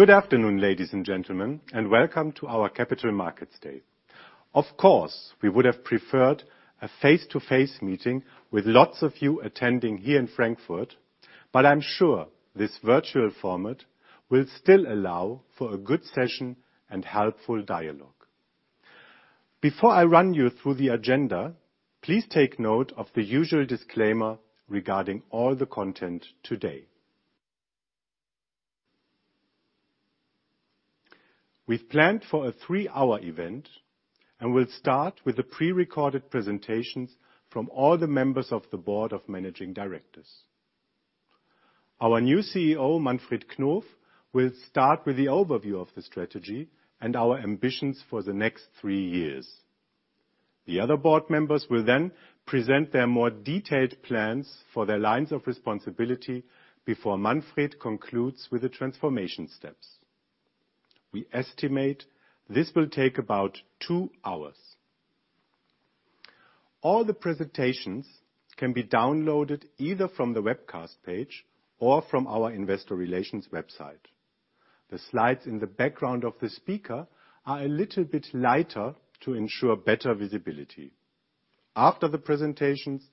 Good afternoon, ladies and gentlemen, and welcome to our Capital Markets Day. Of course, we would have preferred a face-to-face meeting with lots of you attending here in Frankfurt, but I'm sure this virtual format will still allow for a good session and helpful dialogue. Before I run you through the agenda, please take note of the usual disclaimer regarding all the content today. We've planned for a three-hour event, and we'll start with the pre-recorded presentations from all the members of the Board of Managing Directors. Our new CEO, Manfred Knof, will start with the overview of the strategy and our ambitions for the next three years. The other board members will then present their more detailed plans for their lines of responsibility before Manfred concludes with the transformation steps. We estimate this will take about two hours. All the presentations can be downloaded either from the webcast page or from our investor relations website. The slides in the background of the speaker are a little bit lighter to ensure better visibility. After the presentations,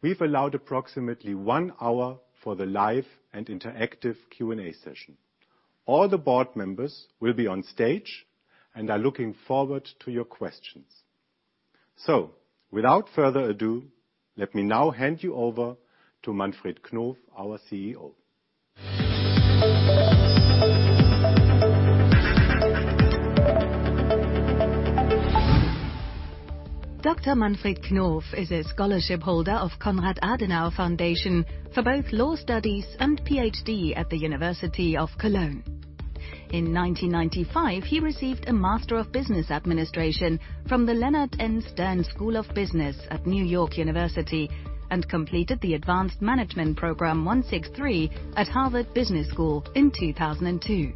we've allowed approximately one hour for the live and interactive Q&A session. All the board members will be on stage and are looking forward to your questions. Without further ado, let me now hand you over to Manfred Knof, our CEO. Dr. Manfred Knof is a scholarship holder of the Konrad Adenauer Foundation for both law studies and PhD at the University of Cologne. In 1995, he received a Master of Business Administration from the Leonard N. Stern School of Business at New York University and completed the Advanced Management Programme 163 at Harvard Business School in 2002.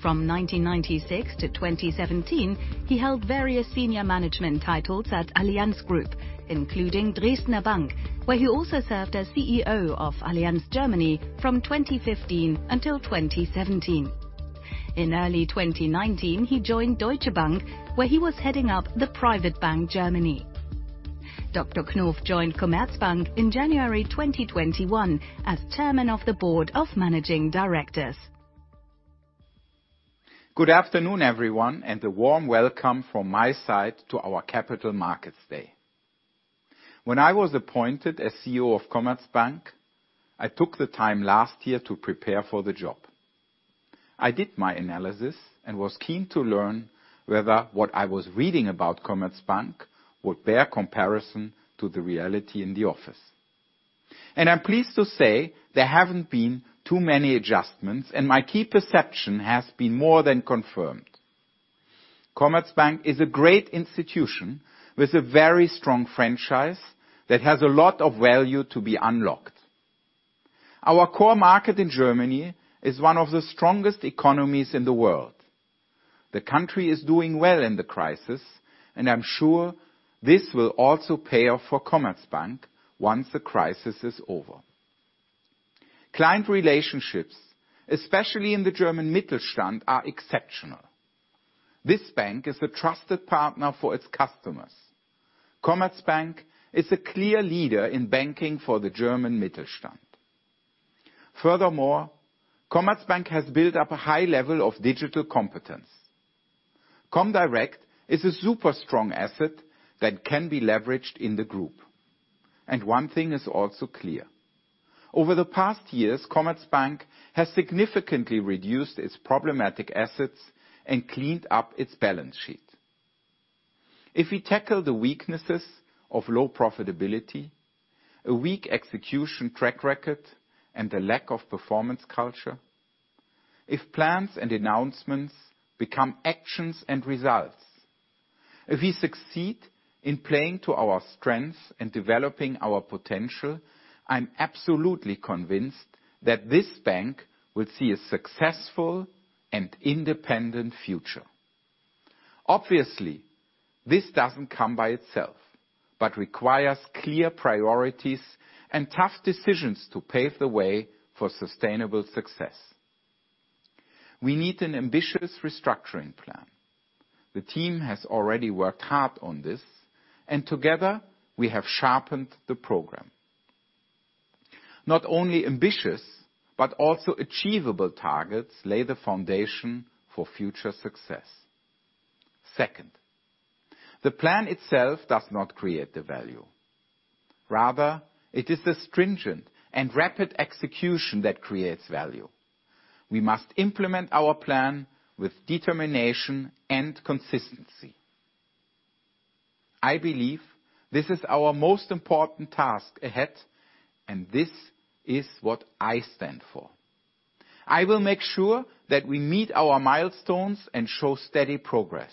From 1996 to 2017, he held various senior management titles at Allianz Group, including Dresdner Bank, where he also served as CEO of Allianz Germany from 2015 until 2017. In early 2019, he joined Deutsche Bank, where he was heading up the private bank Germany. Dr. Knof joined Commerzbank in January 2021 as Chairman of the Board of Managing Directors. Good afternoon, everyone, and a warm welcome from my side to our Capital Markets Day. When I was appointed as CEO of Commerzbank, I took the time last year to prepare for the job. I did my analysis and was keen to learn whether what I was reading about Commerzbank would bear comparison to the reality in the office. I'm pleased to say there haven't been too many adjustments, and my key perception has been more than confirmed. Commerzbank is a great institution with a very strong franchise that has a lot of value to be unlocked. Our core market in Germany is one of the strongest economies in the world. The country is doing well in the crisis, and I'm sure this will also pay off for Commerzbank once the crisis is over. Client relationships, especially in the German Mittelstand, are exceptional. This bank is a trusted partner for its customers. Commerzbank is a clear leader in banking for the German Mittelstand. Furthermore, Commerzbank has built up a high level of digital competence. Comdirect is a super strong asset that can be leveraged in the group. One thing is also clear: over the past years, Commerzbank has significantly reduced its problematic assets and cleaned up its balance sheet. If we tackle the weaknesses of low profitability, a weak execution track record, and a lack of performance culture, if plans and announcements become actions and results, if we succeed in playing to our strengths and developing our potential, I'm absolutely convinced that this bank will see a successful and independent future. Obviously, this doesn't come by itself, but requires clear priorities and tough decisions to pave the way for sustainable success. We need an ambitious restructuring plan. The team has already worked hard on this, and together we have sharpened the program. Not only ambitious, but also achievable targets lay the foundation for future success. Second, the plan itself does not create the value. Rather, it is the stringent and rapid execution that creates value. We must implement our plan with determination and consistency. I believe this is our most important task ahead, and this is what I stand for. I will make sure that we meet our milestones and show steady progress.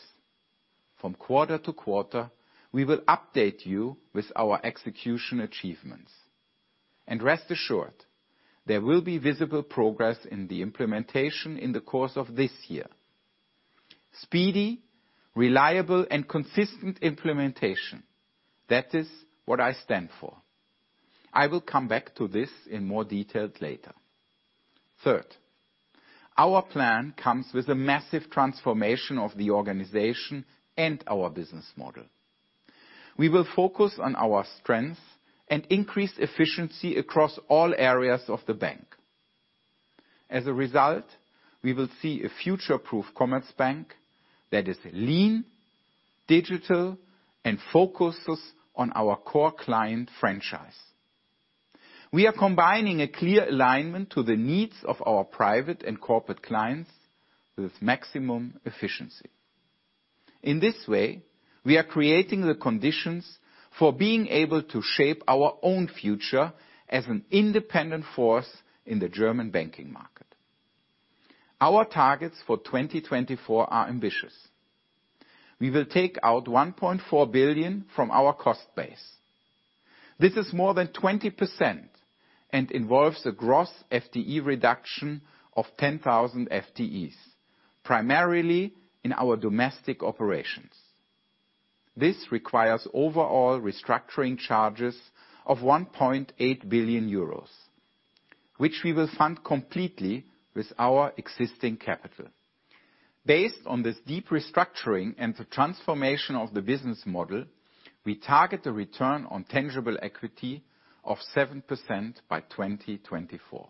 From quarter to quarter, we will update you with our execution achievements. Rest assured, there will be visible progress in the implementation in the course of this year. Speedy, reliable, and consistent implementation, that is what I stand for. I will come back to this in more detail later. Third, our plan comes with a massive transformation of the organization and our business model. We will focus on our strengths and increase efficiency across all areas of the bank. As a result, we will see a future-proof Commerzbank that is lean, digital, and focuses on our core client franchise. We are combining a clear alignment to the needs of our private and corporate clients with maximum efficiency. In this way, we are creating the conditions for being able to shape our own future as an independent force in the German banking market. Our targets for 2024 are ambitious. We will take out €1.4 billion from our cost base. This is more than 20% and involves a gross FTE reduction of 10,000 FTEs, primarily in our domestic operations. This requires overall restructuring charges of €1.8 billion, which we will fund completely with our existing capital. Based on this deep restructuring and the transformation of the business model, we target a return on tangible equity of 7% by 2024.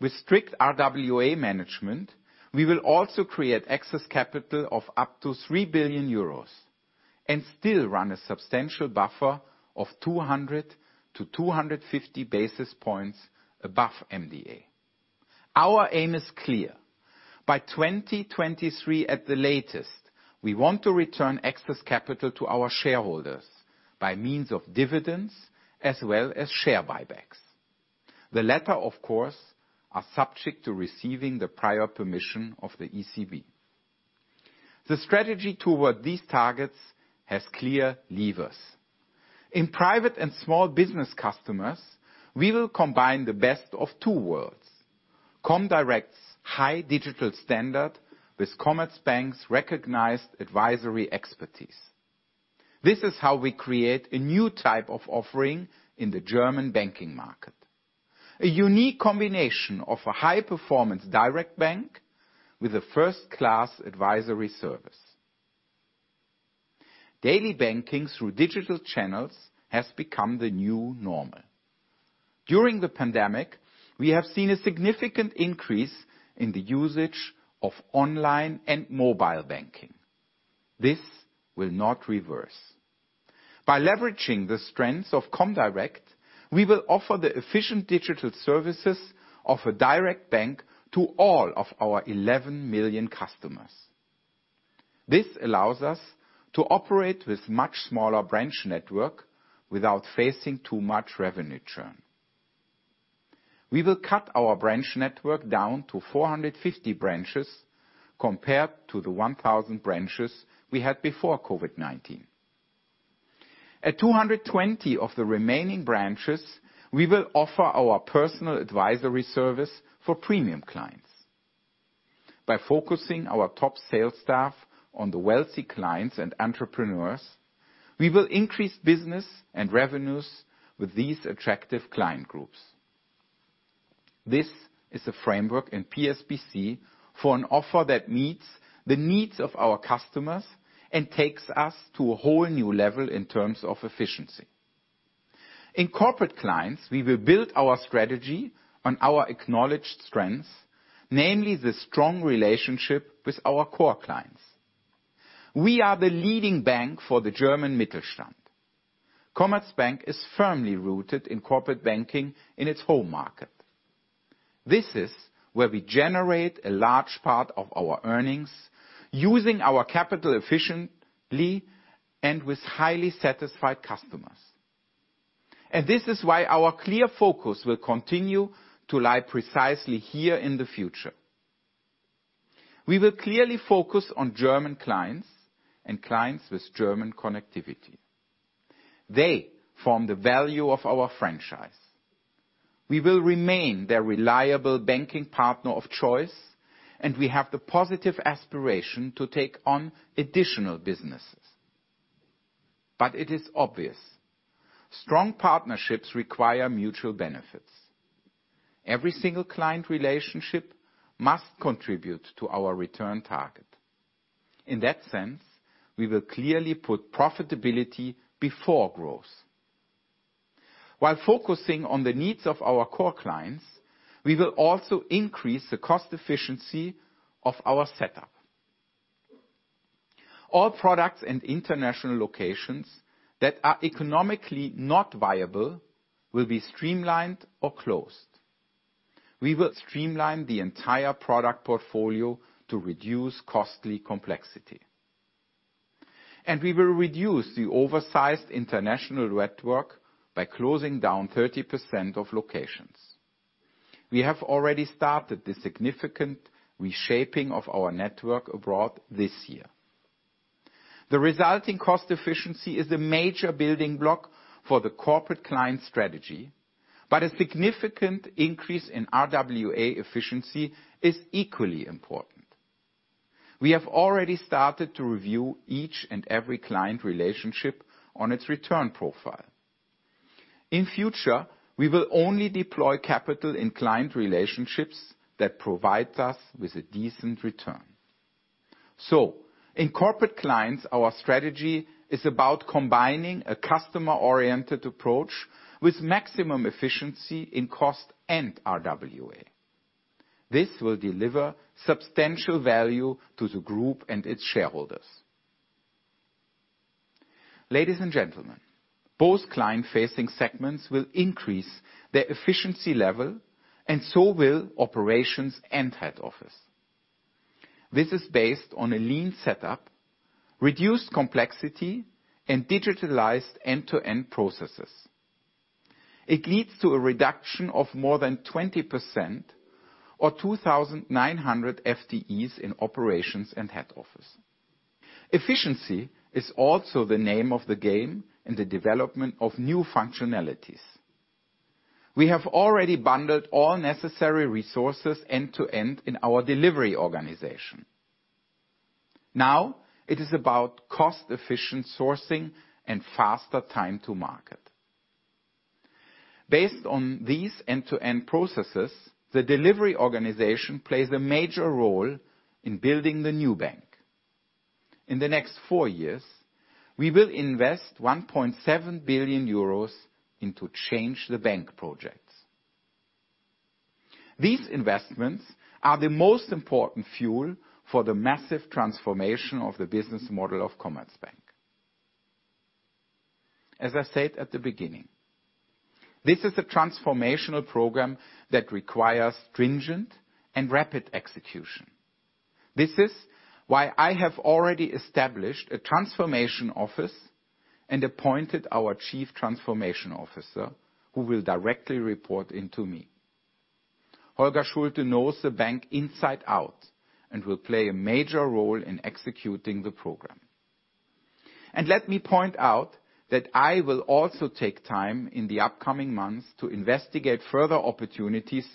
With strict RWA management, we will also create excess capital of up to €3 billion and still run a substantial buffer of 200 to 250 basis points above MDA. Our aim is clear: by 2023 at the latest, we want to return excess capital to our shareholders by means of dividends as well as share buybacks. The latter, of course, are subject to receiving the prior permission of the ECB. The strategy toward these targets has clear levers. In private and small business customers, we will combine the best of two worlds: Comdirect's high digital standard with Commerzbank's recognized advisory expertise. This is how we create a new type of offering in the German banking market: a unique combination of a high-performance direct bank with a first-class advisory service. Daily banking through digital channels has become the new normal. During the pandemic, we have seen a significant increase in the usage of online and mobile banking. This will not reverse. By leveraging the strengths of Comdirect, we will offer the efficient digital services of a direct bank to all of our 11 million customers. This allows us to operate with a much smaller branch network without facing too much revenue churn. We will cut our branch network down to 450 branches compared to the 1,000 branches we had before COVID-19. At 220 of the remaining branches, we will offer our personal advisory service for premium clients. By focusing our top sales staff on the wealthy clients and entrepreneurs, we will increase business and revenues with these attractive client groups. This is a framework in PSBC for an offer that meets the needs of our customers and takes us to a whole new level in terms of efficiency. In corporate clients, we will build our strategy on our acknowledged strengths, namely the strong relationship with our core clients. We are the leading bank for the German Mittelstand. Commerzbank is firmly rooted in corporate banking in its home market. This is where we generate a large part of our earnings, using our capital efficiently and with highly satisfied customers. This is why our clear focus will continue to lie precisely here in the future. We will clearly focus on German clients and clients with German connectivity. They form the value of our franchise. We will remain their reliable banking partner of choice, and we have the positive aspiration to take on additional businesses. But it is obvious: strong partnerships require mutual benefits. Every single client relationship must contribute to our return target. In that sense, we will clearly put profitability before growth. While focusing on the needs of our core clients, we will also increase the cost efficiency of our setup. All products and international locations that are economically not viable will be streamlined or closed. We will streamline the entire product portfolio to reduce costly complexity. We will reduce the oversized international network by closing down 30% of locations. We have already started the significant reshaping of our network abroad this year. The resulting cost efficiency is a major building block for the corporate client strategy, but a significant increase in RWA efficiency is equally important. We have already started to review each and every client relationship on its return profile. In future, we will only deploy capital in client relationships that provide us with a decent return. So, in corporate clients, our strategy is about combining a customer-oriented approach with maximum efficiency in cost and RWA. This will deliver substantial value to the group and its shareholders. Ladies and gentlemen, both client-facing segments will increase their efficiency level, and so will operations and head office. This is based on a lean setup, reduced complexity, and digitalized end-to-end processes. It leads to a reduction of more than 20% or 2,900 FTEs in operations and head office. Efficiency is also the name of the game in the development of new functionalities. We have already bundled all necessary resources end-to-end in our delivery organization. Now it is about cost-efficient sourcing and faster time to market. Based on these end-to-end processes, the delivery organization plays a major role in building the new bank. In the next four years, we will invest €1.7 billion into change-the-bank projects. These investments are the most important fuel for the massive transformation of the business model of Commerzbank. As I said at the beginning, this is a transformational program that requires stringent and rapid execution. This is why I have already established a transformation office and appointed our chief transformation officer, who will directly report to me. Holger Schulte knows the bank inside out and will play a major role in executing the program. Let me point out that I will also take time in the upcoming months to investigate further opportunities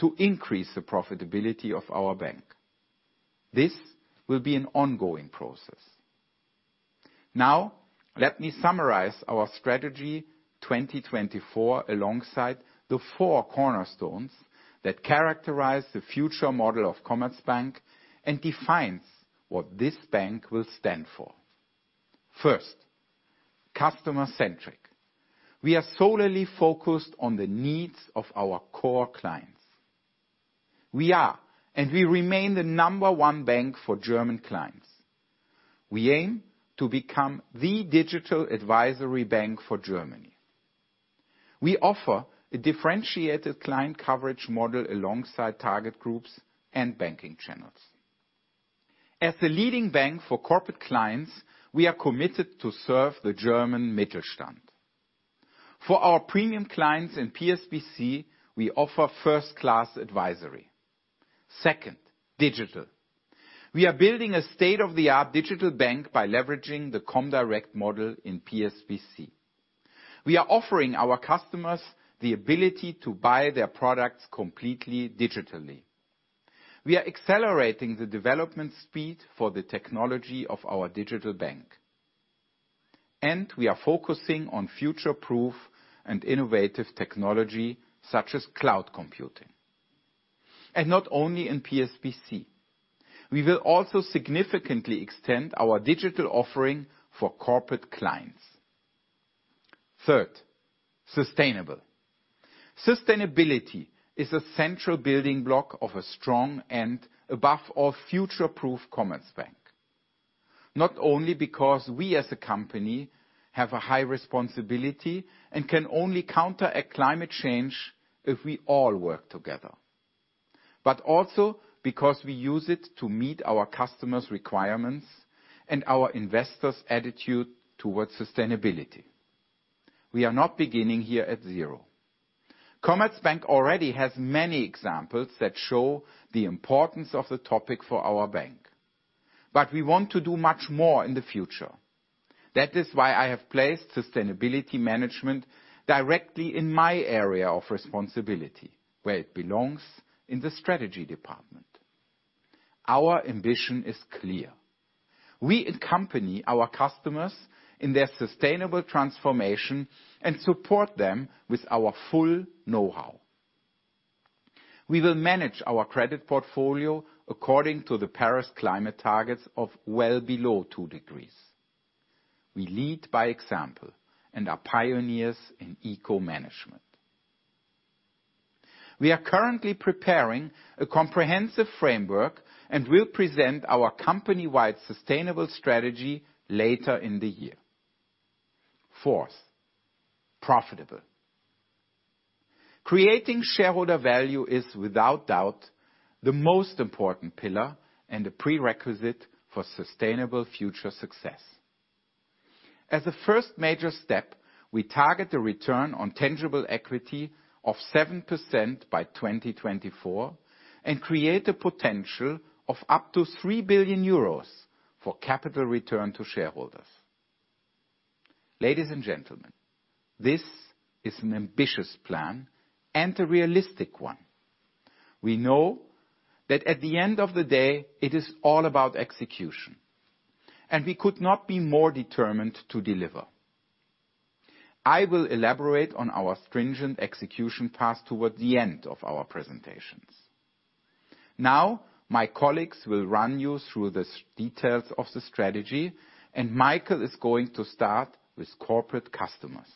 to increase the profitability of our bank. This will be an ongoing process. Now, let me summarize our strategy 2024 alongside the four cornerstones that characterize the future model of Commerzbank and define what this bank will stand for. First, customer-centric. We are solely focused on the needs of our core clients. We are, and we remain, the number one bank for German clients. We aim to become the digital advisory bank for Germany. We offer a differentiated client coverage model alongside target groups and banking channels. As the leading bank for corporate clients, we are committed to serve the German Mittelstand. For our premium clients in PSBC, we offer first-class advisory. Second, digital. We are building a state-of-the-art digital bank by leveraging the Comdirect model in PSBC. We are offering our customers the ability to buy their products completely digitally. We are accelerating the development speed for the technology of our digital bank. We are focusing on future-proof and innovative technology such as cloud computing. Not only in PSBC, we will also significantly extend our digital offering for corporate clients. Third, sustainable. Sustainability is a central building block of a strong and, above all, future-proof Commerzbank. Not only because we as a company have a high responsibility and can only counteract climate change if we all work together, but also because we use it to meet our customers' requirements and our investors' attitude towards sustainability. We are not beginning here at zero. Commerzbank already has many examples that show the importance of the topic for our bank. But we want to do much more in the future. That is why I have placed sustainability management directly in my area of responsibility, where it belongs in the strategy department. Our ambition is clear. We accompany our customers in their sustainable transformation and support them with our full know-how. We will manage our credit portfolio according to the Paris climate targets of well below two degrees. We lead by example and are pioneers in eco-management. We are currently preparing a comprehensive framework and will present our company-wide sustainable strategy later in the year. Fourth, profitable. Creating shareholder value is, without doubt, the most important pillar and a prerequisite for sustainable future success. As a first major step, we target a return on tangible equity of 7% by 2024 and create a potential of up to €3 billion for capital return to shareholders. Ladies and gentlemen, this is an ambitious plan and a realistic one. We know that at the end of the day, it is all about execution. We could not be more determined to deliver. I will elaborate on our stringent execution path toward the end of our presentations. Now, my colleagues will run you through the details of the strategy, and Michael is going to start with corporate customers.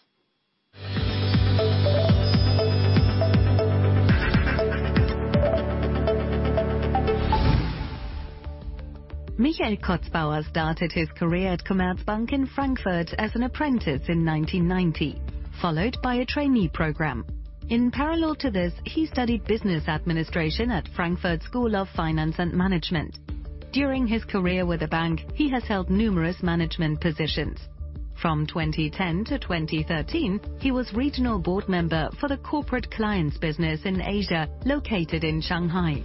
Michael Kotzbauer started his career at Commerzbank in Frankfurt as an apprentice in 1990, followed by a trainee program. In parallel to this, he studied business administration at Frankfurt School of Finance and Management. During his career with the bank, he has held numerous management positions. From 2010 to 2013, he was Regional Board Member for the corporate clients business in Asia, located in Shanghai.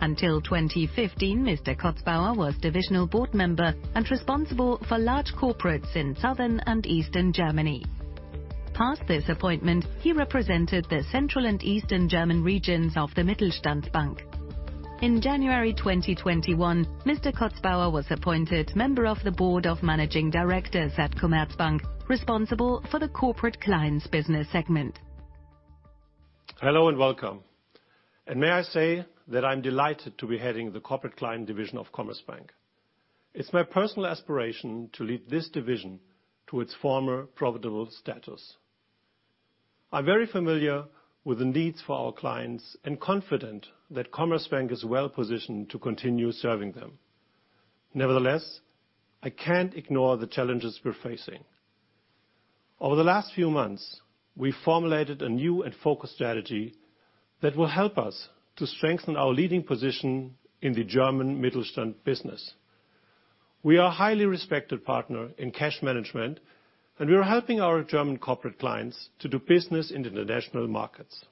Until 2015, Mr. Kotzbauer was Divisional Board Member and responsible for large corporates in southern and eastern Germany. Past this appointment, he represented the central and eastern German regions of the Mittelstand Bank. In January 2021, Mr. Kotzbauer was appointed member of the board of managing directors at Commerzbank, responsible for the corporate clients business segment. Hello and welcome. May I say that I'm delighted to be heading the corporate client division of Commerzbank. It's my personal aspiration to lead this division to its former profitable status. I'm very familiar with the needs of our clients and confident that Commerzbank is well positioned to continue serving them. Nevertheless, I can't ignore the challenges we're facing. Over the last few months, we formulated a new and focused strategy that will help us to strengthen our leading position in the German Mittelstand business. We are a highly respected partner in cash management, and we are helping our German corporate clients to do business in international markets.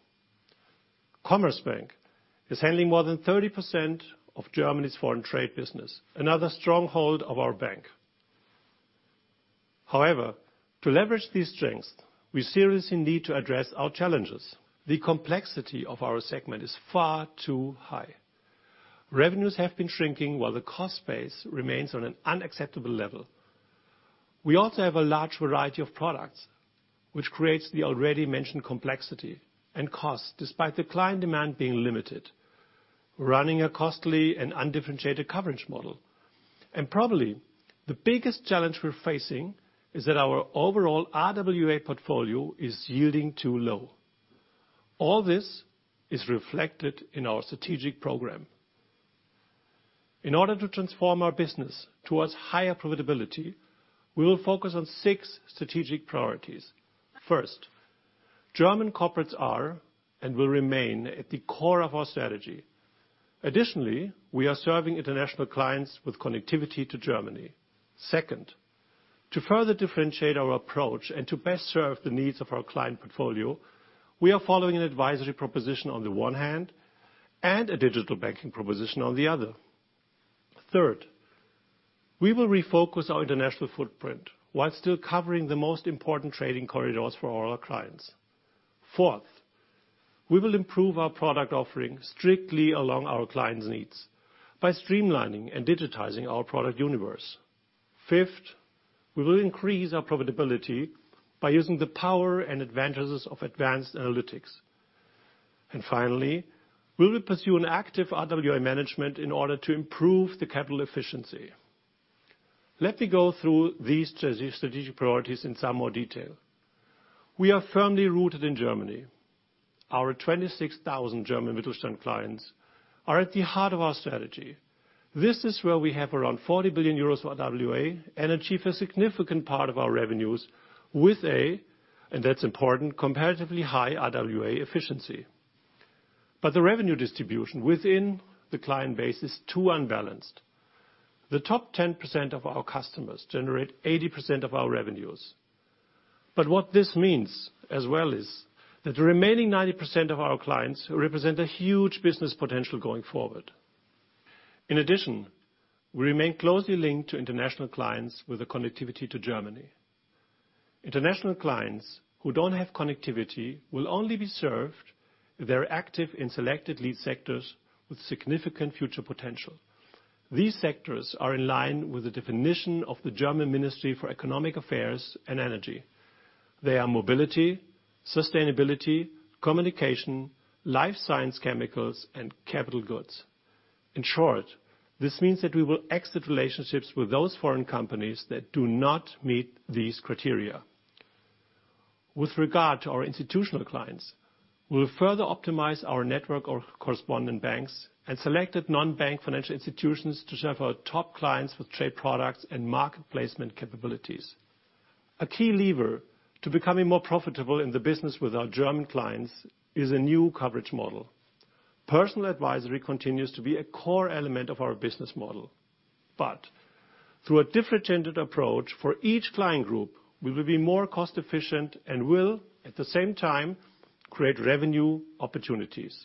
Commerzbank is handling more than 30% of Germany's foreign trade business, another stronghold of our bank. However, to leverage these strengths, we seriously need to address our challenges. The complexity of our segment is far too high. Revenues have been shrinking while the cost base remains on an unacceptable level. We also have a large variety of products, which creates the already mentioned complexity and cost, despite the client demand being limited, running a costly and undifferentiated coverage model. And probably the biggest challenge we're facing is that our overall RWA portfolio is yielding too low. All this is reflected in our strategic program. In order to transform our business towards higher profitability, we will focus on six strategic priorities. First, German corporates are and will remain at the core of our strategy. Additionally, we are serving international clients with connectivity to Germany. Second, to further differentiate our approach and to best serve the needs of our client portfolio, we are following an advisory proposition on the one hand and a digital banking proposition on the other. Third, we will refocus our international footprint while still covering the most important trading corridors for all our clients. Fourth, we will improve our product offering strictly along our clients' needs by streamlining and digitizing our product universe. Fifth, we will increase our profitability by using the power and advantages of advanced analytics. Finally, we will pursue an active RWA management in order to improve the capital efficiency. Let me go through these strategic priorities in some more detail. We are firmly rooted in Germany. Our 26,000 German Mittelstand clients are at the heart of our strategy. This is where we have around €40 billion for RWA and achieve a significant part of our revenues with a, and that's important, comparatively high RWA efficiency. But the revenue distribution within the client base is too unbalanced. The top 10% of our customers generate 80% of our revenues. But what this means as well is that the remaining 90% of our clients represent a huge business potential going forward. In addition, we remain closely linked to international clients with a connectivity to Germany. International clients who don't have connectivity will only be served if they're active in selected lead sectors with significant future potential. These sectors are in line with the definition of the German Ministry for Economic Affairs and Energy. They are mobility, sustainability, communication, life science, chemicals, and capital goods. In short, this means that we will exit relationships with those foreign companies that do not meet these criteria. With regard to our institutional clients, we will further optimize our network of correspondent banks and selected non-bank financial institutions to serve our top clients with trade products and market placement capabilities. A key lever to becoming more profitable in the business with our German clients is a new coverage model. Personal advisory continues to be a core element of our business model. But through a differentiated approach for each client group, we will be more cost-efficient and will, at the same time, create revenue opportunities.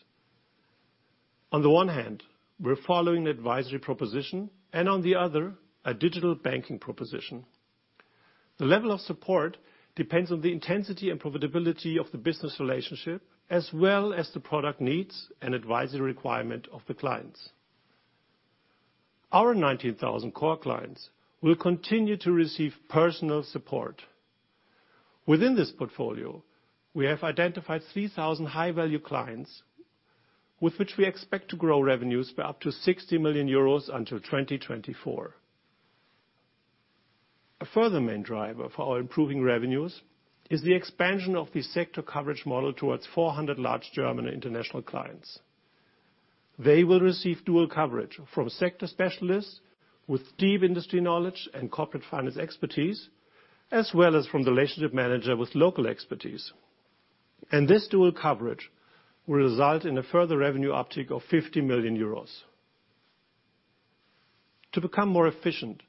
On the one hand, we're following the advisory proposition, and on the other, a digital banking proposition. The level of support depends on the intensity and profitability of the business relationship, as well as the product needs and advisory requirement of the clients. Our 19,000 core clients will continue to receive personal support. Within this portfolio, we have identified 3,000 high-value clients with which we expect to grow revenues by up to €60 million until 2024. A further main driver for our improving revenues is the expansion of the sector coverage model towards 400 large German international clients. They will receive dual coverage from sector specialists with deep industry knowledge and corporate finance expertise, as well as from the relationship manager with local expertise. This dual coverage will result in a further revenue uptick of €50 million. To become more efficient,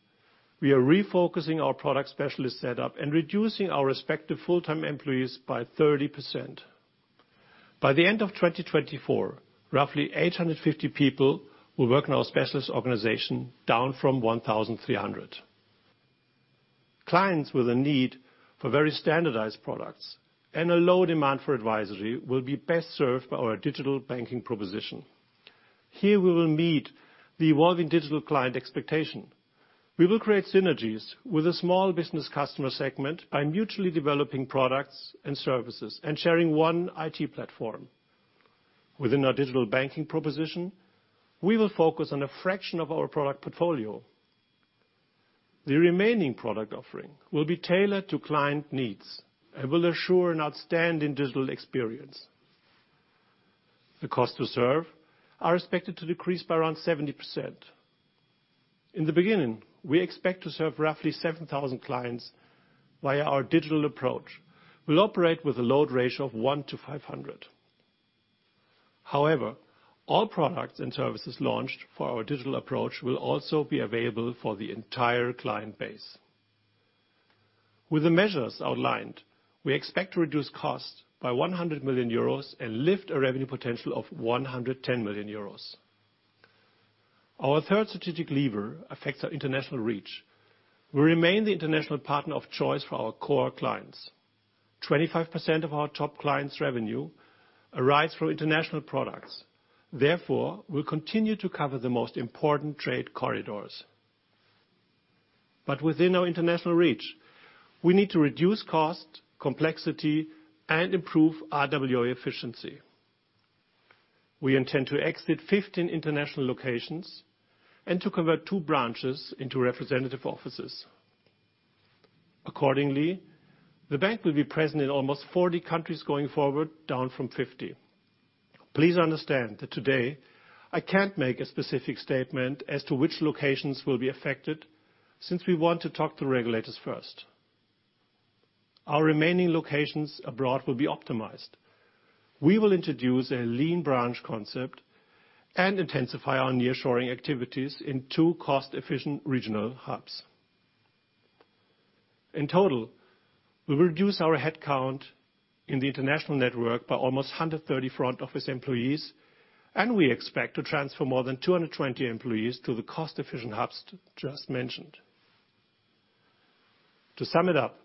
we are refocusing our product specialist setup and reducing our respective full-time employees by 30%. By the end of 2024, roughly 850 people will work in our specialist organization down from 1,300. Clients with a need for very standardized products and a low demand for advisory will be best served by our digital banking proposition. Here, we will meet the evolving digital client expectation. We will create synergies with a small business customer segment by mutually developing products and services and sharing one IT platform. Within our digital banking proposition, we will focus on a fraction of our product portfolio. The remaining product offering will be tailored to client needs and will ensure an outstanding digital experience. The cost to serve is expected to decrease by around 70%. In the beginning, we expect to serve roughly 7,000 clients via our digital approach. We'll operate with a load ratio of 1 to 500. However, all products and services launched for our digital approach will also be available for the entire client base. With the measures outlined, we expect to reduce costs by €100 million and lift a revenue potential of €110 million. Our third strategic lever affects our international reach. We remain the international partner of choice for our core clients. 25% of our top clients' revenue arrives from international products. Therefore, we'll continue to cover the most important trade corridors. But within our international reach, we need to reduce cost, complexity, and improve RWA efficiency. We intend to exit 15 international locations and to convert two branches into representative offices. Accordingly, the bank will be present in almost 40 countries going forward, down from 50. Please understand that today, I can't make a specific statement as to which locations will be affected since we want to talk to the regulators first. Our remaining locations abroad will be optimized. We will introduce a lean branch concept and intensify our nearshoring activities in two cost-efficient regional hubs. In total, we will reduce our headcount in the international network by almost 130 front office employees, and we expect to transfer more than 220 employees to the cost-efficient hubs just mentioned. To sum it up,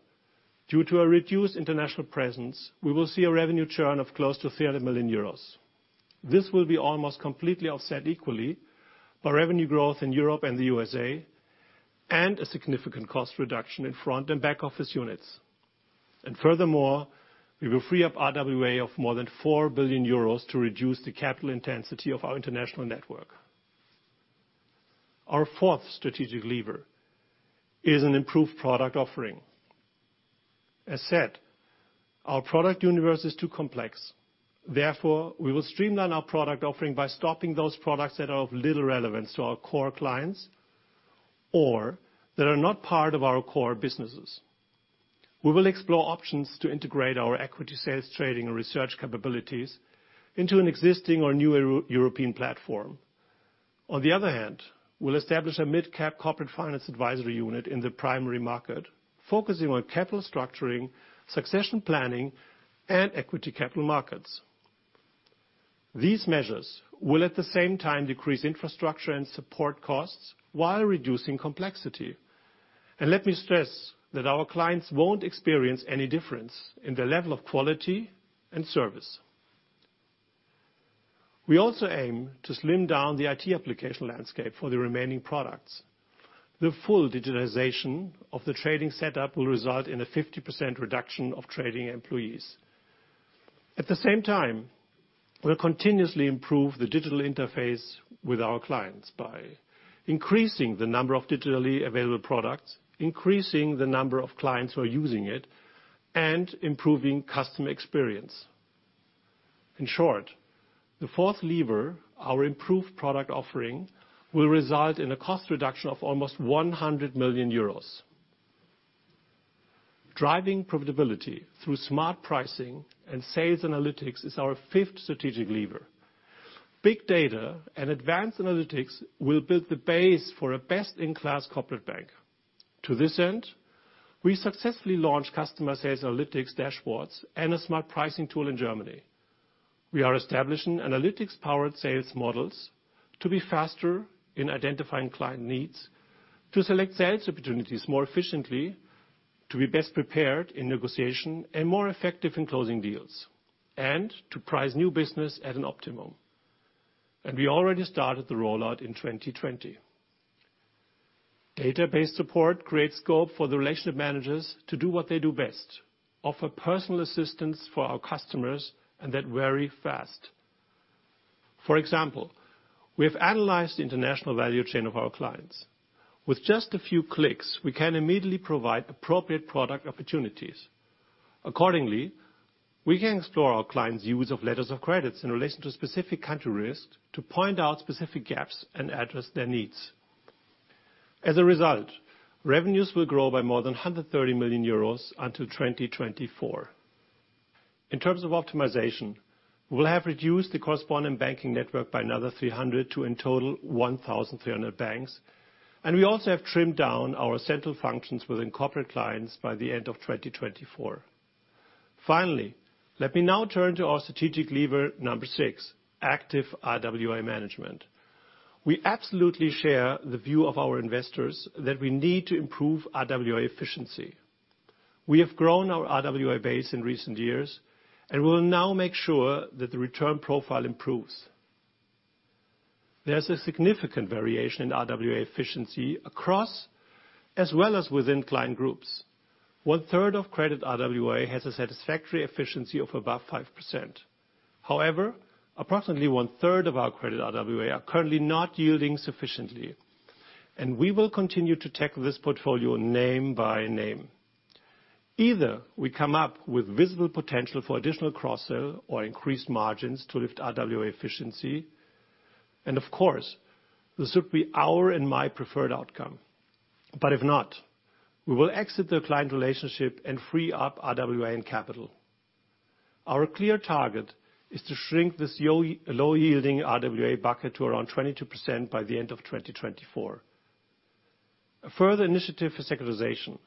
due to a reduced international presence, we will see a revenue churn of close to €300 million. This will be almost completely offset equally by revenue growth in Europe and the USA and a significant cost reduction in front and back office units. Furthermore, we will free up RWA of more than €4 billion to reduce the capital intensity of our international network. Our fourth strategic lever is an improved product offering. As said, our product universe is too complex. Therefore, we will streamline our product offering by stopping those products that are of little relevance to our core clients or that are not part of our core businesses. We will explore options to integrate our equity sales, trading, and research capabilities into an existing or new European platform. On the other hand, we'll establish a mid-cap corporate finance advisory unit in the primary market, focusing on capital structuring, succession planning, and equity capital markets. These measures will, at the same time, decrease infrastructure and support costs while reducing complexity. Let me stress that our clients won't experience any difference in the level of quality and service. We also aim to slim down the IT application landscape for the remaining products. The full digitalization of the trading setup will result in a 50% reduction of trading employees. At the same time, we'll continuously improve the digital interface with our clients by increasing the number of digitally available products, increasing the number of clients who are using it, and improving customer experience. In short, the fourth lever, our improved product offering, will result in a cost reduction of almost €100 million. Driving profitability through smart pricing and sales analytics is our fifth strategic lever. Big data and advanced analytics will build the base for a best-in-class corporate bank. To this end, we successfully launched customer sales analytics dashboards and a smart pricing tool in Germany. We are establishing analytics-powered sales models to be faster in identifying client needs, to select sales opportunities more efficiently, to be best prepared in negotiation, and more effective in closing deals, and to price new business at an optimum. We already started the rollout in 2020. Database support creates scope for the relationship managers to do what they do best: offer personal assistance for our customers and that very fast. For example, we have analyzed the international value chain of our clients. With just a few clicks, we can immediately provide appropriate product opportunities. Accordingly, we can explore our clients' use of letters of credit in relation to specific country risks to point out specific gaps and address their needs. As a result, revenues will grow by more than €130 million until 2024. In terms of optimization, we will have reduced the correspondent banking network by another 300 to, in total, 1,300 banks. We also have trimmed down our central functions within corporate clients by the end of 2024. Finally, let me now turn to our strategic lever number six: active RWA management. We absolutely share the view of our investors that we need to improve RWA efficiency. We have grown our RWA base in recent years, and we will now make sure that the return profile improves. There's a significant variation in RWA efficiency across as well as within client groups. One-third of credit RWA has a satisfactory efficiency of above 5%. However, approximately one-third of our credit RWA are currently not yielding sufficiently. We will continue to tackle this portfolio name by name. Either we come up with visible potential for additional cross-sale or increased margins to lift RWA efficiency. This would be our and my preferred outcome. But if not, we will exit the client relationship and free up RWA and capital. Our clear target is to shrink this low-yielding RWA bucket to around 22% by the end of 2024. A further initiative for sectorization.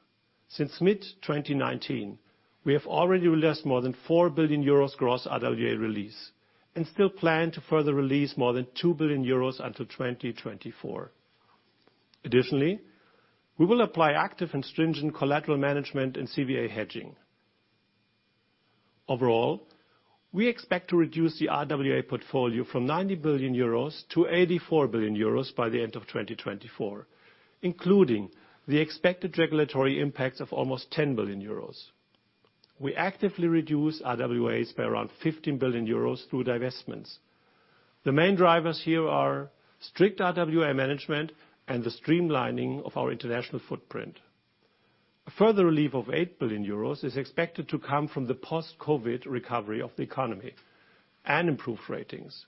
Since mid-2019, we have already released more than €4 billion gross RWA release and still plan to further release more than €2 billion until 2024. Additionally, we will apply active and stringent collateral management and CVA hedging. Overall, we expect to reduce the RWA portfolio from €90 billion to €84 billion by the end of 2024, including the expected regulatory impacts of almost €10 billion. We actively reduce RWAs by around €15 billion through divestments. The main drivers here are strict RWA management and the streamlining of our international footprint. A further relief of €8 billion is expected to come from the post-COVID recovery of the economy and improved ratings.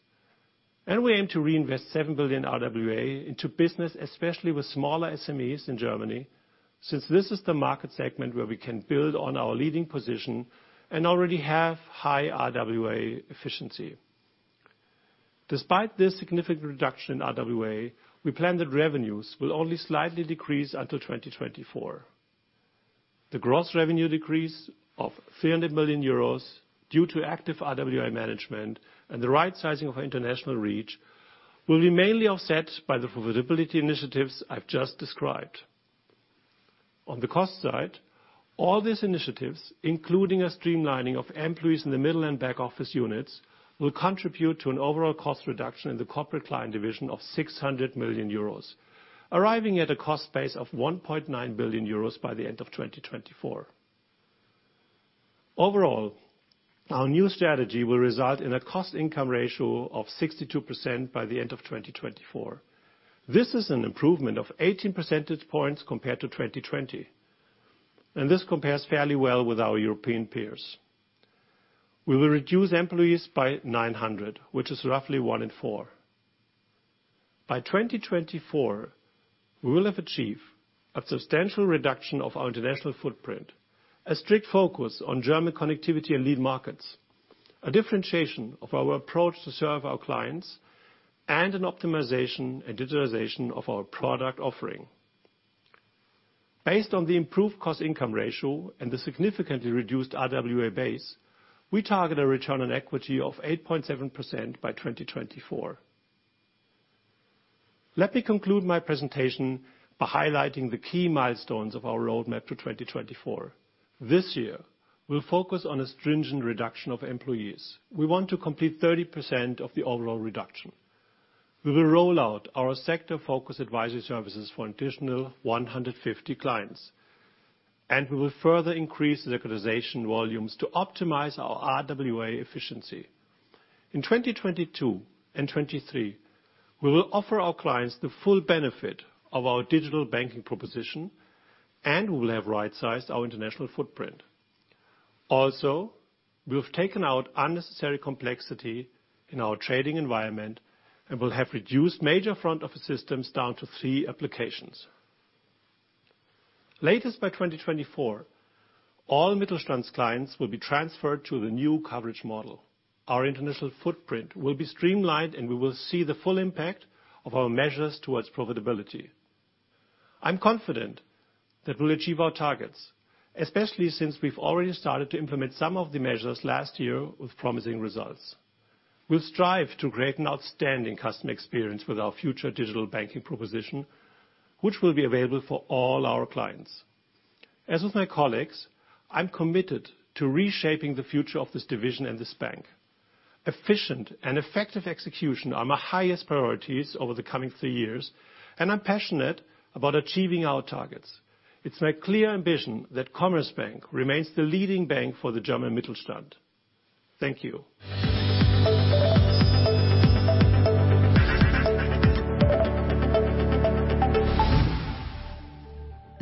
We aim to reinvest €7 billion RWA into business, especially with smaller SMEs in Germany, since this is the market segment where we can build on our leading position and already have high RWA efficiency. Despite this significant reduction in RWA, we plan that revenues will only slightly decrease until 2024. The gross revenue decrease of €300 million due to active RWA management and the right-sizing of our international reach will be mainly offset by the profitability initiatives I've just described. On the cost side, all these initiatives, including a streamlining of employees in the middle and back office units, will contribute to an overall cost reduction in the corporate client division of €600 million, arriving at a cost base of €1.9 billion by the end of 2024. Overall, our new strategy will result in a cost-income ratio of 62% by the end of 2024. This is an improvement of 18 percentage points compared to 2020. This compares fairly well with our European peers. We will reduce employees by 900, which is roughly one in four. By 2024, we will have achieved a substantial reduction of our international footprint, a strict focus on German connectivity and lead markets, a differentiation of our approach to serve our clients, and an optimization and digitalization of our product offering. Based on the improved cost-income ratio and the significantly reduced RWA base, we target a return on equity of 8.7% by 2024. Let me conclude my presentation by highlighting the key milestones of our roadmap to 2024. This year, we'll focus on a stringent reduction of employees. We want to complete 30% of the overall reduction. We will roll out our sector-focused advisory services for an additional 150 clients. We will further increase the localization volumes to optimize our RWA efficiency. In 2022 and 2023, we will offer our clients the full benefit of our digital banking proposition, and we will have right-sized our international footprint. We've taken out unnecessary complexity in our trading environment and will have reduced major front office systems down to three applications. Latest by 2024, all Mittelstand clients will be transferred to the new coverage model. Our international footprint will be streamlined, and we will see the full impact of our measures towards profitability. I'm confident that we'll achieve our targets, especially since we've already started to implement some of the measures last year with promising results. We'll strive to create an outstanding customer experience with our future digital banking proposition, which will be available for all our clients. As with my colleagues, I'm committed to reshaping the future of this division and this bank. Efficient and effective execution are my highest priorities over the coming three years, and I'm passionate about achieving our targets. It's my clear ambition that Commerzbank remains the leading bank for the German Mittelstand. Thank you.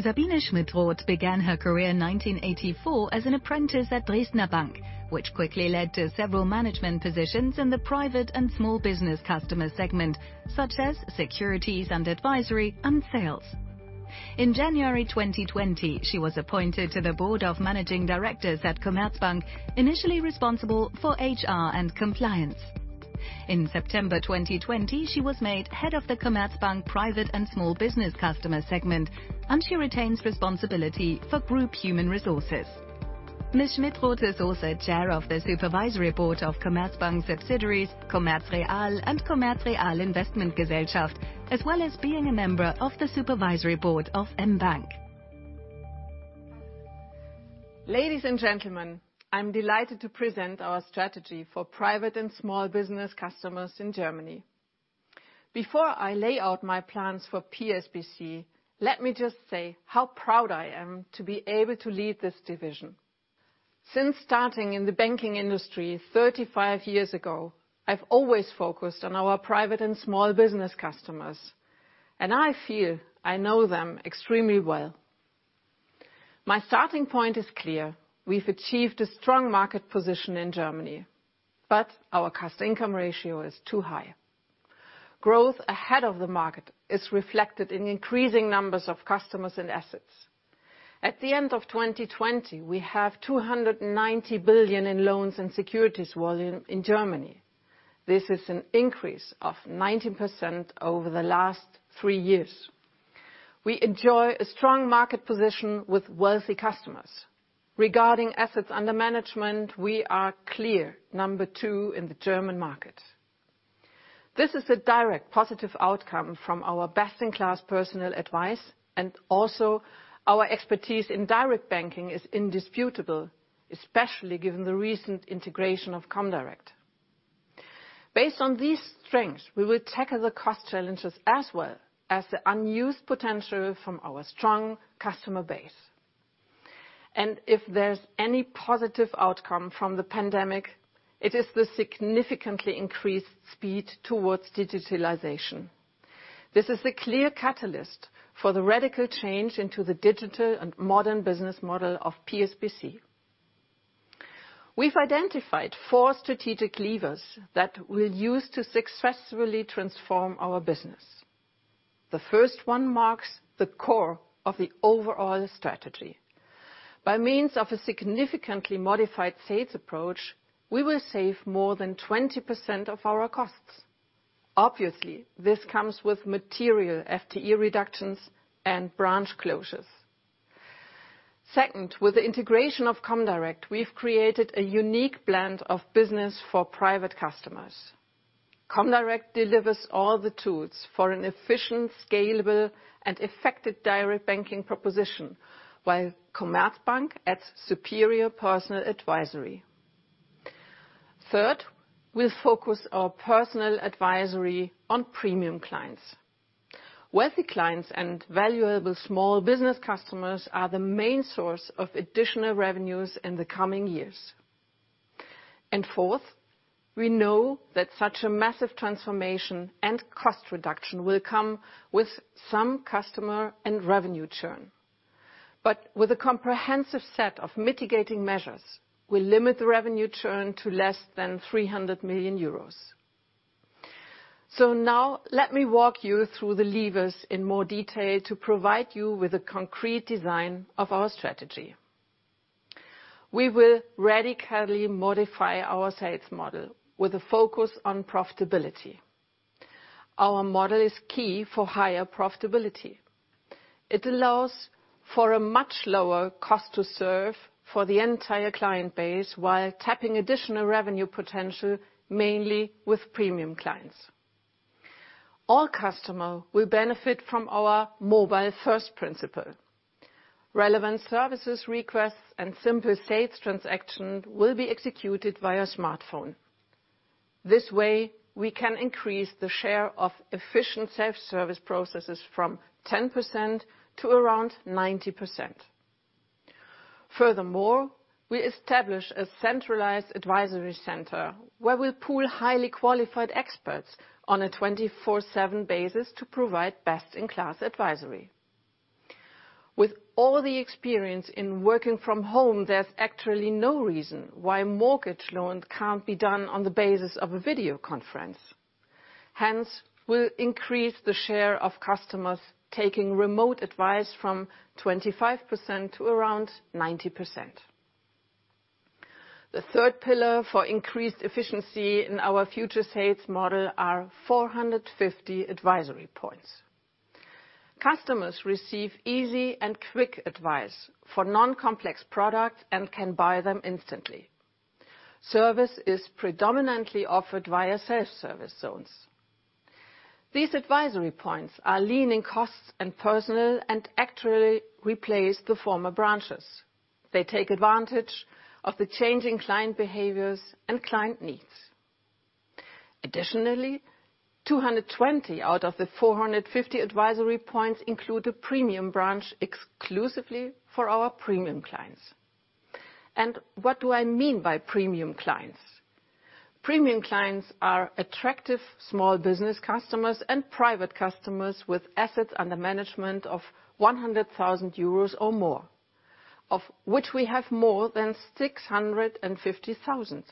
Sabine Schmidt-Roth began her career in 1984 as an apprentice at Dresdner Bank, which quickly led to several management positions in the private and small business customer segment, such as securities and advisory and sales. In January 2020, she was appointed to the Board of Managing Directors at Commerzbank, initially responsible for HR and compliance. In September 2020, she was made head of the Commerzbank private and small business customer segment, and she retains responsibility for group human resources. Schmidt-Roth is also chair of the supervisory board of Commerzbank subsidiaries, Commerzreal and Commerzreal Investment Gesellschaft, as well as being a member of the supervisory board of mBank. Ladies and gentlemen, I'm delighted to present our strategy for private and small business customers in Germany. Before I lay out my plans for PSBC, let me just say how proud I am to be able to lead this division. Since starting in the banking industry 35 years ago, I've always focused on our private and small business customers, and I feel I know them extremely well. My starting point is clear: we've achieved a strong market position in Germany, but our cost-income ratio is too high. Growth ahead of the market is reflected in increasing numbers of customers and assets. At the end of 2020, we have €290 billion in loans and securities volume in Germany. This is an increase of 19% over the last three years. We enjoy a strong market position with wealthy customers. Regarding assets under management, we are clear number two in the German market. This is a direct positive outcome from our best-in-class personal advice, and also our expertise in direct banking is indisputable, especially given the recent integration of Comdirect. Based on these strengths, we will tackle the cost challenges as well as the unused potential from our strong customer base. If there's any positive outcome from the pandemic, it is the significantly increased speed towards digitalization. This is a clear catalyst for the radical change into the digital and modern business model of PSBC. We've identified four strategic levers that we'll use to successfully transform our business. The first one marks the core of the overall strategy. By means of a significantly modified sales approach, we will save more than 20% of our costs. Obviously, this comes with material FTE reductions and branch closures. Second, with the integration of Comdirect, we've created a unique blend of business for private customers. Comdirect delivers all the tools for an efficient, scalable, and effective direct banking proposition, while Commerzbank adds superior personal advisory. Third, we'll focus our personal advisory on premium clients. Wealthy clients and valuable small business customers are the main source of additional revenues in the coming years. Fourth, we know that such a massive transformation and cost reduction will come with some customer and revenue churn. But with a comprehensive set of mitigating measures, we'll limit the revenue churn to less than €300 million. Now, let me walk you through the levers in more detail to provide you with a concrete design of our strategy. We will radically modify our sales model with a focus on profitability. Our model is key for higher profitability. It allows for a much lower cost to serve for the entire client base while tapping additional revenue potential mainly with premium clients. All customers will benefit from our mobile-first principle. Relevant services requests and simple sales transactions will be executed via smartphone. This way, we can increase the share of efficient self-service processes from 10% to around 90%. Furthermore, we establish a centralized advisory center where we'll pool highly qualified experts on a 24/7 basis to provide best-in-class advisory. With all the experience in working from home, there's actually no reason why mortgage loans can't be done on the basis of a video conference. Hence, we'll increase the share of customers taking remote advice from 25% to around 90%. The third pillar for increased efficiency in our future sales model is 450 advisory points. Customers receive easy and quick advice for non-complex products and can buy them instantly. Service is predominantly offered via self-service zones. These advisory points are lean in costs and personnel and actually replace the former branches. They take advantage of the changing client behaviors and client needs. Additionally, 220 out of the 450 advisory points include a premium branch exclusively for our premium clients. And what do I mean by premium clients? Premium clients are attractive small business customers and private customers with assets under management of €100,000 or more, of which we have more than 650,000.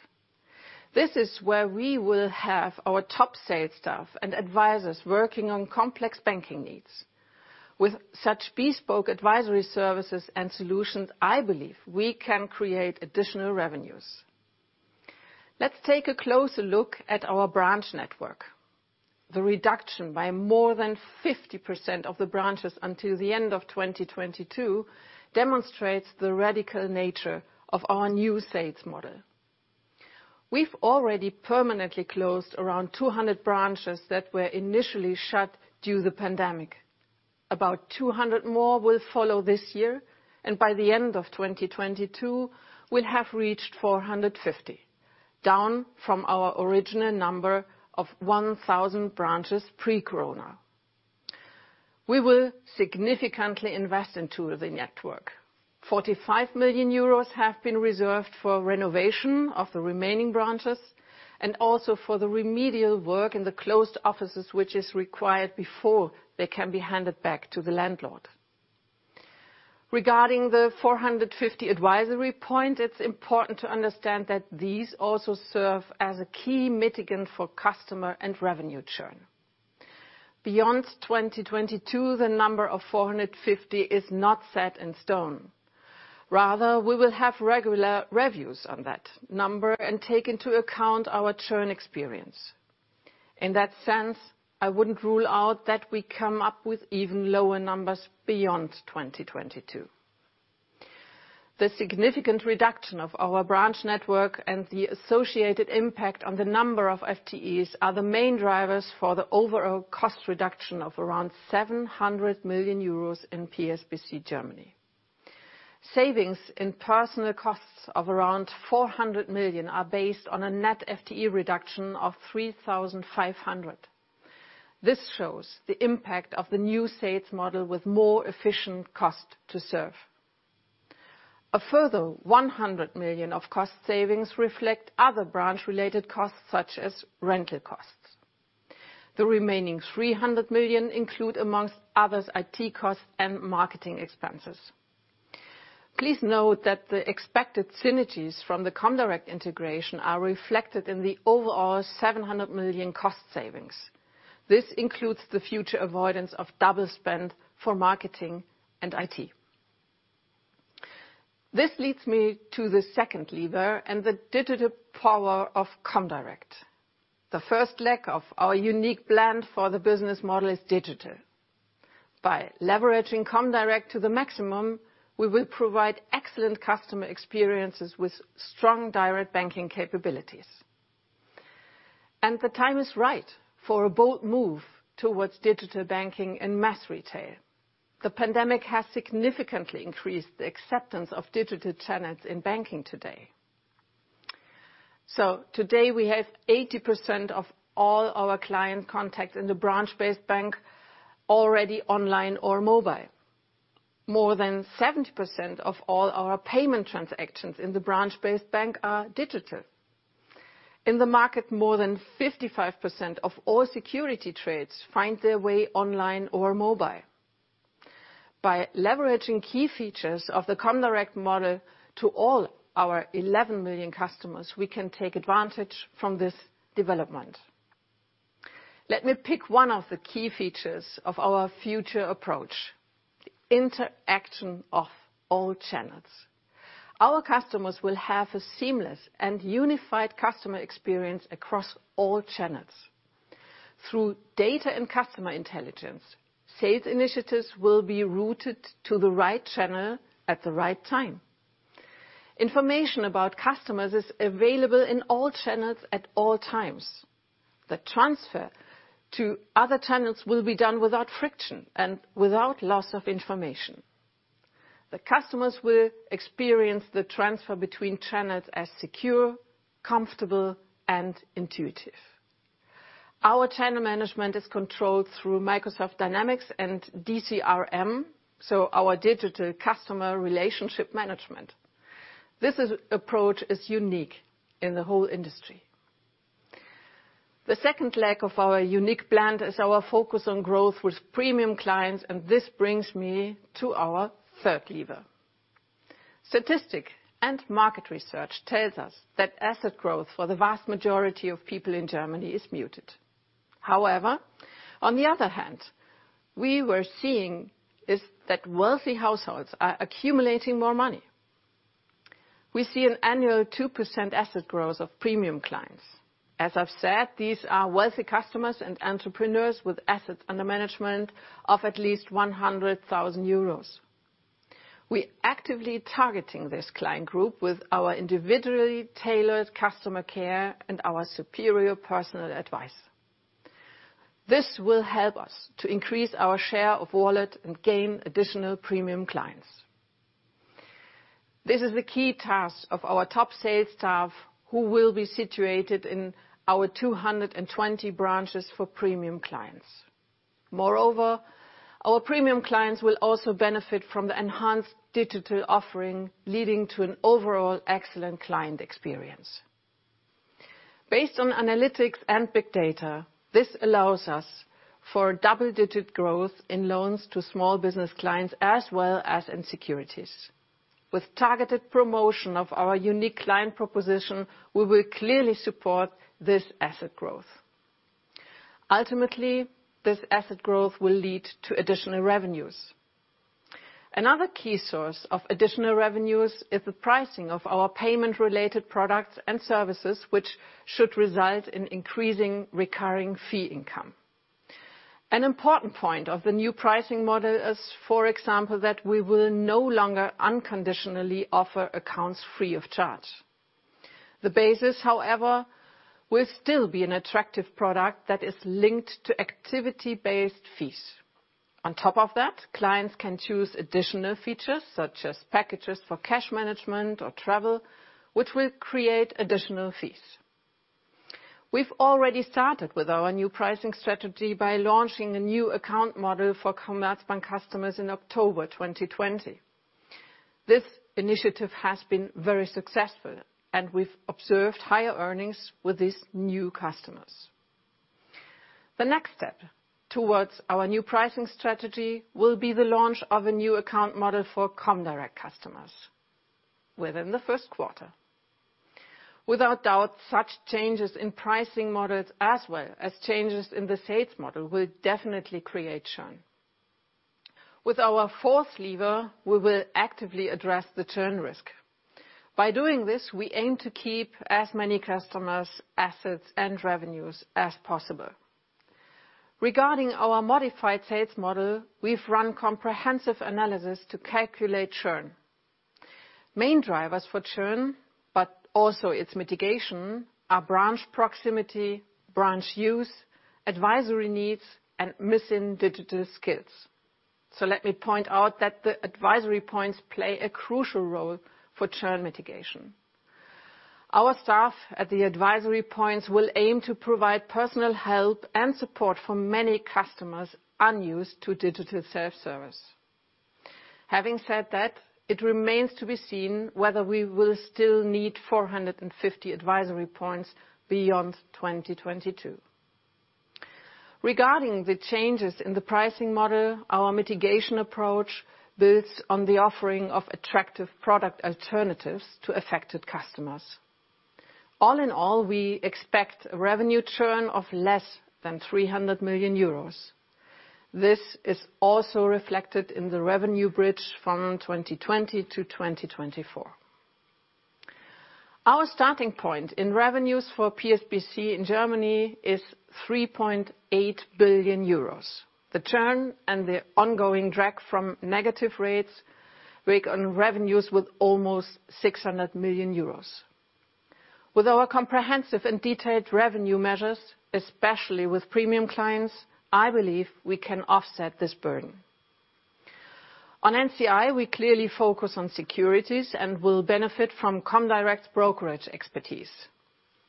This is where we will have our top sales staff and advisors working on complex banking needs. With such bespoke advisory services and solutions, I believe we can create additional revenues. Let's take a closer look at our branch network. The reduction by more than 50% of the branches until the end of 2022 demonstrates the radical nature of our new sales model. We've already permanently closed around 200 branches that were initially shut due to the pandemic. About 200 more will follow this year, and by the end of 2022, we'll have reached 450, down from our original number of 1,000 branches pre-Corona. We will significantly invest into the network. €45 million have been reserved for renovation of the remaining branches and also for the remedial work in the closed offices, which is required before they can be handed back to the landlord. Regarding the 450 advisory points, it's important to understand that these also serve as a key mitigant for customer and revenue churn. Beyond 2022, the number of 450 is not set in stone. Rather, we will have regular reviews on that number and take into account our churn experience. In that sense, I wouldn't rule out that we come up with even lower numbers beyond 2022. The significant reduction of our branch network and the associated impact on the number of FTEs are the main drivers for the overall cost reduction of around €700 million in PSBC Germany. Savings in personal costs of around €400 million are based on a net FTE reduction of 3,500. This shows the impact of the new sales model with more efficient cost to serve. A further €100 million of cost savings reflect other branch-related costs, such as rental costs. The remaining €300 million include, amongst others, IT costs and marketing expenses. Please note that the expected synergies from the Comdirect integration are reflected in the overall €700 million cost savings. This includes the future avoidance of double spend for marketing and IT. This leads me to the second lever and the digital power of Comdirect. The first leg of our unique blend for the business model is digital. By leveraging Comdirect to the maximum, we will provide excellent customer experiences with strong direct banking capabilities. The time is right for a bold move towards digital banking in mass retail. The pandemic has significantly increased the acceptance of digital tenets in banking today. Today, we have 80% of all our client contacts in the branch-based bank already online or mobile. More than 70% of all our payment transactions in the branch-based bank are digital. In the market, more than 55% of all security trades find their way online or mobile. By leveraging key features of the Comdirect model to all our 11 million customers, we can take advantage from this development. Let me pick one of the key features of our future approach: the interaction of all channels. Our customers will have a seamless and unified customer experience across all channels. Through data and customer intelligence, sales initiatives will be routed to the right channel at the right time. Information about customers is available in all channels at all times. The transfer to other channels will be done without friction and without loss of information. The customers will experience the transfer between channels as secure, comfortable, and intuitive. Our channel management is controlled through Microsoft Dynamics and DCRM, so our digital customer relationship management. This approach is unique in the whole industry. The second leg of our unique blend is our focus on growth with premium clients, and this brings me to our third lever. Statistics and market research tell us that asset growth for the vast majority of people in Germany is muted. However, on the other hand, what we are seeing is that wealthy households are accumulating more money. We see an annual 2% asset growth of premium clients. As I've said, these are wealthy customers and entrepreneurs with assets under management of at least €100,000. We are actively targeting this client group with our individually tailored customer care and our superior personal advice. This will help us to increase our share of wallet and gain additional premium clients. This is the key task of our top sales staff, who will be situated in our 220 branches for premium clients. Moreover, our premium clients will also benefit from the enhanced digital offering, leading to an overall excellent client experience. Based on analytics and big data, this allows us for double-digit growth in loans to small business clients as well as in securities. With targeted promotion of our unique client proposition, we will clearly support this asset growth. Ultimately, this asset growth will lead to additional revenues. Another key source of additional revenues is the pricing of our payment-related products and services, which should result in increasing recurring fee income. An important point of the new pricing model is, for example, that we will no longer unconditionally offer accounts free of charge. The basis, however, will still be an attractive product that is linked to activity-based fees. On top of that, clients can choose additional features such as packages for cash management or travel, which will create additional fees. We've already started with our new pricing strategy by launching a new account model for Commerzbank customers in October 2020. This initiative has been very successful, and we've observed higher earnings with these new customers. The next step towards our new pricing strategy will be the launch of a new account model for Comdirect customers within the first quarter. Without doubt, such changes in pricing models, as well as changes in the sales model, will definitely create churn. With our fourth lever, we will actively address the churn risk. By doing this, we aim to keep as many customers' assets and revenues as possible. Regarding our modified sales model, we've run comprehensive analysis to calculate churn. Main drivers for churn, but also its mitigation, are branch proximity, branch use, advisory needs, and missing digital skills. Let me point out that the advisory points play a crucial role for churn mitigation. Our staff at the advisory points will aim to provide personal help and support for many customers unused to digital self-service. Having said that, it remains to be seen whether we will still need 450 advisory points beyond 2022. Regarding the changes in the pricing model, our mitigation approach builds on the offering of attractive product alternatives to affected customers. All in all, we expect a revenue churn of less than €300 million. This is also reflected in the revenue bridge from 2020 to 2024. Our starting point in revenues for PSBC in Germany is €3.8 billion. The churn and the ongoing drag from negative rates rake on revenues with almost €600 million. With our comprehensive and detailed revenue measures, especially with premium clients, I believe we can offset this burden. On NCI, we clearly focus on securities and will benefit from Comdirect's brokerage expertise.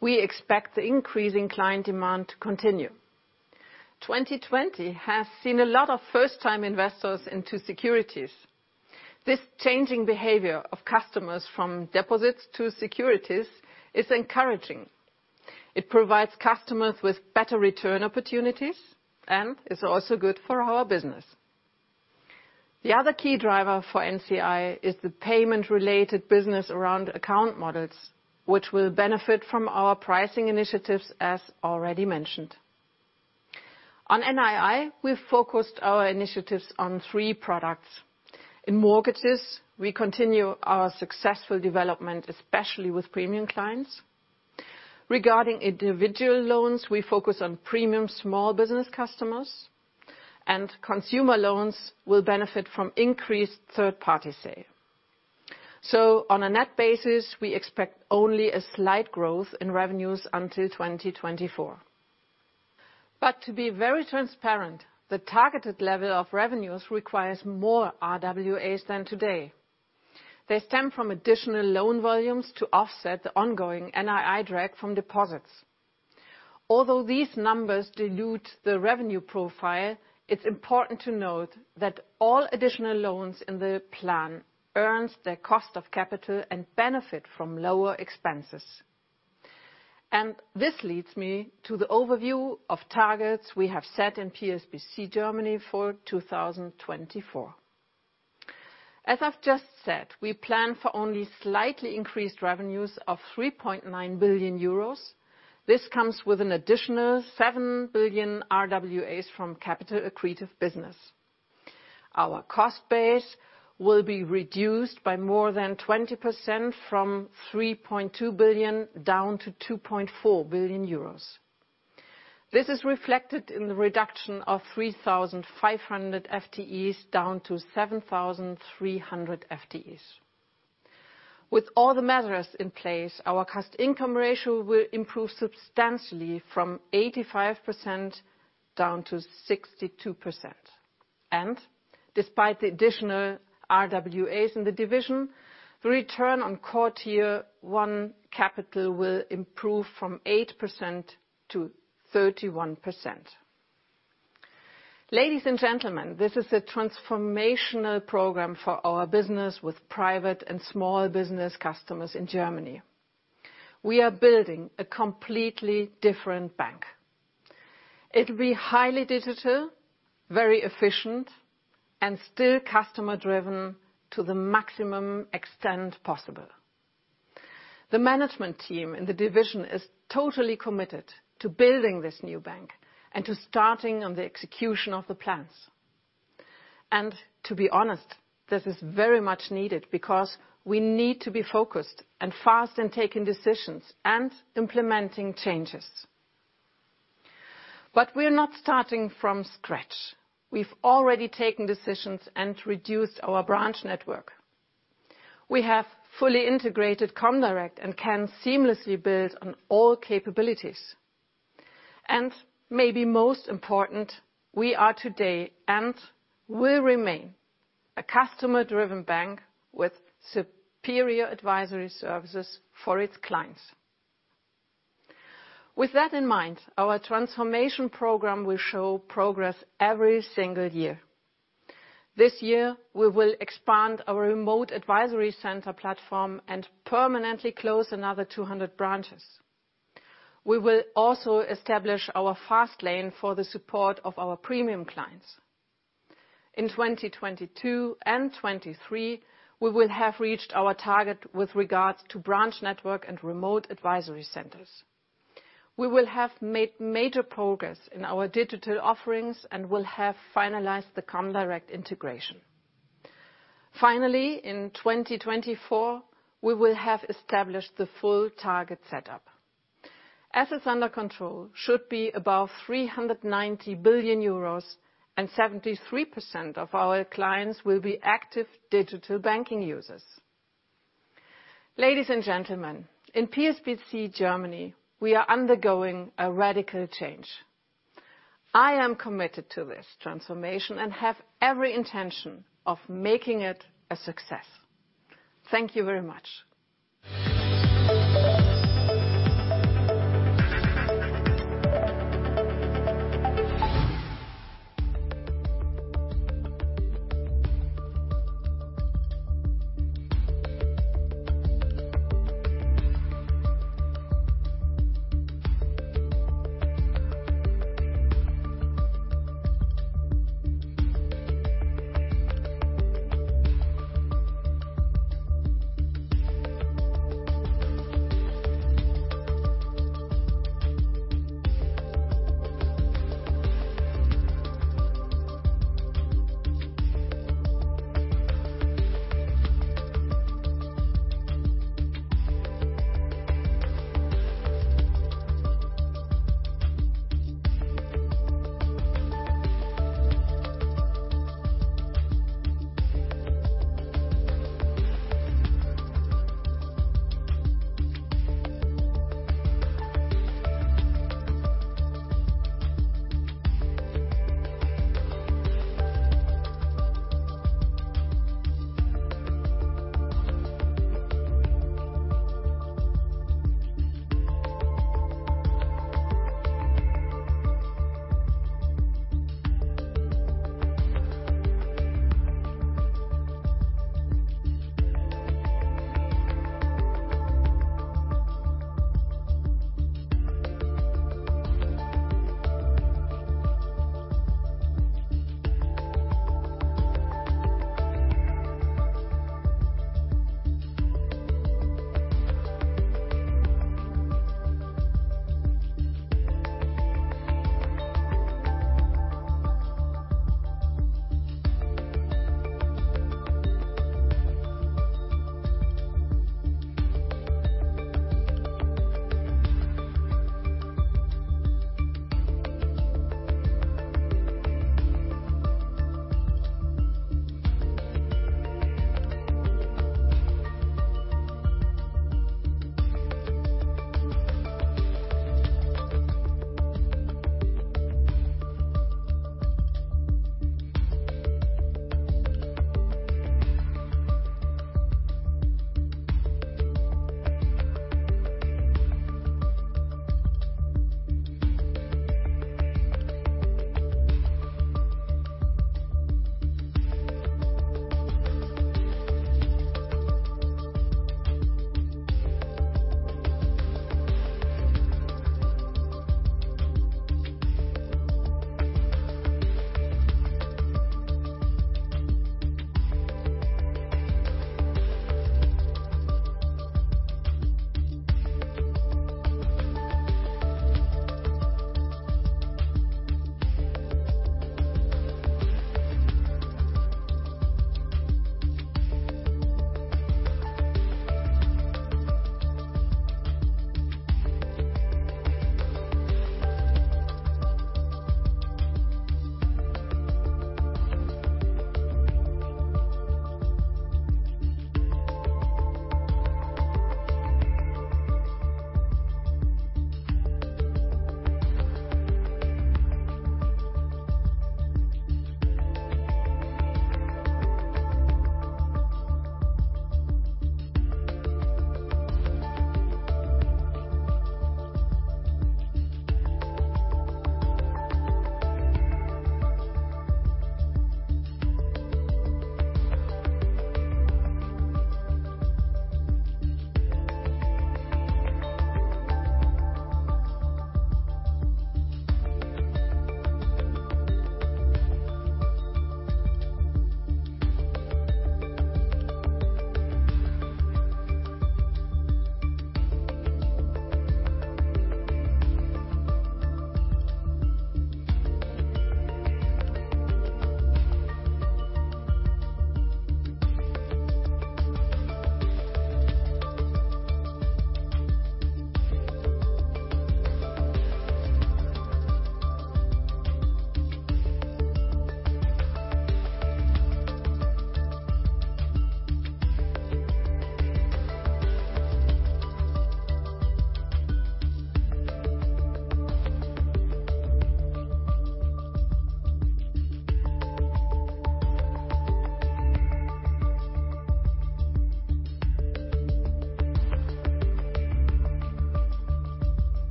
We expect the increasing client demand to continue. 2020 has seen a lot of first-time investors into securities. This changing behavior of customers from deposits to securities is encouraging. It provides customers with better return opportunities and is also good for our business. The other key driver for NCI is the payment-related business around account models, which will benefit from our pricing initiatives, as already mentioned. On NII, we've focused our initiatives on three products. In mortgages, we continue our successful development, especially with premium clients. Regarding individual loans, we focus on premium small business customers, and consumer loans will benefit from increased third-party sale. On a net basis, we expect only a slight growth in revenues until 2024. But to be very transparent, the targeted level of revenues requires more RWAs than today. They stem from additional loan volumes to offset the ongoing NII drag from deposits. Although these numbers dilute the revenue profile, it's important to note that all additional loans in the plan earn their cost of capital and benefit from lower expenses. This leads me to the overview of targets we have set in PSBC Germany for 2024. As I've just said, we plan for only slightly increased revenues of €3.9 billion. This comes with an additional €7 billion RWAs from capital-accretive business. Our cost base will be reduced by more than 20% from €3.2 billion down to €2.4 billion. This is reflected in the reduction of 3,500 FTEs down to 7,300 FTEs. With all the measures in place, our cost-income ratio will improve substantially from 85% down to 62%. Despite the additional RWAs in the division, the return on quarter-year one capital will improve from 8% to 31%. Ladies and gentlemen, this is a transformational program for our business with private and small business customers in Germany. We are building a completely different bank. It will be highly digital, very efficient, and still customer-driven to the maximum extent possible. The management team in the division is totally committed to building this new bank and to starting on the execution of the plans. To be honest, this is very much needed because we need to be focused and fast in taking decisions and implementing changes. But we are not starting from scratch. We've already taken decisions and reduced our branch network. We have fully integrated Comdirect and can seamlessly build on all capabilities. And maybe most important, we are today and will remain a customer-driven bank with superior advisory services for its clients. With that in mind, our transformation program will show progress every single year. This year, we will expand our remote advisory center platform and permanently close another 200 branches. We will also establish our fast lane for the support of our premium clients. In 2022 and 2023, we will have reached our target with regards to branch network and remote advisory centers. We will have made major progress in our digital offerings and will have finalized the Comdirect integration. Finally, in 2024, we will have established the full target setup. Assets under control should be above €390 billion, and 73% of our clients will be active digital banking users. Ladies and gentlemen, in PSBC Germany, we are undergoing a radical change. I am committed to this transformation and have every intention of making it a success. Thank you very much.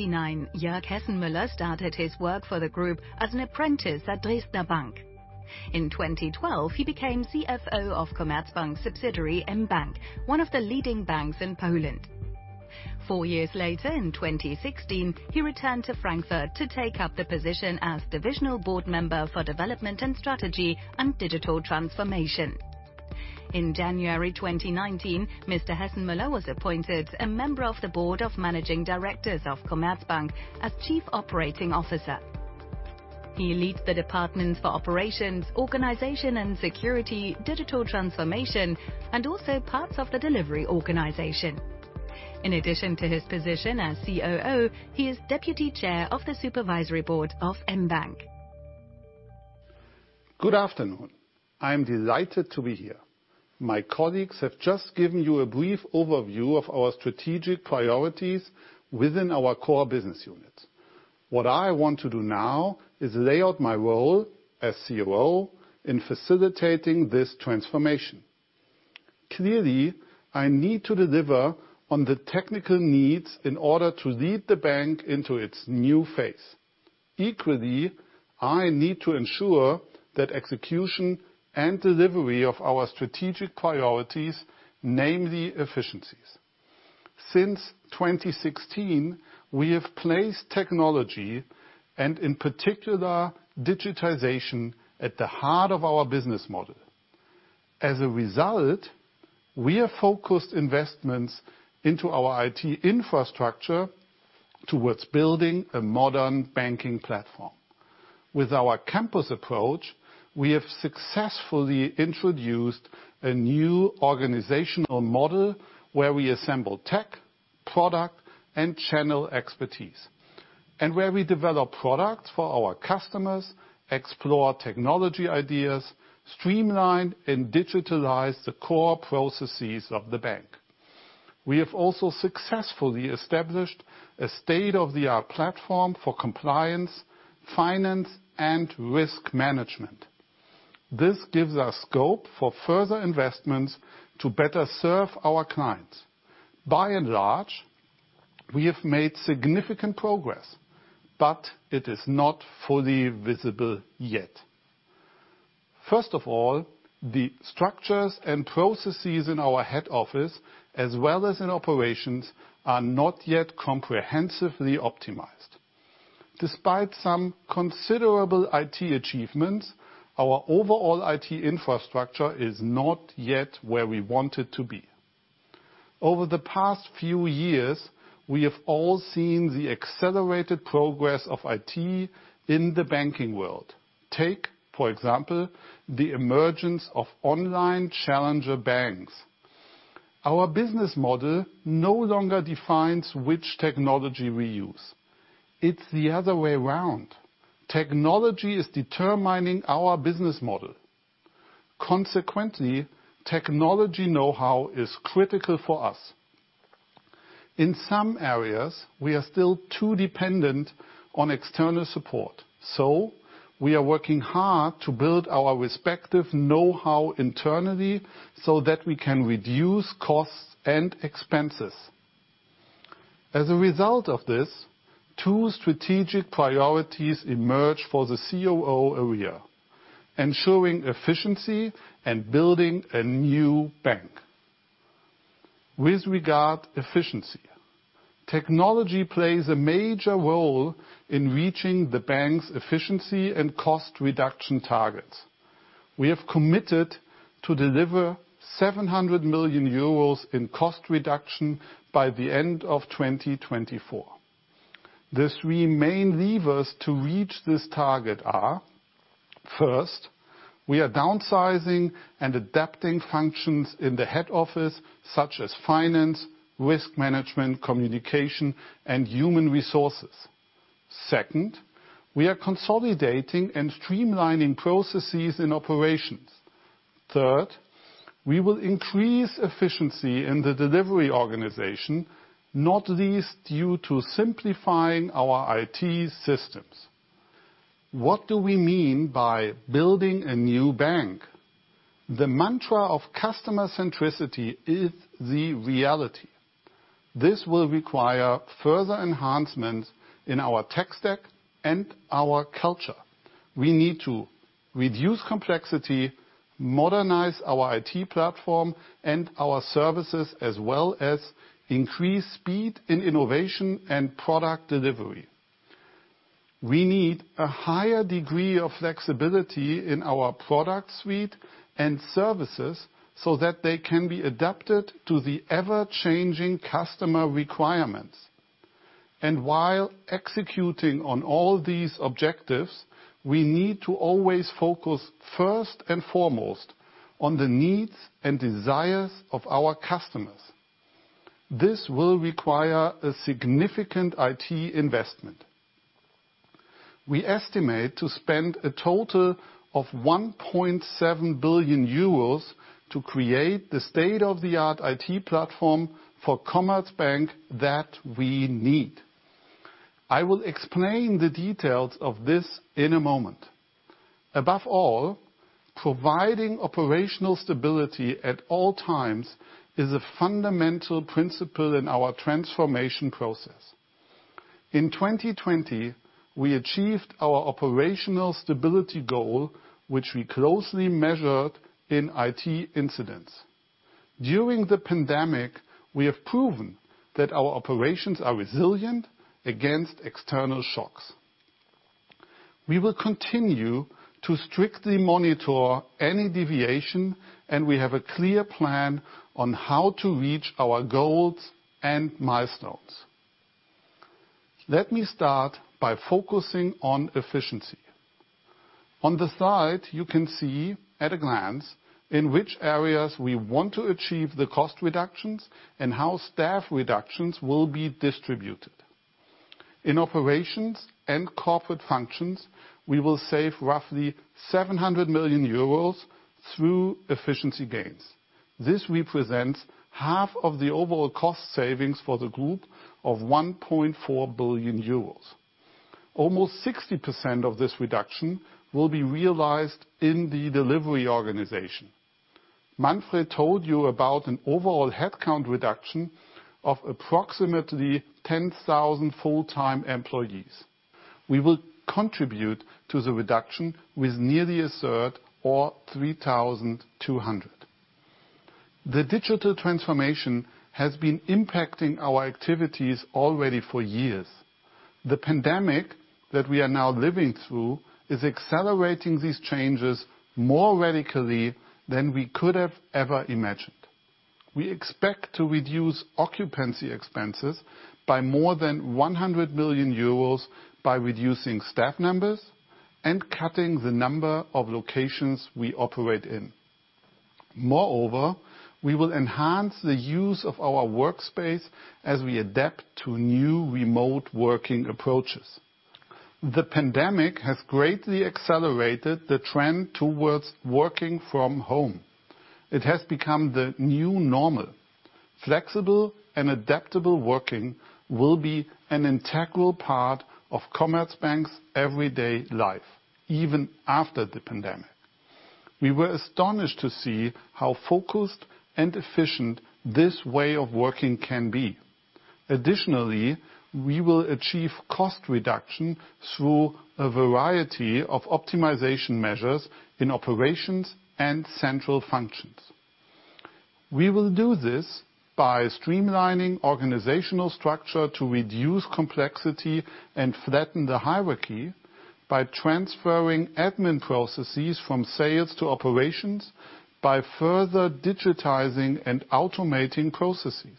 In 1989, Jörg Hessenmüller started his work for the group as an apprentice at Dresdner Bank. In 2012, he became CFO of Commerzbank's subsidiary mBank, one of the leading banks in Poland. Four years later, in 2016, he returned to Frankfurt to take up the position as Divisional Board Member for Development and Strategy and Digital Transformation. In January 2019, Mr. Hessenmüller was appointed a member of the Board of Managing Directors of Commerzbank as Chief Operating Officer. He leads the departments for operations, organization and security, digital transformation, and also parts of the delivery organization. In addition to his position as COO, he is Deputy Chair of the Supervisory Board of mBank. Good afternoon. I am delighted to be here. My colleagues have just given you a brief overview of our strategic priorities within our core business unit. What I want to do now is lay out my role as COO in facilitating this transformation. Clearly, I need to deliver on the technical needs in order to lead the bank into its new phase. Equally, I need to ensure that execution and delivery of our strategic priorities, namely efficiencies. Since 2016, we have placed technology and, in particular, digitization at the heart of our business model. As a result, we have focused investments into our IT infrastructure towards building a modern banking platform. With our campus approach, we have successfully introduced a new organizational model where we assemble tech, product, and channel expertise, and where we develop products for our customers, explore technology ideas, streamline, and digitalize the core processes of the bank. We have also successfully established a state-of-the-art platform for compliance, finance, and risk management. This gives us scope for further investments to better serve our clients. By and large, we have made significant progress, but it is not fully visible yet. First of all, the structures and processes in our head office, as well as in operations, are not yet comprehensively optimized. Despite some considerable IT achievements, our overall IT infrastructure is not yet where we want it to be. Over the past few years, we have all seen the accelerated progress of IT in the banking world. Take, for example, the emergence of online challenger banks. Our business model no longer defines which technology we use. It's the other way around. Technology is determining our business model. Consequently, technology know-how is critical for us. In some areas, we are still too dependent on external support. We are working hard to build our respective know-how internally so that we can reduce costs and expenses. As a result of this, two strategic priorities emerge for the COO area: ensuring efficiency and building a new bank. With regard to efficiency, technology plays a major role in reaching the bank's efficiency and cost reduction targets. We have committed to deliver €700 million in cost reduction by the end of 2024. The three main levers to reach this target are: first, we are downsizing and adapting functions in the head office, such as finance, risk management, communication, and human resources. Second, we are consolidating and streamlining processes in operations. Third, we will increase efficiency in the delivery organization, not least due to simplifying our IT systems. What do we mean by building a new bank? The mantra of customer centricity is the reality. This will require further enhancements in our tech stack and our culture. We need to reduce complexity, modernize our IT platform and our services, as well as increase speed in innovation and product delivery. We need a higher degree of flexibility in our product suite and services so that they can be adapted to the ever-changing customer requirements. While executing on all these objectives, we need to always focus first and foremost on the needs and desires of our customers. This will require a significant IT investment. We estimate to spend a total of €1.7 billion to create the state-of-the-art IT platform for Commerzbank that we need. I will explain the details of this in a moment. Above all, providing operational stability at all times is a fundamental principle in our transformation process. In 2020, we achieved our operational stability goal, which we closely measured in IT incidents. During the pandemic, we have proven that our operations are resilient against external shocks. We will continue to strictly monitor any deviation, and we have a clear plan on how to reach our goals and milestones. Let me start by focusing on efficiency. On the slide, you can see at a glance in which areas we want to achieve the cost reductions and how staff reductions will be distributed. In operations and corporate functions, we will save roughly €700 million through efficiency gains. This represents half of the overall cost savings for the group of €1.4 billion. Almost 60% of this reduction will be realized in the delivery organization. Manfred told you about an overall headcount reduction of approximately 10,000 full-time employees. We will contribute to the reduction with nearly a third or 3,200. The digital transformation has been impacting our activities already for years. The pandemic that we are now living through is accelerating these changes more radically than we could have ever imagined. We expect to reduce occupancy expenses by more than €100 million by reducing staff numbers and cutting the number of locations we operate in. Moreover, we will enhance the use of our workspace as we adapt to new remote working approaches. The pandemic has greatly accelerated the trend towards working from home. It has become the new normal. Flexible and adaptable working will be an integral part of Commerzbank's everyday life, even after the pandemic. We were astonished to see how focused and efficient this way of working can be. Additionally, we will achieve cost reduction through a variety of optimization measures in operations and central functions. We will do this by streamlining organizational structure to reduce complexity and flatten the hierarchy by transferring admin processes from sales to operations, by further digitizing and automating processes.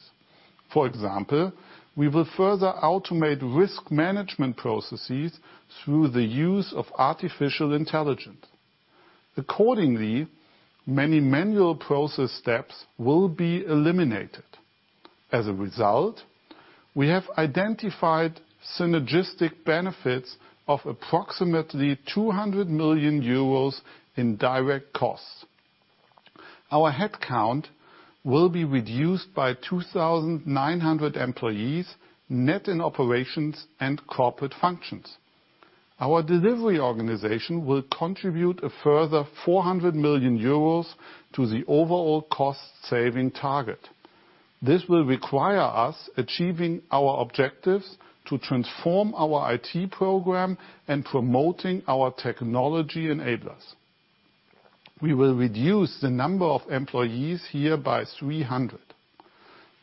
For example, we will further automate risk management processes through the use of artificial intelligence. Accordingly, many manual process steps will be eliminated. As a result, we have identified synergistic benefits of approximately €200 million in direct costs. Our headcount will be reduced by 2,900 employees net in operations and corporate functions. Our delivery organization will contribute a further €400 million to the overall cost saving target. This will require us achieving our objectives to transform our IT program and promoting our technology enablers. We will reduce the number of employees here by 300.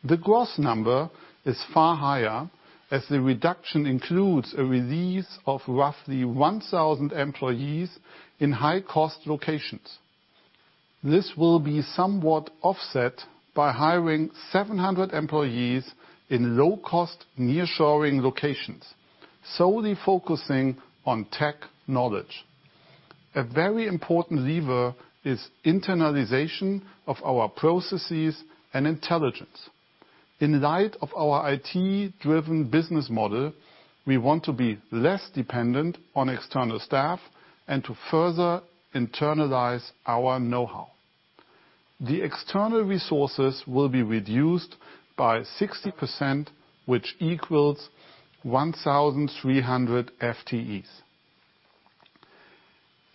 The gross number is far higher as the reduction includes a release of roughly 1,000 employees in high-cost locations. This will be somewhat offset by hiring 700 employees in low-cost nearshoring locations, solely focusing on tech knowledge. A very important lever is internalization of our processes and intelligence. In light of our IT-driven business model, we want to be less dependent on external staff and to further internalize our know-how. The external resources will be reduced by 60%, which equals 1,300 FTEs.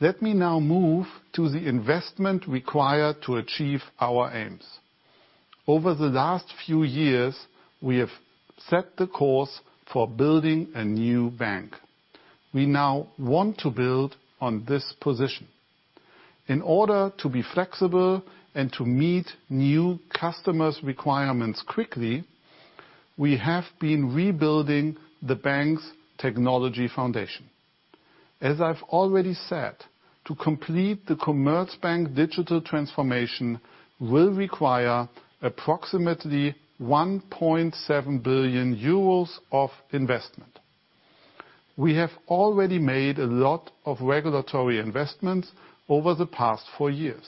Let me now move to the investment required to achieve our aims. Over the last few years, we have set the course for building a new bank. We now want to build on this position. In order to be flexible and to meet new customers' requirements quickly, we have been rebuilding the bank's technology foundation. As I've already said, to complete the Commerzbank digital transformation will require approximately €1.7 billion of investment. We have already made a lot of regulatory investments over the past four years.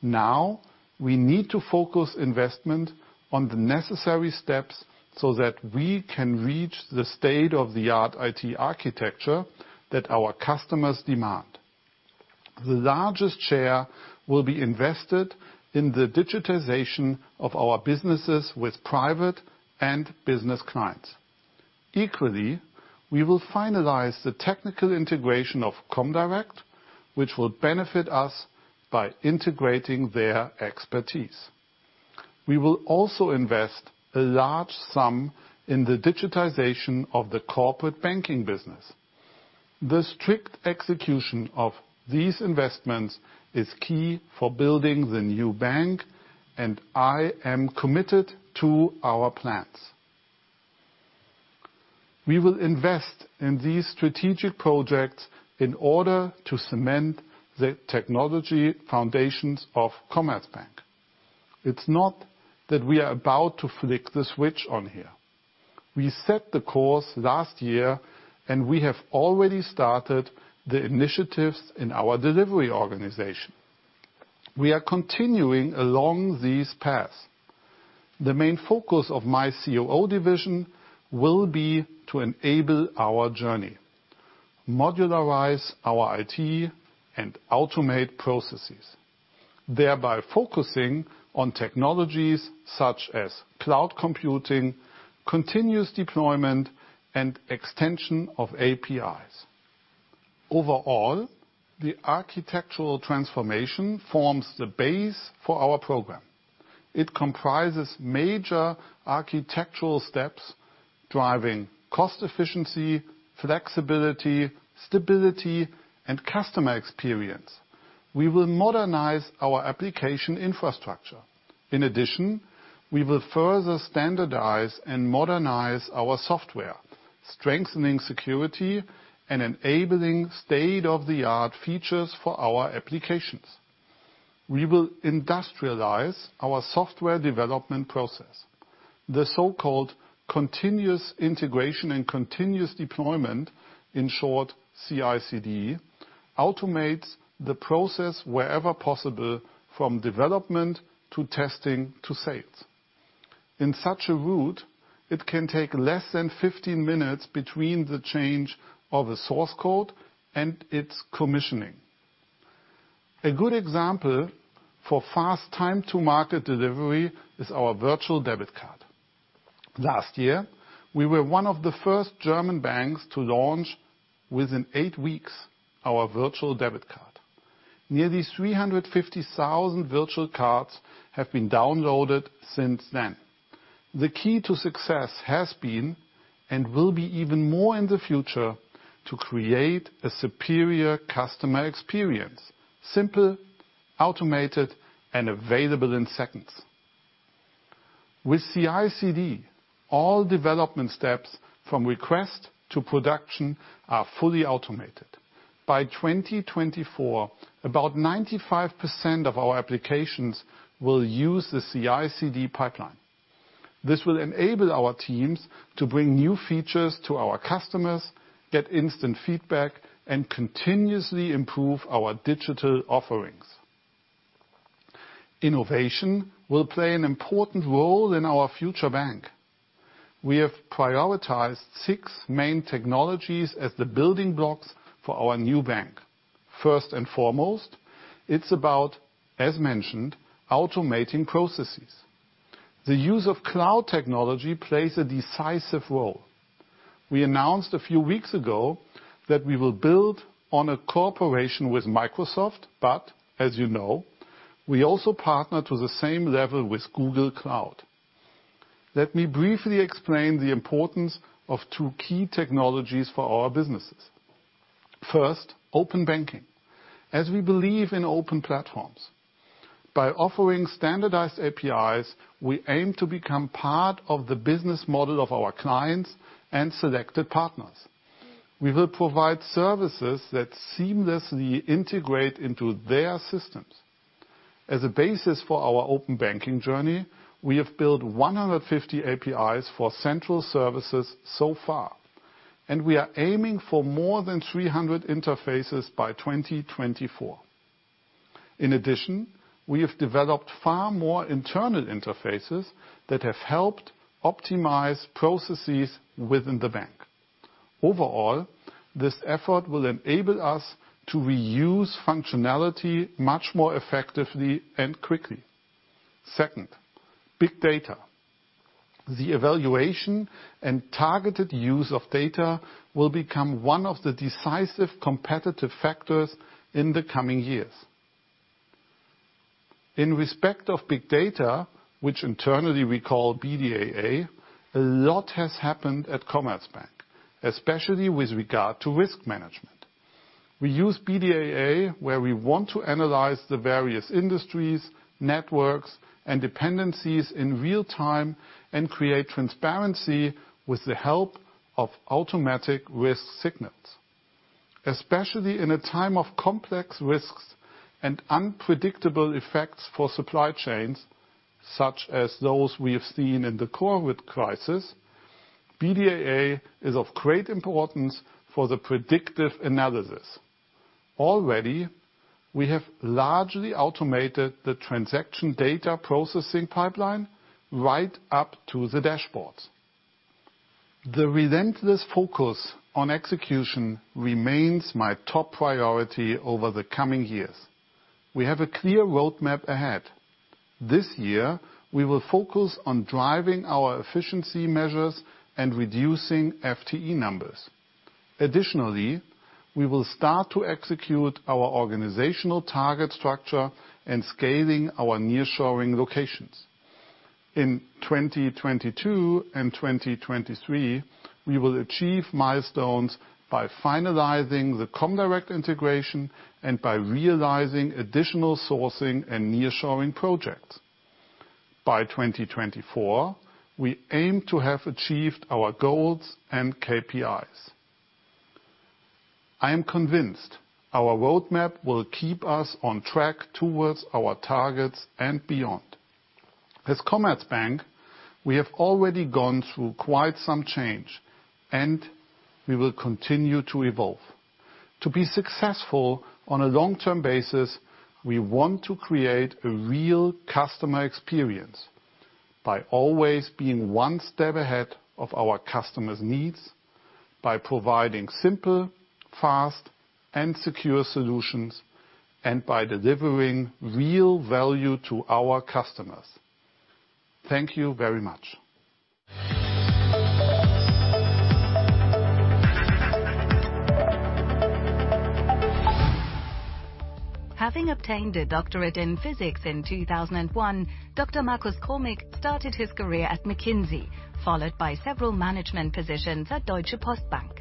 Now we need to focus investment on the necessary steps so that we can reach the state-of-the-art IT architecture that our customers demand. The largest share will be invested in the digitization of our businesses with private and business clients. Equally, we will finalize the technical integration of Comdirect, which will benefit us by integrating their expertise. We will also invest a large sum in the digitization of the corporate banking business. The strict execution of these investments is key for building the new bank, and I am committed to our plans. We will invest in these strategic projects in order to cement the technology foundations of Commerzbank. It's not that we are about to flick the switch on here. We set the course last year, and we have already started the initiatives in our delivery organization. We are continuing along these paths. The main focus of my COO division will be to enable our journey, modularize our IT, and automate processes, thereby focusing on technologies such as cloud computing, continuous deployment, and extension of APIs. Overall, the architectural transformation forms the base for our program. It comprises major architectural steps driving cost efficiency, flexibility, stability, and customer experience. We will modernize our application infrastructure. In addition, we will further standardize and modernize our software, strengthening security and enabling state-of-the-art features for our applications. We will industrialize our software development process. The so-called continuous integration and continuous deployment, in short, CI/CD, automates the process wherever possible from development to testing to sales. In such a route, it can take less than 15 minutes between the change of a source code and its commissioning. A good example for fast time-to-market delivery is our virtual debit card. Last year, we were one of the first German banks to launch within eight weeks our virtual debit card. Nearly 350,000 virtual cards have been downloaded since then. The key to success has been and will be even more in the future to create a superior customer experience: simple, automated, and available in seconds. With CI/CD, all development steps from request to production are fully automated. By 2024, about 95% of our applications will use the CI/CD pipeline. This will enable our teams to bring new features to our customers, get instant feedback, and continuously improve our digital offerings. Innovation will play an important role in our future bank. We have prioritized six main technologies as the building blocks for our new bank. First and foremost, it's about, as mentioned, automating processes. The use of cloud technology plays a decisive role. We announced a few weeks ago that we will build on a cooperation with Microsoft, but as you know, we also partner to the same level with Google Cloud. Let me briefly explain the importance of two key technologies for our businesses. First, open banking, as we believe in open platforms. By offering standardized APIs, we aim to become part of the business model of our clients and selected partners. We will provide services that seamlessly integrate into their systems. As a basis for our open banking journey, we have built 150 APIs for central services so far, and we are aiming for more than 300 interfaces by 2024. In addition, we have developed far more internal interfaces that have helped optimize processes within the bank. Overall, this effort will enable us to reuse functionality much more effectively and quickly. Second, big data. The evaluation and targeted use of data will become one of the decisive competitive factors in the coming years. In respect of big data, which internally we call BDAA, a lot has happened at Commerzbank, especially with regard to risk management. We use BDAA where we want to analyze the various industries, networks, and dependencies in real time and create transparency with the help of automatic risk signals. Especially in a time of complex risks and unpredictable effects for supply chains, such as those we have seen in the COVID crisis, BDAA is of great importance for the predictive analysis. Already, we have largely automated the transaction data processing pipeline right up to the dashboards. The relentless focus on execution remains my top priority over the coming years. We have a clear roadmap ahead. This year, we will focus on driving our efficiency measures and reducing FTE numbers. Additionally, we will start to execute our organizational target structure and scaling our nearshoring locations. In 2022 and 2023, we will achieve milestones by finalizing the Comdirect integration and by realizing additional sourcing and nearshoring projects. By 2024, we aim to have achieved our goals and KPIs. I am convinced our roadmap will keep us on track towards our targets and beyond. As Commerzbank, we have already gone through quite some change, and we will continue to evolve. To be successful on a long-term basis, we want to create a real customer experience by always being one step ahead of our customers' needs, by providing simple, fast, and secure solutions, and by delivering real value to our customers. Thank you very much. Having obtained a doctorate in physics in 2001, Dr. Markus Krumig started his career at McKinsey, followed by several management positions at Deutsche Postbank.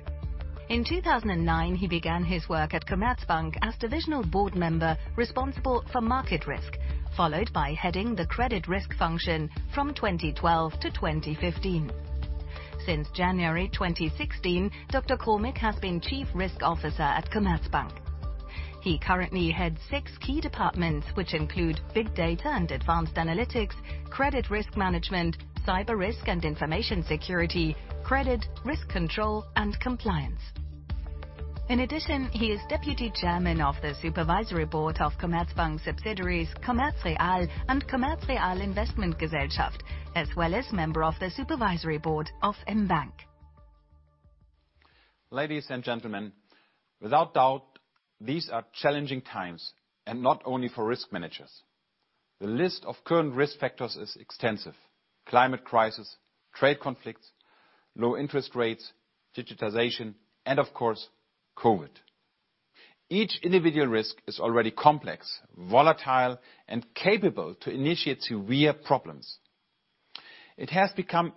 In 2009, he began his work at Commerzbank as divisional board member responsible for market risk, followed by heading the credit risk function from 2012 to 2015. Since January 2016, Dr. Krumig has been Chief Risk Officer at Commerzbank. He currently heads six key departments, which include big data and advanced analytics, credit risk management, cyber risk and information security, credit risk control, and compliance. In addition, he is Deputy Chairman of the supervisory board of Commerzbank subsidiaries Commerzreal and Commerzreal Investment Gesellschaft, as well as member of the supervisory board of mBank. Ladies and gentlemen, without doubt, these are challenging times, and not only for risk managers. The list of current risk factors is extensive: climate crisis, trade conflicts, low interest rates, digitization, and of course, COVID. Each individual risk is already complex, volatile, and capable to initiate severe problems. It has become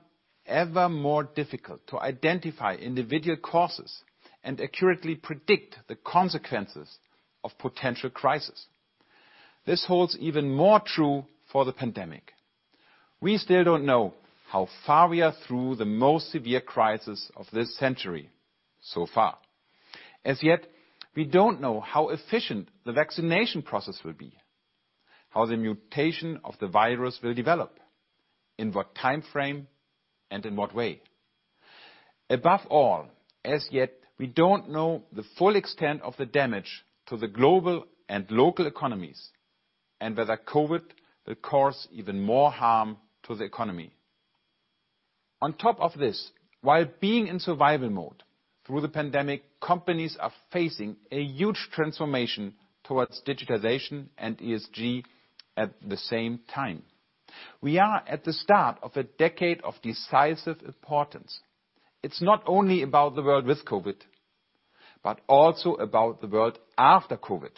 ever more difficult to identify individual causes and accurately predict the consequences of potential crises. This holds even more true for the pandemic. We still don't know how far we are through the most severe crisis of this century so far. As yet, we don't know how efficient the vaccination process will be, how the mutation of the virus will develop, in what time frame, and in what way. Above all, as yet, we don't know the full extent of the damage to the global and local economies and whether COVID will cause even more harm to the economy. On top of this, while being in survival mode through the pandemic, companies are facing a huge transformation towards digitization and ESG at the same time. We are at the start of a decade of decisive importance. It's not only about the world with COVID, but also about the world after COVID.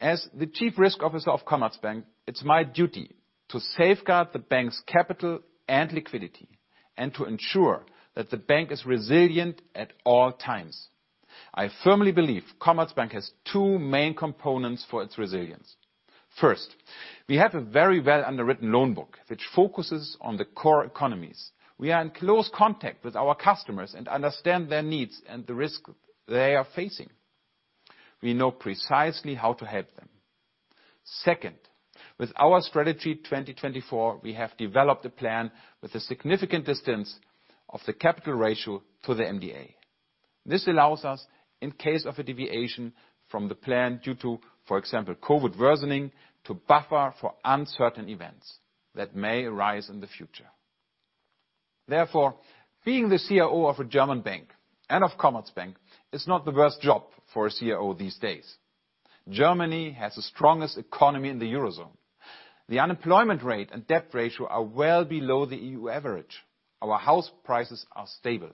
As the Chief Risk Officer of Commerzbank, it's my duty to safeguard the bank's capital and liquidity and to ensure that the bank is resilient at all times. I firmly believe Commerzbank has two main components for its resilience. First, we have a very well-underwritten loan book, which focuses on the core economies. We are in close contact with our customers and understand their needs and the risks they are facing. We know precisely how to help them. Second, with our Strategy 2024, we have developed a plan with a significant distance of the capital ratio to the MDA. This allows us, in case of a deviation from the plan due to, for example, COVID worsening, to buffer for uncertain events that may arise in the future. Therefore, being the COO of a German bank and of Commerzbank is not the worst job for a COO these days. Germany has the strongest economy in the Eurozone. The unemployment rate and debt ratio are well below the EU average. Our house prices are stable,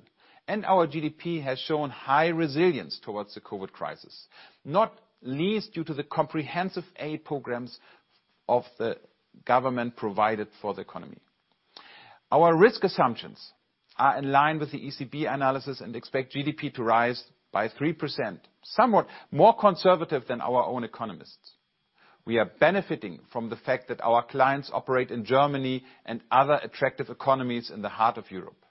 and our GDP has shown high resilience towards the COVID crisis, not least due to the comprehensive aid programs of the government provided for the economy. Our risk assumptions are in line with the ECB analysis and expect GDP to rise by 3%, somewhat more conservative than our own economists. We are benefiting from the fact that our clients operate in Germany and other attractive economies in the heart of Europe.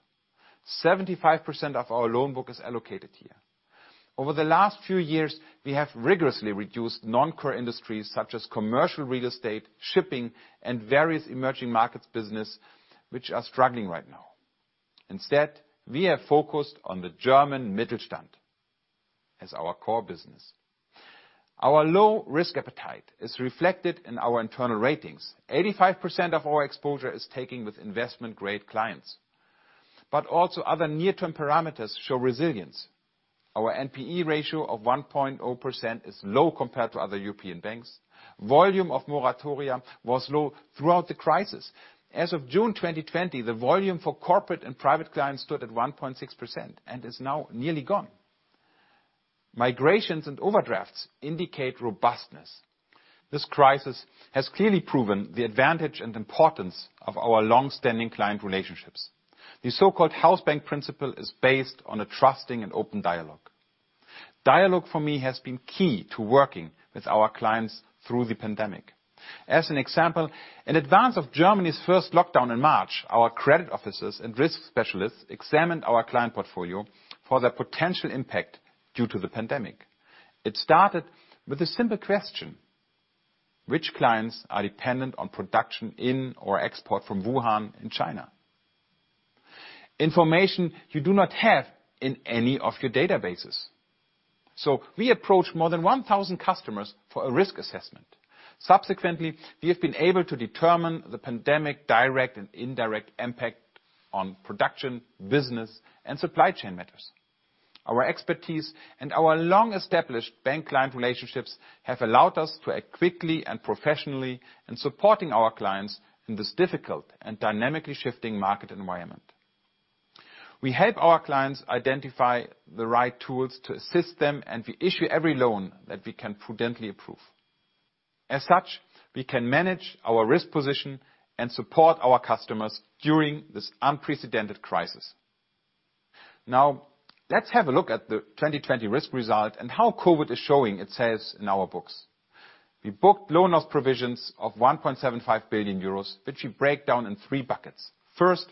75% of our loan book is allocated here. Over the last few years, we have rigorously reduced non-core industries such as commercial real estate, shipping, and various emerging markets business, which are struggling right now. Instead, we have focused on the German Mittelstand as our core business. Our low risk appetite is reflected in our internal ratings. 85% of our exposure is taken with investment-grade clients. But also, other near-term parameters show resilience. Our NPE ratio of 1.0% is low compared to other European banks. Volume of moratoria was low throughout the crisis. As of June 2020, the volume for corporate and private clients stood at 1.6% and is now nearly gone. Migrations and overdrafts indicate robustness. This crisis has clearly proven the advantage and importance of our long-standing client relationships. The so-called house bank principle is based on a trusting and open dialogue. Dialogue, for me, has been key to working with our clients through the pandemic. As an example, in advance of Germany's first lockdown in March, our credit officers and risk specialists examined our client portfolio for the potential impact due to the pandemic. It started with a simple question: which clients are dependent on production in or export from Wuhan in China? Information you do not have in any of your databases. So we approached more than 1,000 customers for a risk assessment. Subsequently, we have been able to determine the pandemic's direct and indirect impact on production, business, and supply chain matters. Our expertise and our long-established bank-client relationships have allowed us to act quickly and professionally in supporting our clients in this difficult and dynamically shifting market environment. We help our clients identify the right tools to assist them, and we issue every loan that we can prudently approve. As such, we can manage our risk position and support our customers during this unprecedented crisis. Now, let's have a look at the 2020 risk result and how COVID is showing itself in our books. We booked loan loss provisions of €1.75 billion, which we break down in three buckets. First,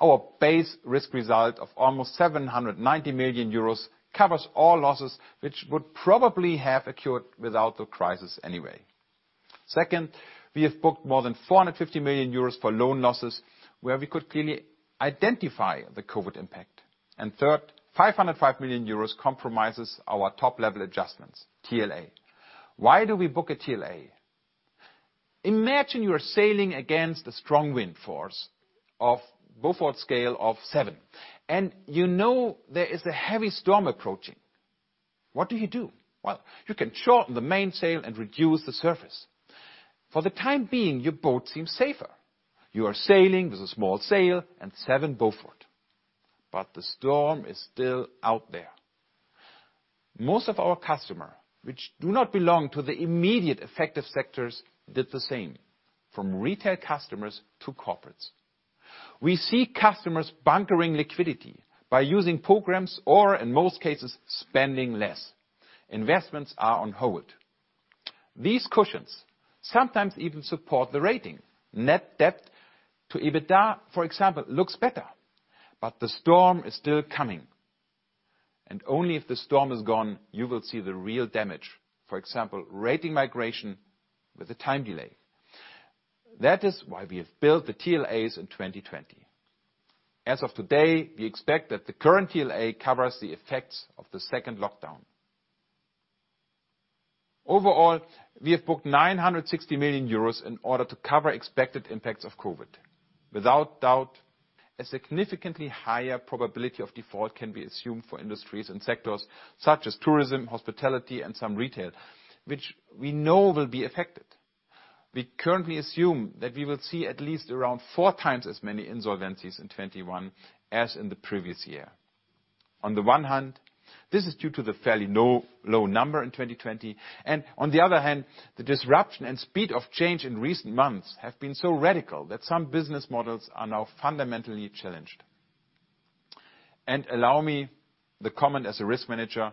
our base risk result of almost €790 million covers all losses, which would probably have occurred without the crisis anyway. Second, we have booked more than €450 million for loan losses, where we could clearly identify the COVID impact. Third, €505 million comprises our top-level adjustments, TLA. Why do we book a TLA? Imagine you are sailing against a strong wind force of Beaufort scale of 7, and you know there is a heavy storm approaching. What do you do? You can shorten the main sail and reduce the surface. For the time being, your boat seems safer. You are sailing with a small sail and 7 Beaufort. But the storm is still out there. Most of our customers, which do not belong to the immediate effective sectors, did the same, from retail customers to corporates. We see customers bunkering liquidity by using programs or, in most cases, spending less. Investments are on hold. These cushions sometimes even support the rating. Net debt to EBITDA, for example, looks better. But the storm is still coming. Only if the storm is gone, you will see the real damage, for example, rating migration with a time delay. That is why we have built the TLAs in 2020. As of today, we expect that the current TLA covers the effects of the second lockdown. Overall, we have booked €960 million in order to cover expected impacts of COVID. Without doubt, a significantly higher probability of default can be assumed for industries and sectors such as tourism, hospitality, and some retail, which we know will be affected. We currently assume that we will see at least around four times as many insolvencies in 2021 as in the previous year. On the one hand, this is due to the fairly low number in 2020. On the other hand, the disruption and speed of change in recent months have been so radical that some business models are now fundamentally challenged. Allow me the comment as a risk manager: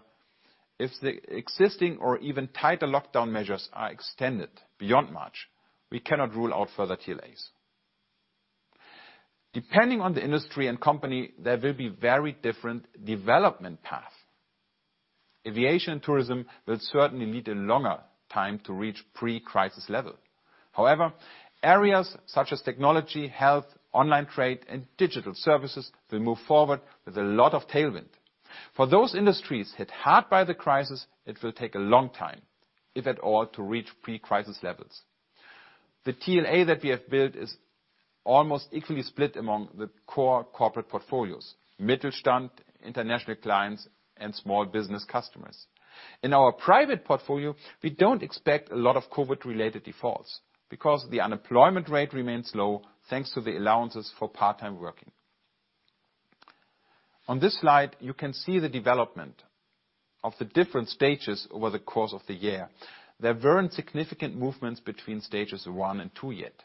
if the existing or even tighter lockdown measures are extended beyond March, we cannot rule out further TLAs. Depending on the industry and company, there will be very different development paths. Aviation and tourism will certainly need a longer time to reach pre-crisis level. However, areas such as technology, health, online trade, and digital services will move forward with a lot of tailwind. For those industries hit hard by the crisis, it will take a long time, if at all, to reach pre-crisis levels. The TLA that we have built is almost equally split among the core corporate portfolios: Mittelstand, international clients, and small business customers. In our private portfolio, we don't expect a lot of COVID-related defaults because the unemployment rate remains low, thanks to the allowances for part-time working. On this slide, you can see the development of the different stages over the course of the year. There weren't significant movements between stages 1 and 2 yet.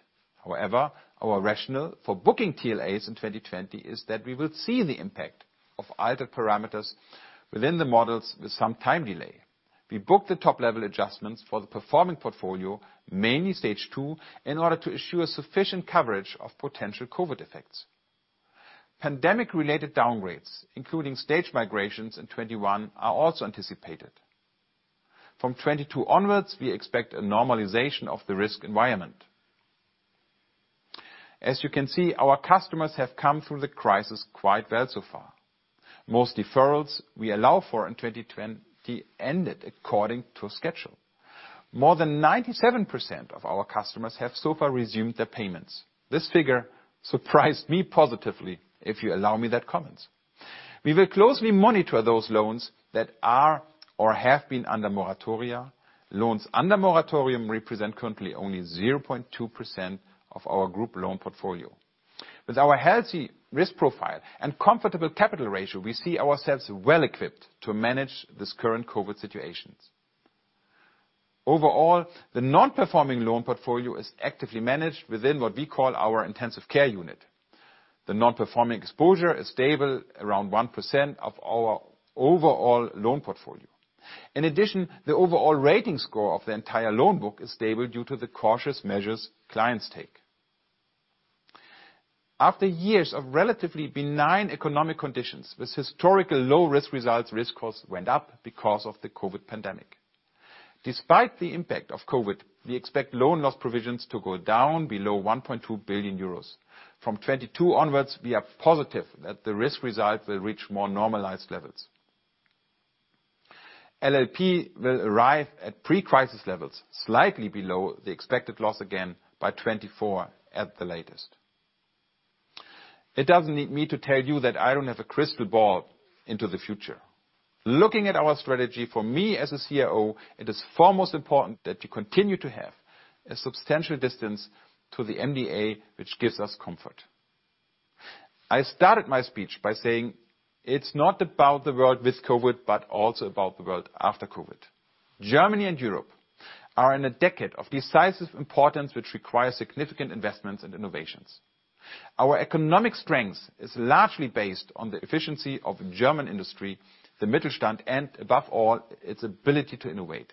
However, our rationale for booking TLAs in 2020 is that we will see the impact of altered parameters within the models with some time delay. We booked the top-level adjustments for the performing portfolio, mainly stage 2, in order to assure sufficient coverage of potential COVID effects. Pandemic-related downgrades, including stage migrations in 2021, are also anticipated. From 2022 onwards, we expect a normalization of the risk environment. As you can see, our customers have come through the crisis quite well so far. Most deferrals we allowed for in 2020 ended according to schedule. More than 97% of our customers have so far resumed their payments. This figure surprised me positively, if you allow me that comment. We will closely monitor those loans that are or have been under moratoria. Loans under moratorium represent currently only 0.2% of our group loan portfolio. With our healthy risk profile and comfortable capital ratio, we see ourselves well equipped to manage this current COVID situation. Overall, the non-performing loan portfolio is actively managed within what we call our intensive care unit. The non-performing exposure is stable around 1% of our overall loan portfolio. In addition, the overall rating score of the entire loan book is stable due to the cautious measures clients take. After years of relatively benign economic conditions, this historical low-risk result's risk cost went up because of the COVID pandemic. Despite the impact of COVID, we expect loan loss provisions to go down below €1.2 billion. From 2022 onwards, we are positive that the risk result will reach more normalized levels. LLP will arrive at pre-crisis levels, slightly below the expected loss again by 2024 at the latest. It doesn't need me to tell you that I don't have a crystal ball into the future. Looking at our strategy, for me as a CIO, it is foremost important that you continue to have a substantial distance to the MDA, which gives us comfort. I started my speech by saying it's not about the world with COVID, but also about the world after COVID. Germany and Europe are in a decade of decisive importance, which requires significant investments and innovations. Our economic strength is largely based on the efficiency of the German industry, the Mittelstand, and above all, its ability to innovate.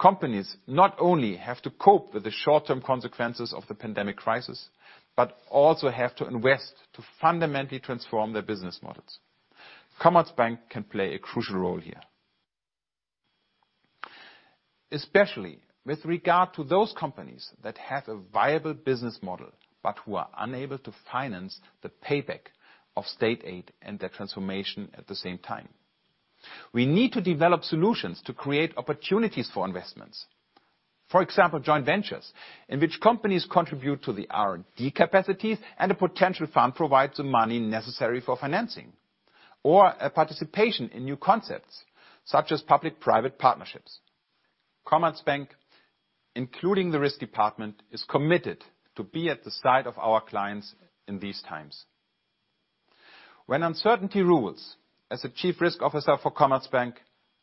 Companies not only have to cope with the short-term consequences of the pandemic crisis, but also have to invest to fundamentally transform their business models. Commerzbank can play a crucial role here, especially with regard to those companies that have a viable business model, but who are unable to finance the payback of state aid and their transformation at the same time. We need to develop solutions to create opportunities for investments. For example, joint ventures, in which companies contribute to the R&D capacities and a potential fund provides the money necessary for financing, or a participation in new concepts such as public-private partnerships. Commerzbank, including the risk department, is committed to be at the side of our clients in these times. When uncertainty rules, as a Chief Risk Officer for Commerzbank,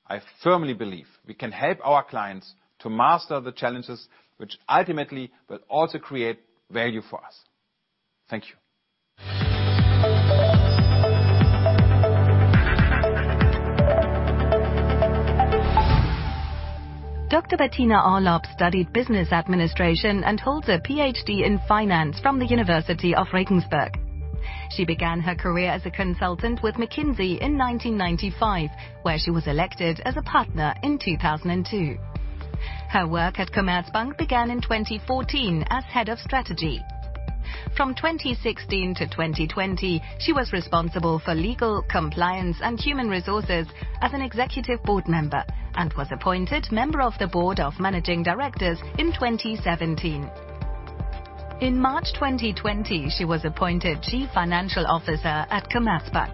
I firmly believe we can help our clients to master the challenges, which ultimately will also create value for us. Thank you. Dr. Bettina Orlopp studied business administration and holds a PhD in finance from the University of Regensburg. She began her career as a consultant with McKinsey in 1995, where she was elected as a partner in 2002. Her work at Commerzbank began in 2014 as Head of Strategy. From 2016 to 2020, she was responsible for legal, compliance, and human resources as an executive board member and was appointed member of the board of managing directors in 2017. In March 2020, she was appointed Chief Financial Officer at Commerzbank.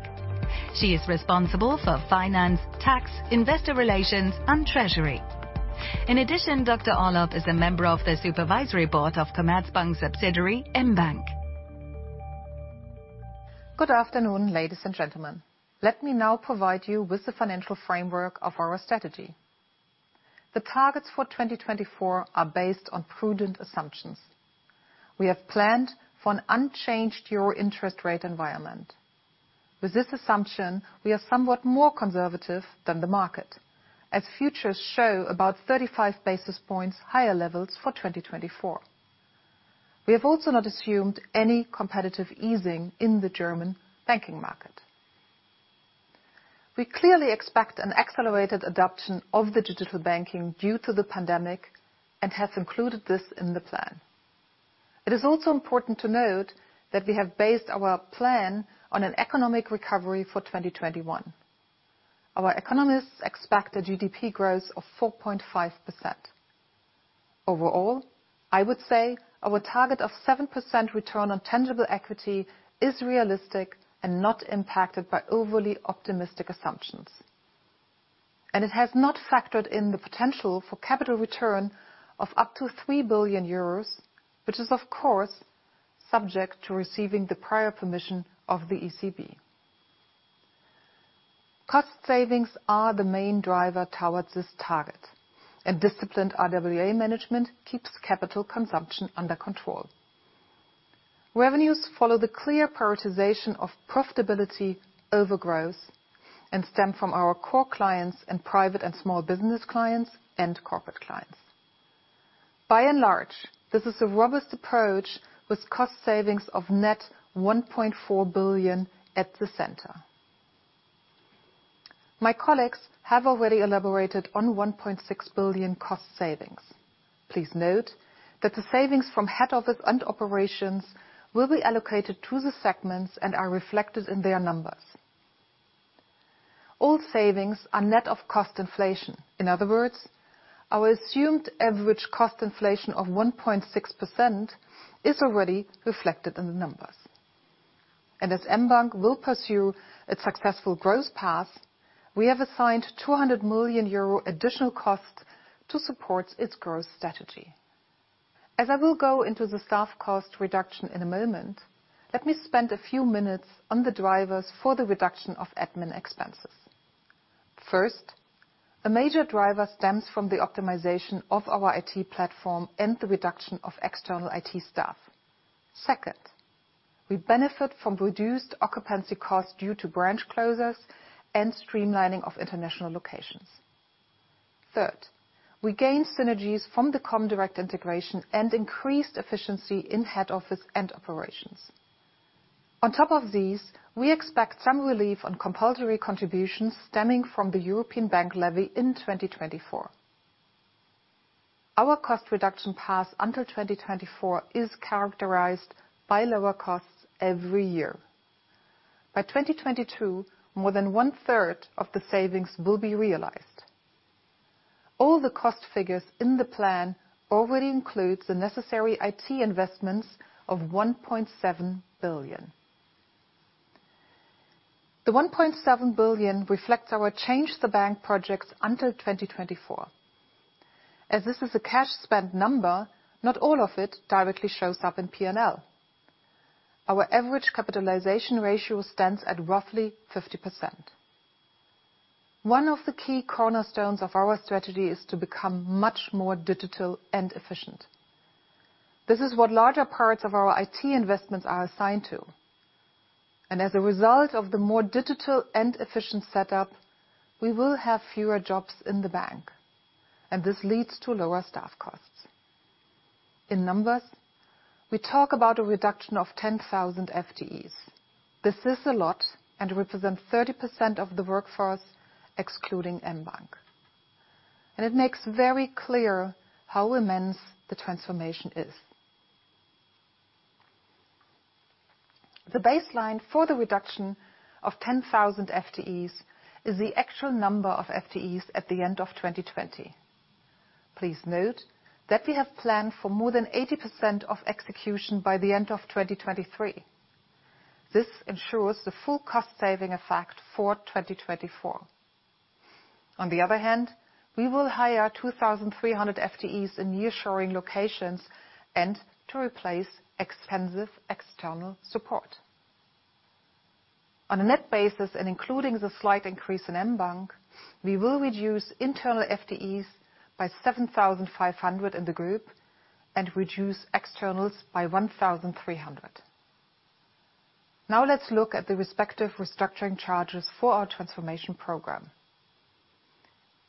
She is responsible for finance, tax, investor relations, and treasury. In addition, Dr. Orlopp is a member of the supervisory board of Commerzbank's subsidiary mBank. Good afternoon, ladies and gentlemen. Let me now provide you with the financial framework of our strategy. The targets for 2024 are based on prudent assumptions. We have planned for an unchanged euro interest rate environment. With this assumption, we are somewhat more conservative than the market, as futures show about 35 basis points higher levels for 2024. We have also not assumed any competitive easing in the German banking market. We clearly expect an accelerated adoption of digital banking due to the pandemic and have included this in the plan. It is also important to note that we have based our plan on an economic recovery for 2021. Our economists expect a GDP growth of 4.5%. Overall, I would say our target of 7% return on tangible equity is realistic and not impacted by overly optimistic assumptions. It has not factored in the potential for capital return of up to €3 billion, which is, of course, subject to receiving the prior permission of the ECB. Cost savings are the main driver towards this target, and disciplined RWA management keeps capital consumption under control. Revenues follow the clear prioritization of profitability over growth and stem from our core clients and private and small business clients and corporate clients. By and large, this is a robust approach with cost savings of net €1.4 billion at the center. My colleagues have already elaborated on €1.6 billion cost savings. Please note that the savings from head office and operations will be allocated to the segments and are reflected in their numbers. All savings are net of cost inflation. In other words, our assumed average cost inflation of 1.6% is already reflected in the numbers. As mBank will pursue its successful growth path, we have assigned €200 million additional costs to support its growth strategy. As I will go into the staff cost reduction in a moment, let me spend a few minutes on the drivers for the reduction of admin expenses. First, a major driver stems from the optimization of our IT platform and the reduction of external IT staff. Second, we benefit from reduced occupancy costs due to branch closures and streamlining of international locations. Third, we gain synergies from the comdirect integration and increased efficiency in head office and operations. On top of these, we expect some relief on compulsory contributions stemming from the European Bank levy in 2024. Our cost reduction path until 2024 is characterized by lower costs every year. By 2022, more than one third of the savings will be realized. All the cost figures in the plan already include the necessary IT investments of $1.7 billion. The $1.7 billion reflects our change-to-the-bank projects until 2024. As this is a cash-spent number, not all of it directly shows up in P&L. Our average capitalization ratio stands at roughly 50%. One of the key cornerstones of our strategy is to become much more digital and efficient. This is what larger parts of our IT investments are assigned to. As a result of the more digital and efficient setup, we will have fewer jobs in the bank. This leads to lower staff costs. In numbers, we talk about a reduction of 10,000 FTEs. This is a lot and represents 30% of the workforce, excluding Mbank. It makes very clear how immense the transformation is. The baseline for the reduction of 10,000 FTEs is the actual number of FTEs at the end of 2020. Please note that we have planned for more than 80% of execution by the end of 2023. This ensures the full cost-saving effect for 2024. On the other hand, we will hire 2,300 FTEs in nearshoring locations and to replace expensive external support. On a net basis and including the slight increase in Mbank, we will reduce internal FTEs by 7,500 in the group and reduce externals by 1,300. Now let's look at the respective restructuring charges for our transformation program.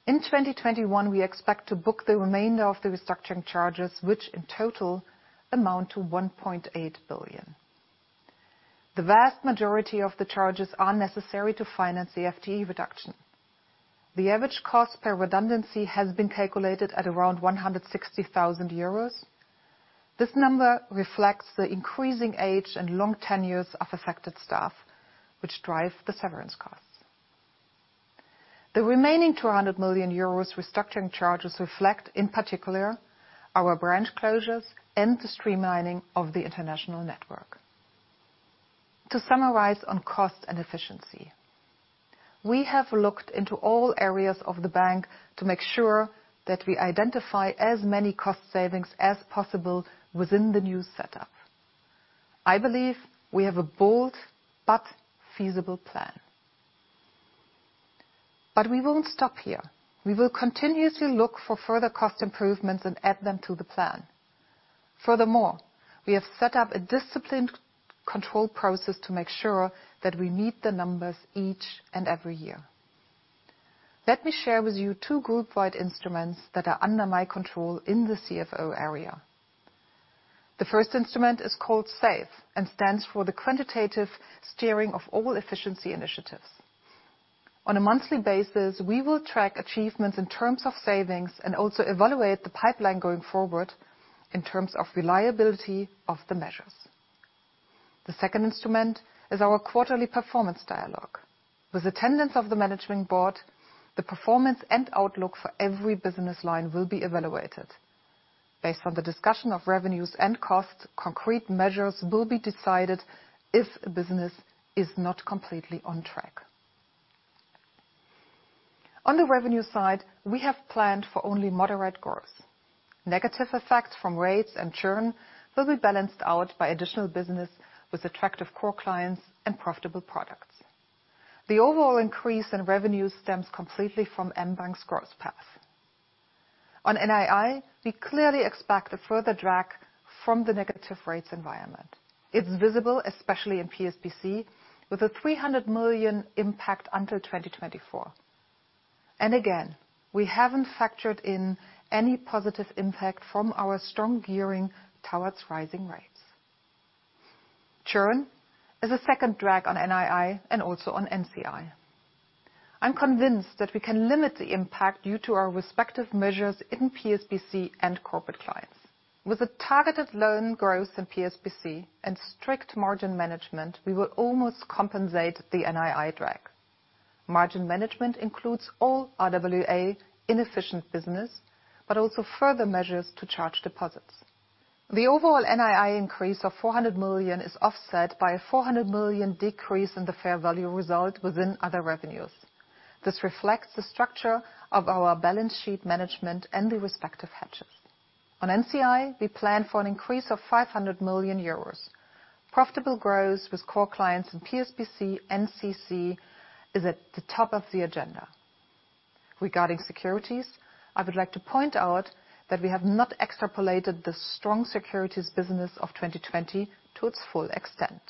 In 2021, we expect to book the remainder of the restructuring charges, which in total amount to €1.8 billion. The vast majority of the charges are necessary to finance the FTE reduction. The average cost per redundancy has been calculated at around €160,000. This number reflects the increasing age and long tenures of affected staff, which drive the severance costs. The remaining €200 million restructuring charges reflect, in particular, our branch closures and the streamlining of the international network. To summarize on cost and efficiency, we have looked into all areas of the bank to make sure that we identify as many cost savings as possible within the new setup. I believe we have a bold but feasible plan. But we won't stop here. We will continuously look for further cost improvements and add them to the plan. Furthermore, we have set up a disciplined control process to make sure that we meet the numbers each and every year. Let me share with you two group-wide instruments that are under my control in the CFO area. The first instrument is called SAFE and stands for the Quantitative Steering of All Efficiency Initiatives. On a monthly basis, we will track achievements in terms of savings and also evaluate the pipeline going forward in terms of reliability of the measures. The second instrument is our quarterly performance dialogue. With attendance of the management board, the performance and outlook for every business line will be evaluated. Based on the discussion of revenues and costs, concrete measures will be decided if a business is not completely on track. On the revenue side, we have planned for only moderate growth. Negative effects from rates and churn will be balanced out by additional business with attractive core clients and profitable products. The overall increase in revenue stems completely from Mbank's growth path. On NII, we clearly expect a further drag from the negative rates environment. It's visible, especially in PSBC, with a $300 million impact until 2024. Again, we haven't factored in any positive impact from our strong gearing towards rising rates. Churn is a second drag on NII and also on NCI. I'm convinced that we can limit the impact due to our respective measures in PSBC and corporate clients. With a targeted loan growth in PSBC and strict margin management, we will almost compensate the NII drag. Margin management includes all RWA inefficient business, but also further measures to charge deposits. The overall NII increase of $400 million is offset by a $400 million decrease in the fair value result within other revenues. This reflects the structure of our balance sheet management and the respective hedges. On NCI, we plan for an increase of $500 million. Profitable growth with core clients in PSBC and CC is at the top of the agenda. Regarding securities, I would like to point out that we have not extrapolated the strong securities business of 2020 to its full extent.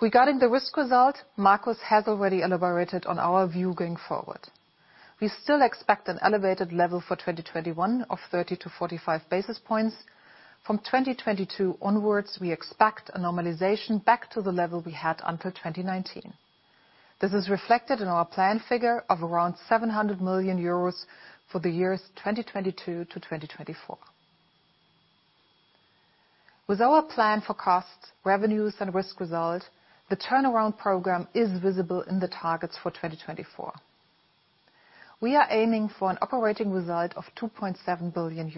Regarding the risk result, Markus has already elaborated on our view going forward. We still expect an elevated level for 2021 of 30 to 45 basis points. From 2022 onwards, we expect normalization back to the level we had until 2019. This is reflected in our plan figure of around €700 million for the years 2022 to 2024. With our plan for cost, revenues, and risk result, the turnaround program is visible in the targets for 2024. We are aiming for an operating result of €2.7 billion.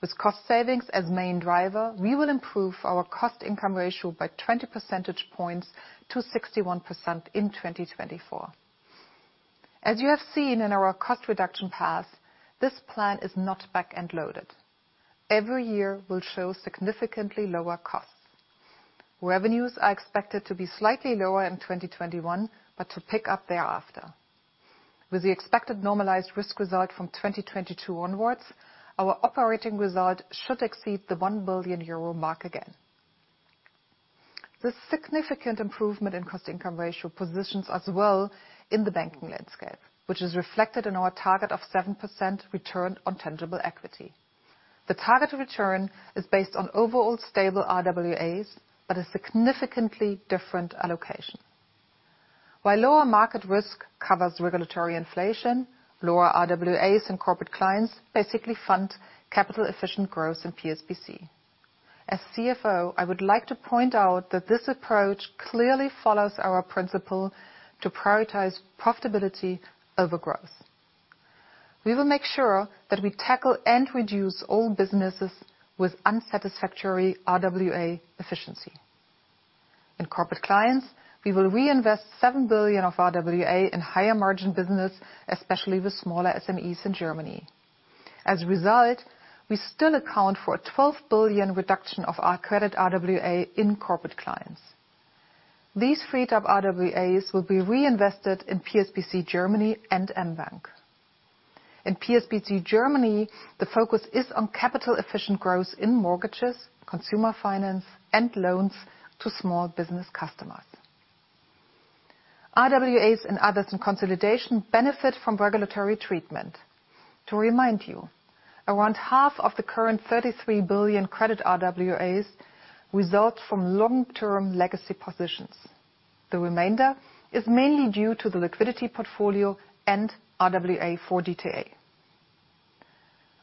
With cost savings as main driver, we will improve our cost-income ratio by 20 percentage points to 61% in 2024. As you have seen in our cost reduction path, this plan is not back-end loaded. Every year will show significantly lower costs. Revenues are expected to be slightly lower in 2021, but to pick up thereafter. With the expected normalized risk result from 2022 onwards, our operating result should exceed the €1 billion mark again. This significant improvement in cost-income ratio positions us well in the banking landscape, which is reflected in our target of 7% return on tangible equity. The target return is based on overall stable RWAs, but a significantly different allocation. While lower market risk covers regulatory inflation, lower RWAs and corporate clients basically fund capital-efficient growth in PSBC. As CFO, I would like to point out that this approach clearly follows our principle to prioritize profitability over growth. We will make sure that we tackle and reduce all businesses with unsatisfactory RWA efficiency. In corporate clients, we will reinvest $7 billion of RWA in higher-margin business, especially with smaller SMEs in Germany. As a result, we still account for a $12 billion reduction of our credit RWA in corporate clients. These freed-up RWAs will be reinvested in PSBC Germany and Mbank. In PSBC Germany, the focus is on capital-efficient growth in mortgages, consumer finance, and loans to small business customers. RWAs and others in consolidation benefit from regulatory treatment. To remind you, around half of the current $33 billion credit RWAs result from long-term legacy positions. The remainder is mainly due to the liquidity portfolio and RWA for DTA.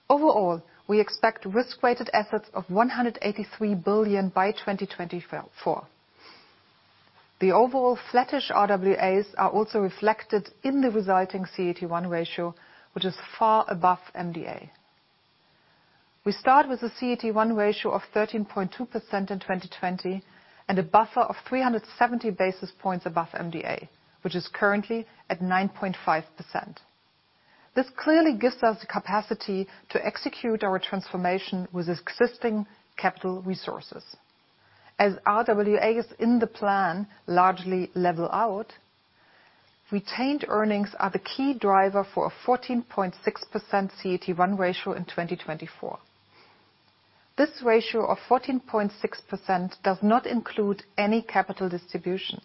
Overall, we expect risk-weighted assets of $183 billion by 2024. The overall flattish RWAs are also reflected in the resulting CET1 ratio, which is far above MDA. We start with a CET1 ratio of 13.2% in 2020 and a buffer of 370 basis points above MDA, which is currently at 9.5%. This clearly gives us the capacity to execute our transformation with existing capital resources. As RWAs in the plan largely level out, retained earnings are the key driver for a 14.6% CET1 ratio in 2024. This ratio of 14.6% does not include any capital distribution,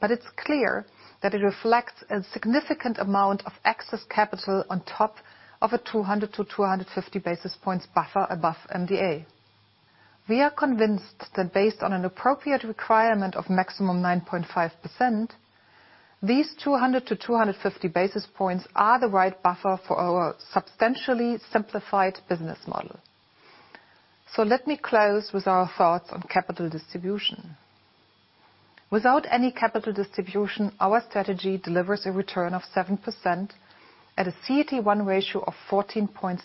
but it's clear that it reflects a significant amount of excess capital on top of a 200 to 250 basis points buffer above MDA. We are convinced that based on an appropriate requirement of maximum 9.5%, these 200 to 250 basis points are the right buffer for our substantially simplified business model. So let me close with our thoughts on capital distribution. Without any capital distribution, our strategy delivers a return of 7% at a CET1 ratio of 14.6%.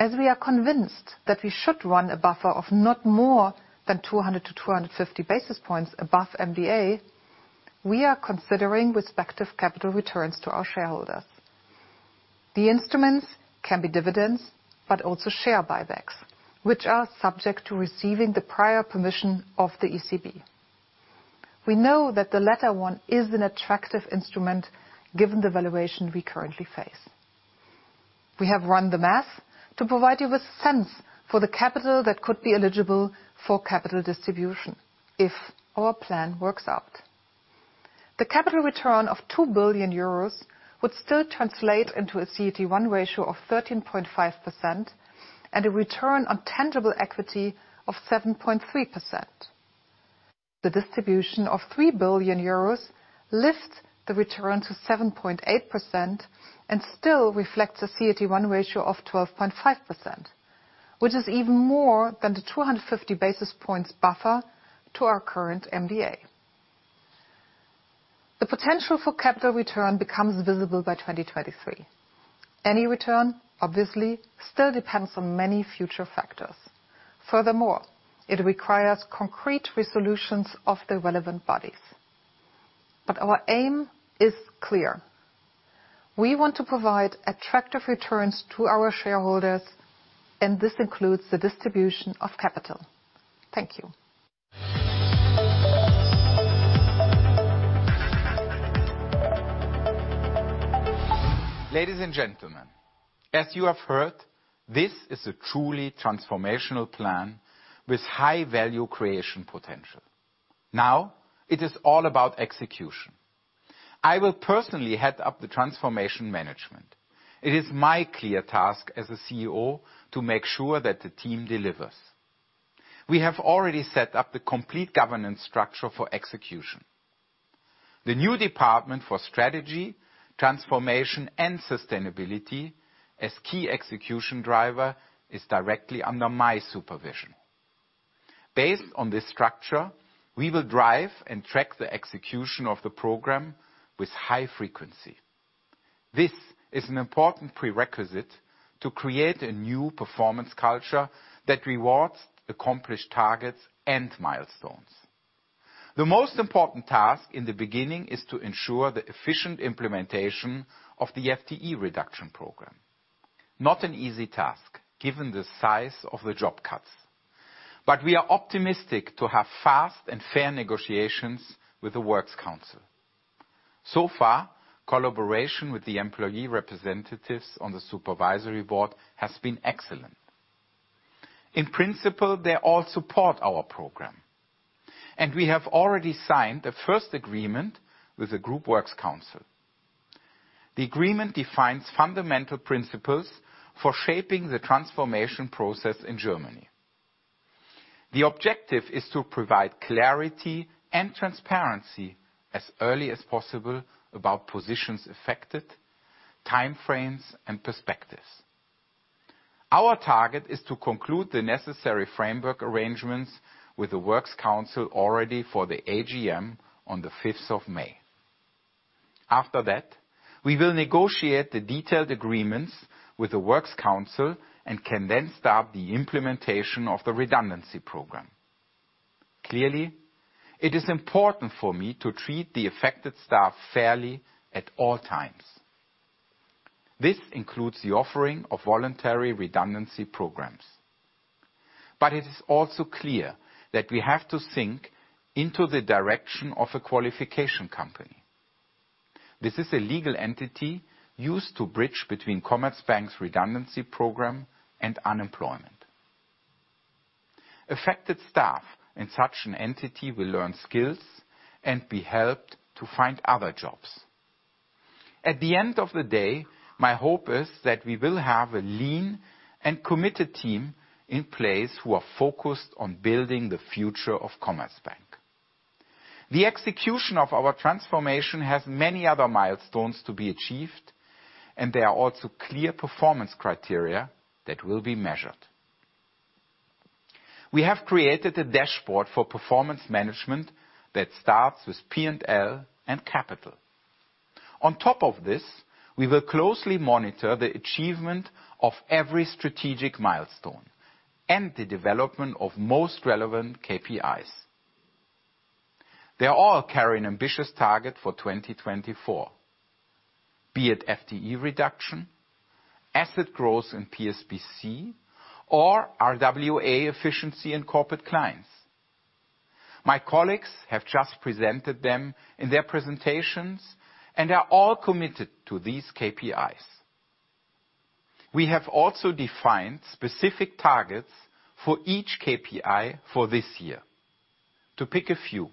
As we are convinced that we should run a buffer of not more than 200 to 250 basis points above MDA, we are considering respective capital returns to our shareholders. The instruments can be dividends, but also share buybacks, which are subject to receiving the prior permission of the ECB. We know that the latter one is an attractive instrument given the valuation we currently face. We have run the math to provide you with a sense for the capital that could be eligible for capital distribution if our plan works out. The capital return of €2 billion would still translate into a CET1 ratio of 13.5% and a return on tangible equity of 7.3%. The distribution of €3 billion lifts the return to 7.8% and still reflects a CET1 ratio of 12.5%, which is even more than the 250 basis points buffer to our current MDA. The potential for capital return becomes visible by 2023. Any return, obviously, still depends on many future factors. Furthermore, it requires concrete resolutions of the relevant bodies. But our aim is clear. We want to provide attractive returns to our shareholders, and this includes the distribution of capital. Thank you. Ladies and gentlemen, as you have heard, this is a truly transformational plan with high-value creation potential. Now it is all about execution. I will personally head up the transformation management. It is my clear task as a CEO to make sure that the team delivers. We have already set up the complete governance structure for execution. The new department for strategy, transformation, and sustainability as key execution driver is directly under my supervision. Based on this structure, we will drive and track the execution of the program with high frequency. This is an important prerequisite to create a new performance culture that rewards accomplished targets and milestones. The most important task in the beginning is to ensure the efficient implementation of the FTE reduction program. Not an easy task given the size of the job cuts. We are optimistic to have fast and fair negotiations with the Works Council. So far, collaboration with the employee representatives on the supervisory board has been excellent. In principle, they all support our program, and we have already signed the first agreement with the Group Works Council. The agreement defines fundamental principles for shaping the transformation process in Germany. The objective is to provide clarity and transparency as early as possible about positions affected, timeframes, and perspectives. Our target is to conclude the necessary framework arrangements with the Works Council already for the AGM on the 5th of May. After that, we will negotiate the detailed agreements with the Works Council and can then start the implementation of the redundancy program. Clearly, it is important for me to treat the affected staff fairly at all times. This includes the offering of voluntary redundancy programs. But it is also clear that we have to think into the direction of a qualification company. This is a legal entity used to bridge between Commerzbank's redundancy program and unemployment. Affected staff in such an entity will learn skills and be helped to find other jobs. At the end of the day, my hope is that we will have a lean and committed team in place who are focused on building the future of Commerzbank. The execution of our transformation has many other milestones to be achieved, and there are also clear performance criteria that will be measured. We have created a dashboard for performance management that starts with P&L and capital. On top of this, we will closely monitor the achievement of every strategic milestone and the development of most relevant KPIs. They all carry an ambitious target for 2024, be it FTE reduction, asset growth in PSBC, or RWA efficiency in corporate clients. My colleagues have just presented them in their presentations and are all committed to these KPIs. We have also defined specific targets for each KPI for this year. To pick a few,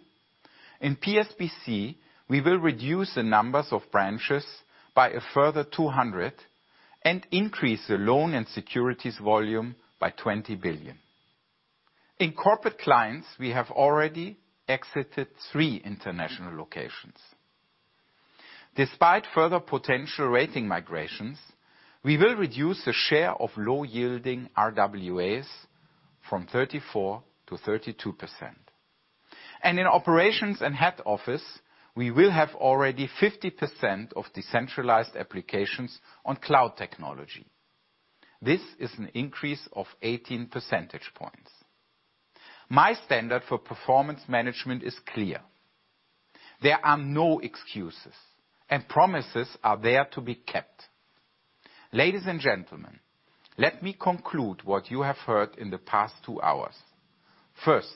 in PSBC, we will reduce the numbers of branches by a further 200 and increase the loan and securities volume by $20 billion. In corporate clients, we have already exited three international locations. Despite further potential rating migrations, we will reduce the share of low-yielding RWAs from 34% to 32%. In operations and head office, we will have already 50% of decentralized applications on cloud technology. This is an increase of 18 percentage points. My standard for performance management is clear. There are no excuses, and promises are there to be kept. Ladies and gentlemen, let me conclude what you have heard in the past two hours. First,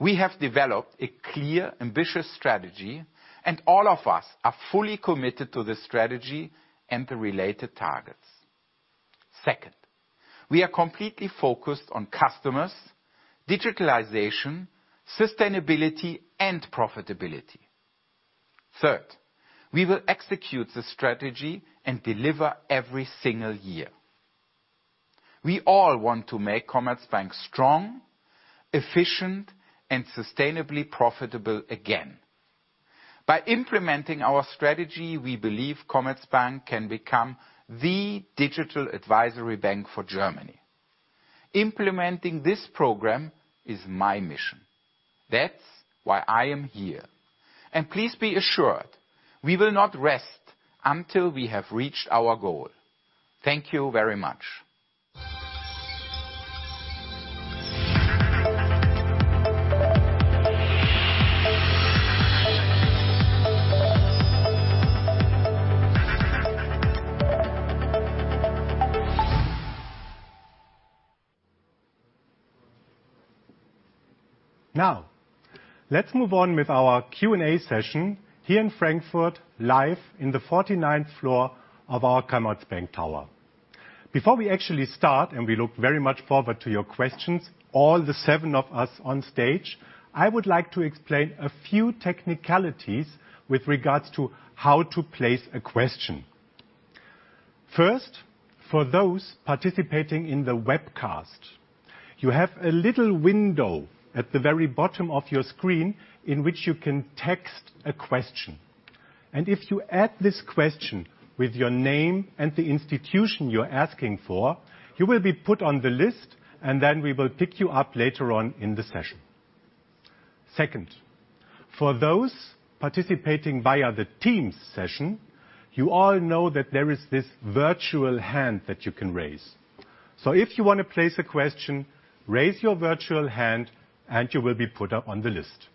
we have developed a clear, ambitious strategy, and all of us are fully committed to the strategy and the related targets. Second, we are completely focused on customers, digitalization, sustainability, and profitability. Third, we will execute the strategy and deliver every single year. We all want to make Commerzbank strong, efficient, and sustainably profitable again. By implementing our strategy, we believe Commerzbank can become the digital advisory bank for Germany. Implementing this program is my mission. That's why I am here. Please be assured, we will not rest until we have reached our goal. Thank you very much. Now, let's move on with our Q&A session here in Frankfurt, live on the 49th floor of our Commerzbank Tower. Before we actually start, and we look very much forward to your questions, all the seven of us on stage, I would like to explain a few technicalities with regards to how to place a question. First, for those participating in the webcast, you have a little window at the very bottom of your screen in which you can text a question. If you add this question with your name and the institution you're asking for, you will be put on the list, and then we will pick you up later on in the session. Second, for those participating via the Teams session, you all know that there is this virtual hand that you can raise. If you want to place a question, raise your virtual hand, and you will be put up on the list.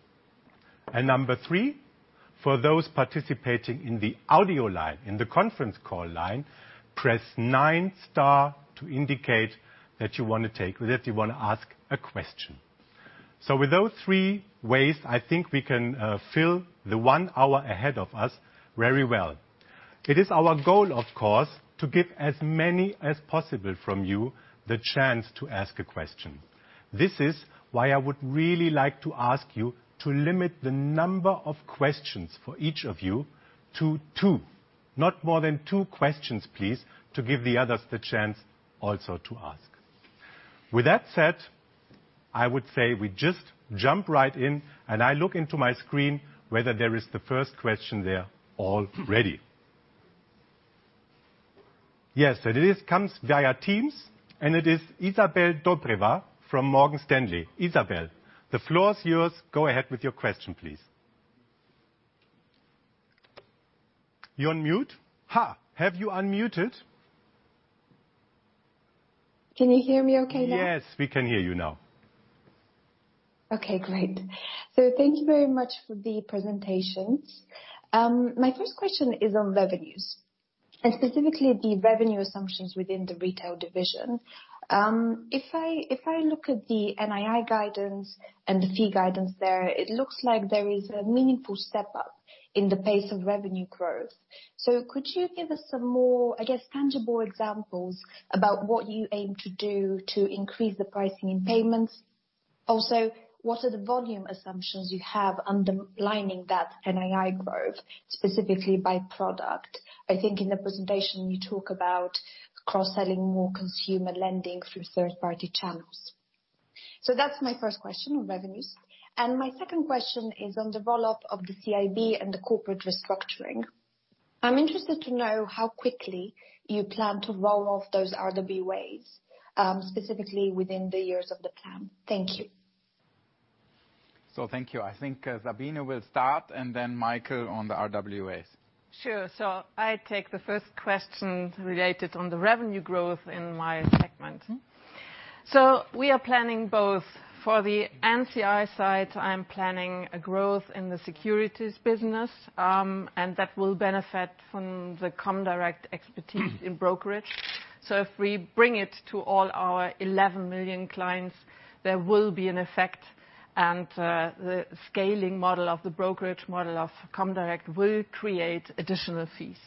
Number three, for those participating in the audio line, in the conference call line, press nine-star to indicate that you want to ask a question. So with those three ways, I think we can fill the one hour ahead of us very well. It is our goal, of course, to give as many as possible from you the chance to ask a question. This is why I would really like to ask you to limit the number of questions for each of you to two, not more than two questions, please, to give the others the chance also to ask. With that said, I would say we just jump right in, and I look into my screen whether there is the first question there already. Yes, it comes via Teams, and it is Isabel Dobrevá from Morgan Stanley. Isabel, the floor is yours. Go ahead with your question, please. You're on mute. Have you unmuted? Can you hear me okay now? Yes, we can hear you now. Okay, great. Thank you very much for the presentations. My first question is on revenues, and specifically the revenue assumptions within the retail division. If I look at the NII guidance and the fee guidance there, it looks like there is a meaningful step up in the pace of revenue growth. Could you give us some more, I guess, tangible examples about what you aim to do to increase the pricing in payments? Also, what are the volume assumptions you have underlining that NII growth, specifically by product? I think in the presentation, you talk about cross-selling more consumer lending through third-party channels. That's my first question on revenues. My second question is on the roll-up of the CIB and the corporate restructuring. I'm interested to know how quickly you plan to roll off those RWAs, specifically within the years of the plan. Thank you. Thank you. I think Sabine will start, and then Michael on the RWAs. Sure. I take the first question related to the revenue growth in my segment. We are planning both for the NCI side. I'm planning a growth in the securities business, and that will benefit from the comdirect expertise in brokerage. If we bring it to all our 11 million clients, there will be an effect, and the scaling model of the brokerage model of comdirect will create additional fees.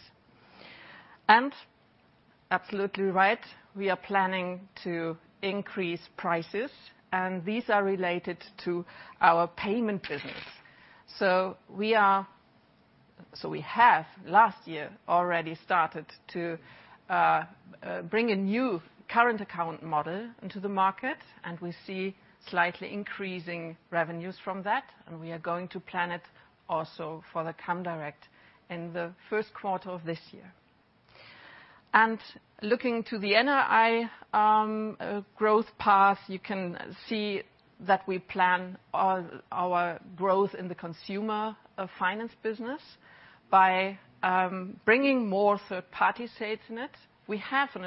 Absolutely right, we are planning to increase prices, and these are related to our payment business. We have last year already started to bring a new current account model into the market, and we see slightly increasing revenues from that, and we are going to plan it also for the comdirect in the first quarter of this year. Looking to the NII growth path, you can see that we plan our growth in the consumer finance business by bringing more third-party sales in it. We have an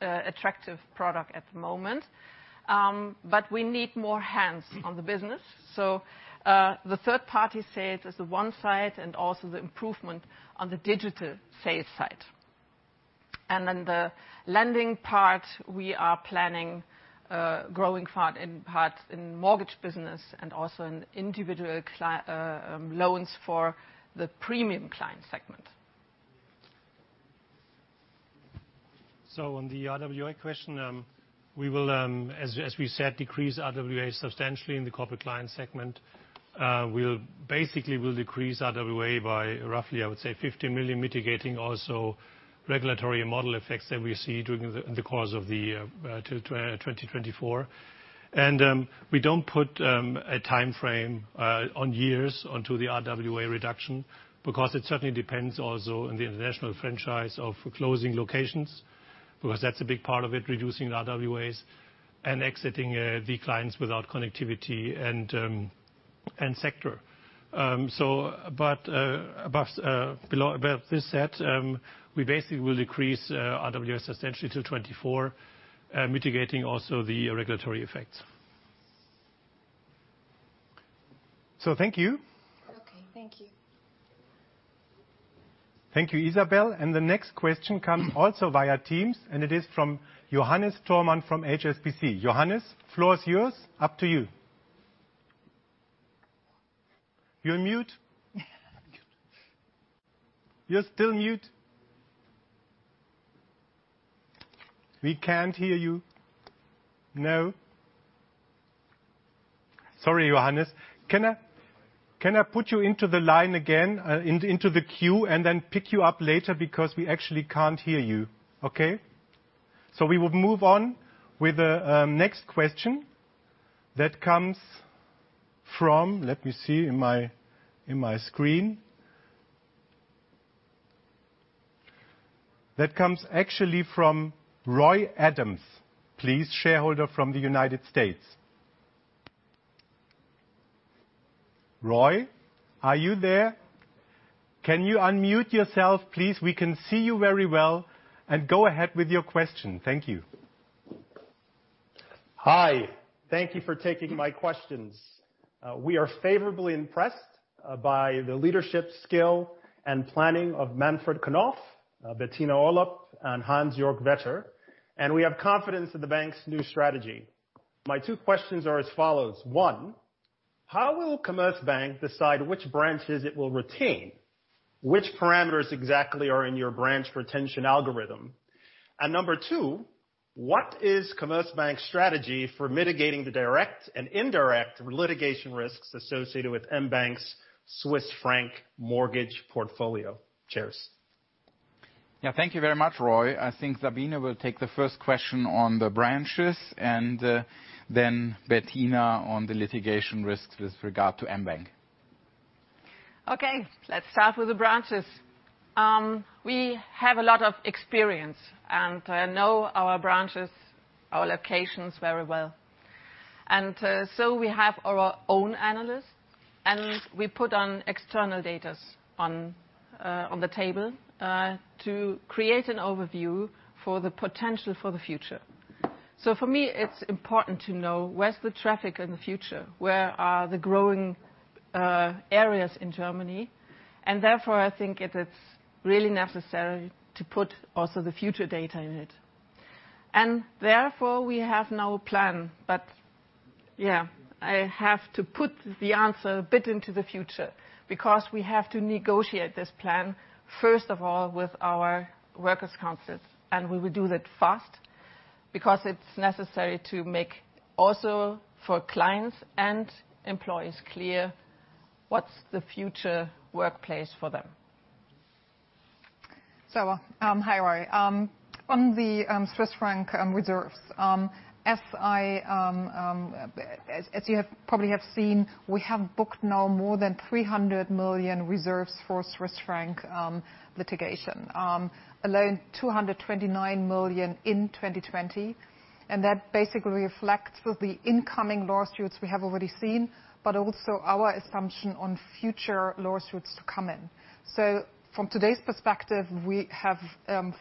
attractive product at the moment, but we need more hands on the business. The third-party sales is the one side and also the improvement on the digital sales side. Then the lending part, we are planning growing part in mortgage business and also in individual loans for the premium client segment. On the RWA question, we will, as we said, decrease RWAs substantially in the corporate client segment. Basically, we'll decrease RWA by roughly, I would say, $50 million, mitigating also regulatory model effects that we see during the course of 2024. We don't put a timeframe on years onto the RWA reduction because it certainly depends also on the international franchise of closing locations, because that's a big part of it, reducing RWAs and exiting the clients without connectivity and sector. Above this set, we basically will decrease RWAs substantially to 24, mitigating also the regulatory effects. Thank you. Okay, thank you. Thank you, Isabel. The next question comes also via Teams, and it is from Johannes Thormann from HSBC. Johannes, floor is yours. Up to you. You're on mute. You're still mute. We can't hear you. Sorry, Johannes. Can I put you into the line again, into the queue, and then pick you up later because we actually can't hear you? Okay. So we will move on with the next question that comes from, let me see in my screen, that comes actually from Roy Adams, please, shareholder from the United States. Roy, are you there? Can you unmute yourself, please? We can see you very well. Go ahead with your question. Thank you. Hi. Thank you for taking my questions. We are favorably impressed by the leadership skill and planning of Manfred Knof, Bettina Olapp, and Hans-Jörg Wetter, and we have confidence in the bank's new strategy. My two questions are as follows. One, how will Commerzbank decide which branches it will retain? Which parameters exactly are in your branch retention algorithm? Number two, what is Commerzbank's strategy for mitigating the direct and indirect litigation risks associated with MBank's Swiss franc mortgage portfolio? Chairs. Thank you very much, Roy. I think Sabine will take the first question on the branches, and then Bettina on the litigation risks with regard to MBank. Okay, let's start with the branches. We have a lot of experience, and I know our branches, our locations very well. So we have our own analysts, and we put on external data on the table to create an overview for the potential for the future. For me, it's important to know where's the traffic in the future, where are the growing areas in Germany? Therefore, I think it's really necessary to put also the future data in it. Therefore, we have no plan, but I have to put the answer a bit into the future because we have to negotiate this plan, first of all, with our workers' councils, and we will do that fast because it's necessary to make also for clients and employees clear what's the future workplace for them. On the Swiss franc reserves, as you have probably seen, we have booked now more than $300 million reserves for Swiss franc litigation, alone $229 million in 2020, and that basically reflects the incoming lawsuits we have already seen, but also our assumption on future lawsuits to come in. From today's perspective, we have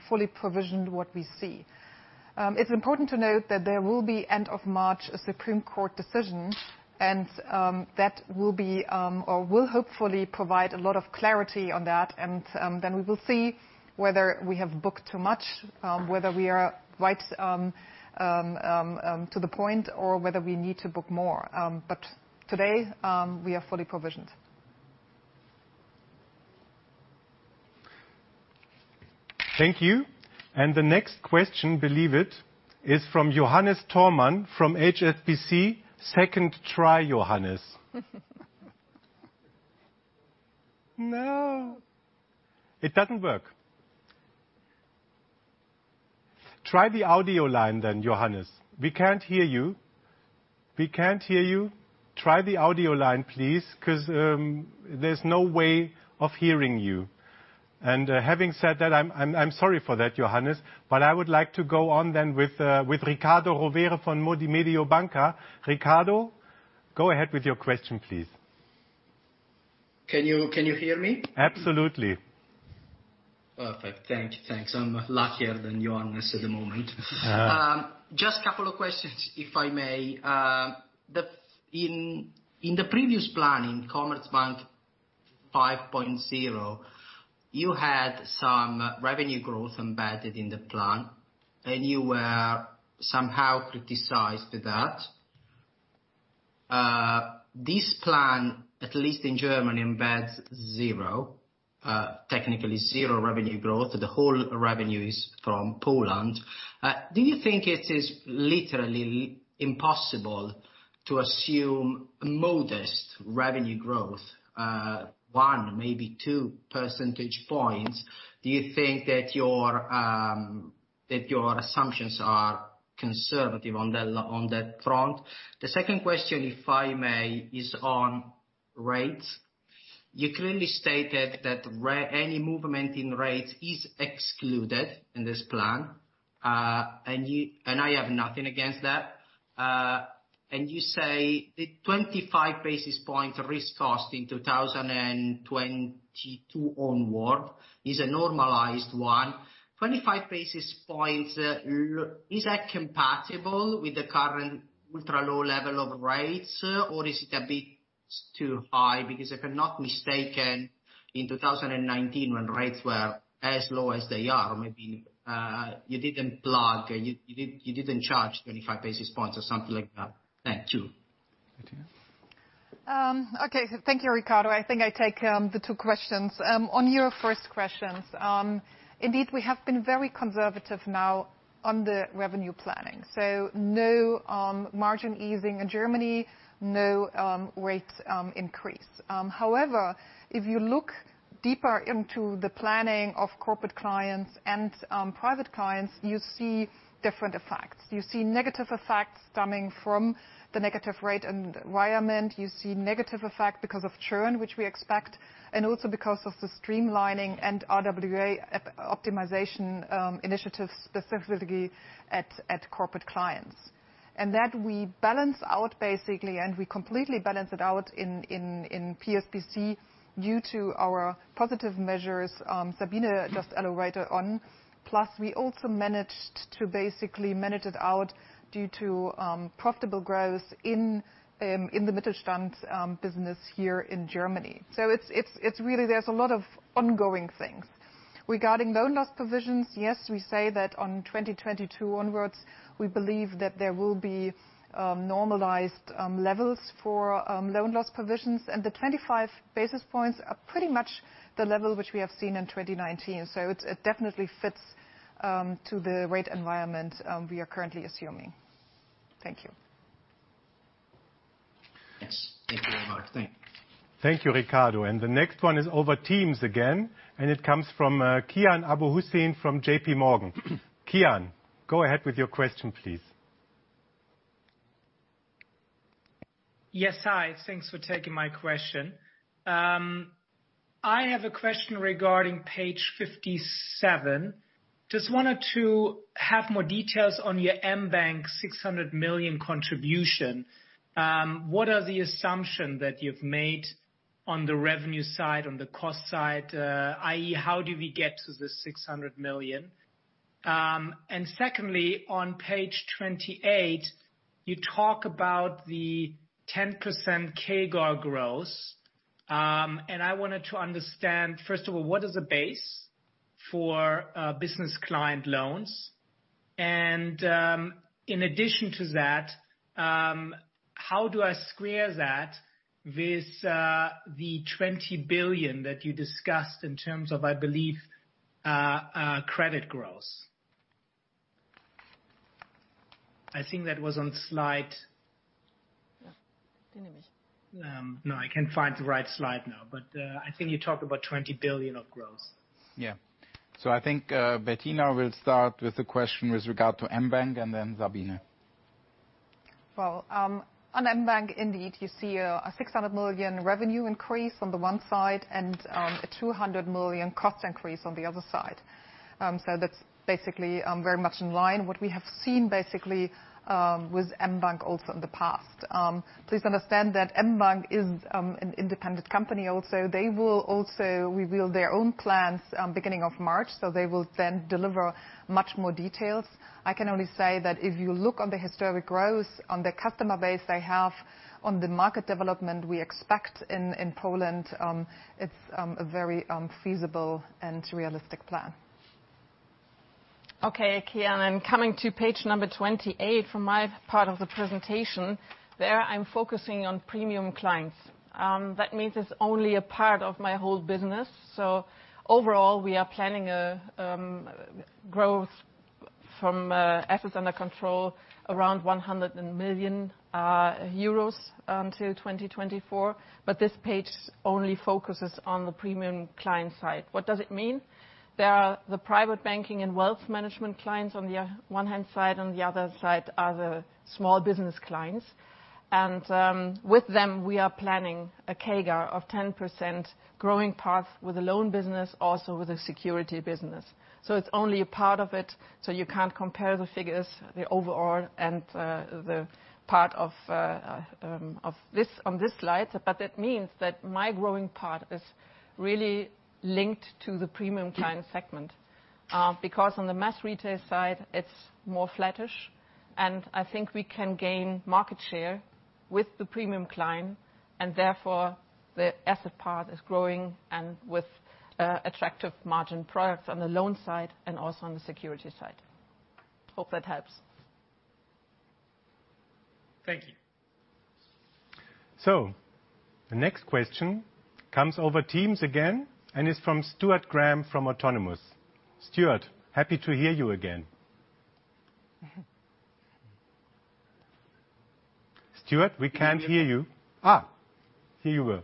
fully provisioned what we see. It's important to note that there will be end of March a Supreme Court decision, and that will be or will hopefully provide a lot of clarity on that, and then we will see whether we have booked too much, whether we are right to the point, or whether we need to book more. Today, we are fully provisioned. Thank you. The next question, believe it, is from Johannes Thormann from HSBC. Second try, Johannes. No. It doesn't work. Try the audio line then, Johannes. We can't hear you. We can't hear you. Try the audio line, please, because there's no way of hearing you. Having said that, I'm sorry for that, Johannes, but I would like to go on then with Ricardo Rovere from Modi Mediobanca. Ricardo, go ahead with your question, please. Can you hear me? Absolutely. Perfect. Thank you. Thanks. I'm luckier than Johannes at the moment. Just a couple of questions, if I may. In the previous planning, Commerzbank 5.0, you had some revenue growth embedded in the plan, and you were somehow criticized for that. This plan, at least in Germany, embeds zero, technically zero revenue growth. The whole revenue is from Poland. Do you think it is literally impossible to assume modest revenue growth, one, maybe two percentage points? Do you think that your assumptions are conservative on that front? The second question, if I may, is on rates. You clearly stated that any movement in rates is excluded in this plan, and I have nothing against that. You say the 25 basis point risk cost in 2022 onward is a normalized one. 25 basis points, is that compatible with the current ultra-low level of rates, or is it a bit too high? Because if I'm not mistaken, in 2019, when rates were as low as they are, maybe you didn't plug, you didn't charge 25 basis points or something like that. Thank you. Okay, thank you, Ricardo. I think I take the two questions. On your first question, indeed, we have been very conservative now on the revenue planning. So no margin easing in Germany, no rate increase. However, if you look deeper into the planning of corporate clients and private clients, you see different effects. You see negative effects stemming from the negative rate environment. You see negative effects because of churn, which we expect, and also because of the streamlining and RWA optimization initiatives, specifically at corporate clients. That we balance out, basically, and we completely balance it out in PSBC due to our positive measures Sabine just elaborated on. Plus, we also managed to basically manage it out due to profitable growth in the Mittelstand business here in Germany. So there's a lot of ongoing things. Regarding loan loss provisions, yes, we say that on 2022 onwards, we believe that there will be normalized levels for loan loss provisions, and the 25 basis points are pretty much the level which we have seen in 2019. So it definitely fits to the rate environment we are currently assuming. Thank you. Yes. Thank you very much. Thank you. Thank you, Ricardo. The next one is over Teams again, and it comes from Kian Abuhussein from JP Morgan. Kian, go ahead with your question, please. Yes, hi. Thanks for taking my question. I have a question regarding page 57. Just wanted to have more details on your MBank €600 million contribution. What are the assumptions that you've made on the revenue side, on the cost side, i.e., how do we get to the $600 million? Secondly, on page 28, you talk about the 10% CAGR growth, and I wanted to understand, first of all, what is a base for business client loans? In addition to that, how do I square that with the $20 billion that you discussed in terms of, I believe, credit growth? I think that was on slide. No, I can't find the right slide now, but I think you talked about $20 billion of growth. Yeah. I think Bettina will start with the question with regard to MBank and then Sabine. On MBank, indeed, you see a $600 million revenue increase on the one side and a $200 million cost increase on the other side. That's basically very much in line with what we have seen with MBank also in the past. Please understand that MBank is an independent company also. They will also reveal their own plans beginning of March, they will then deliver much more details. I can only say that if you look on the historic growth on the customer base they have on the market development we expect in Poland, it's a very feasible and realistic plan. Okay, Kian. Coming to page number 28, from my part of the presentation, there I'm focusing on premium clients. That means it's only a part of my whole business. Overall, we are planning a growth from assets under control around €100 million until 2024, but this page only focuses on the premium client side. What does it mean? There are the private banking and wealth management clients on the one hand side, on the other side are the small business clients. With them, we are planning a CAGR of 10% growing path with a loan business, also with a security business. It's only a part of it, so you can't compare the figures, the overall and the part of this on this slide, but that means that my growing path is really linked to the premium client segment because on the mass retail side, it's more flattish, and I think we can gain market share with the premium client, and therefore the asset path is growing and with attractive margin products on the loan side and also on the security side. Hope that helps. Thank you. The next question comes over Teams again, and it's from Stuart Graham from Autonomous. Stuart, happy to hear you again. Stuart, we can't hear you. There you were.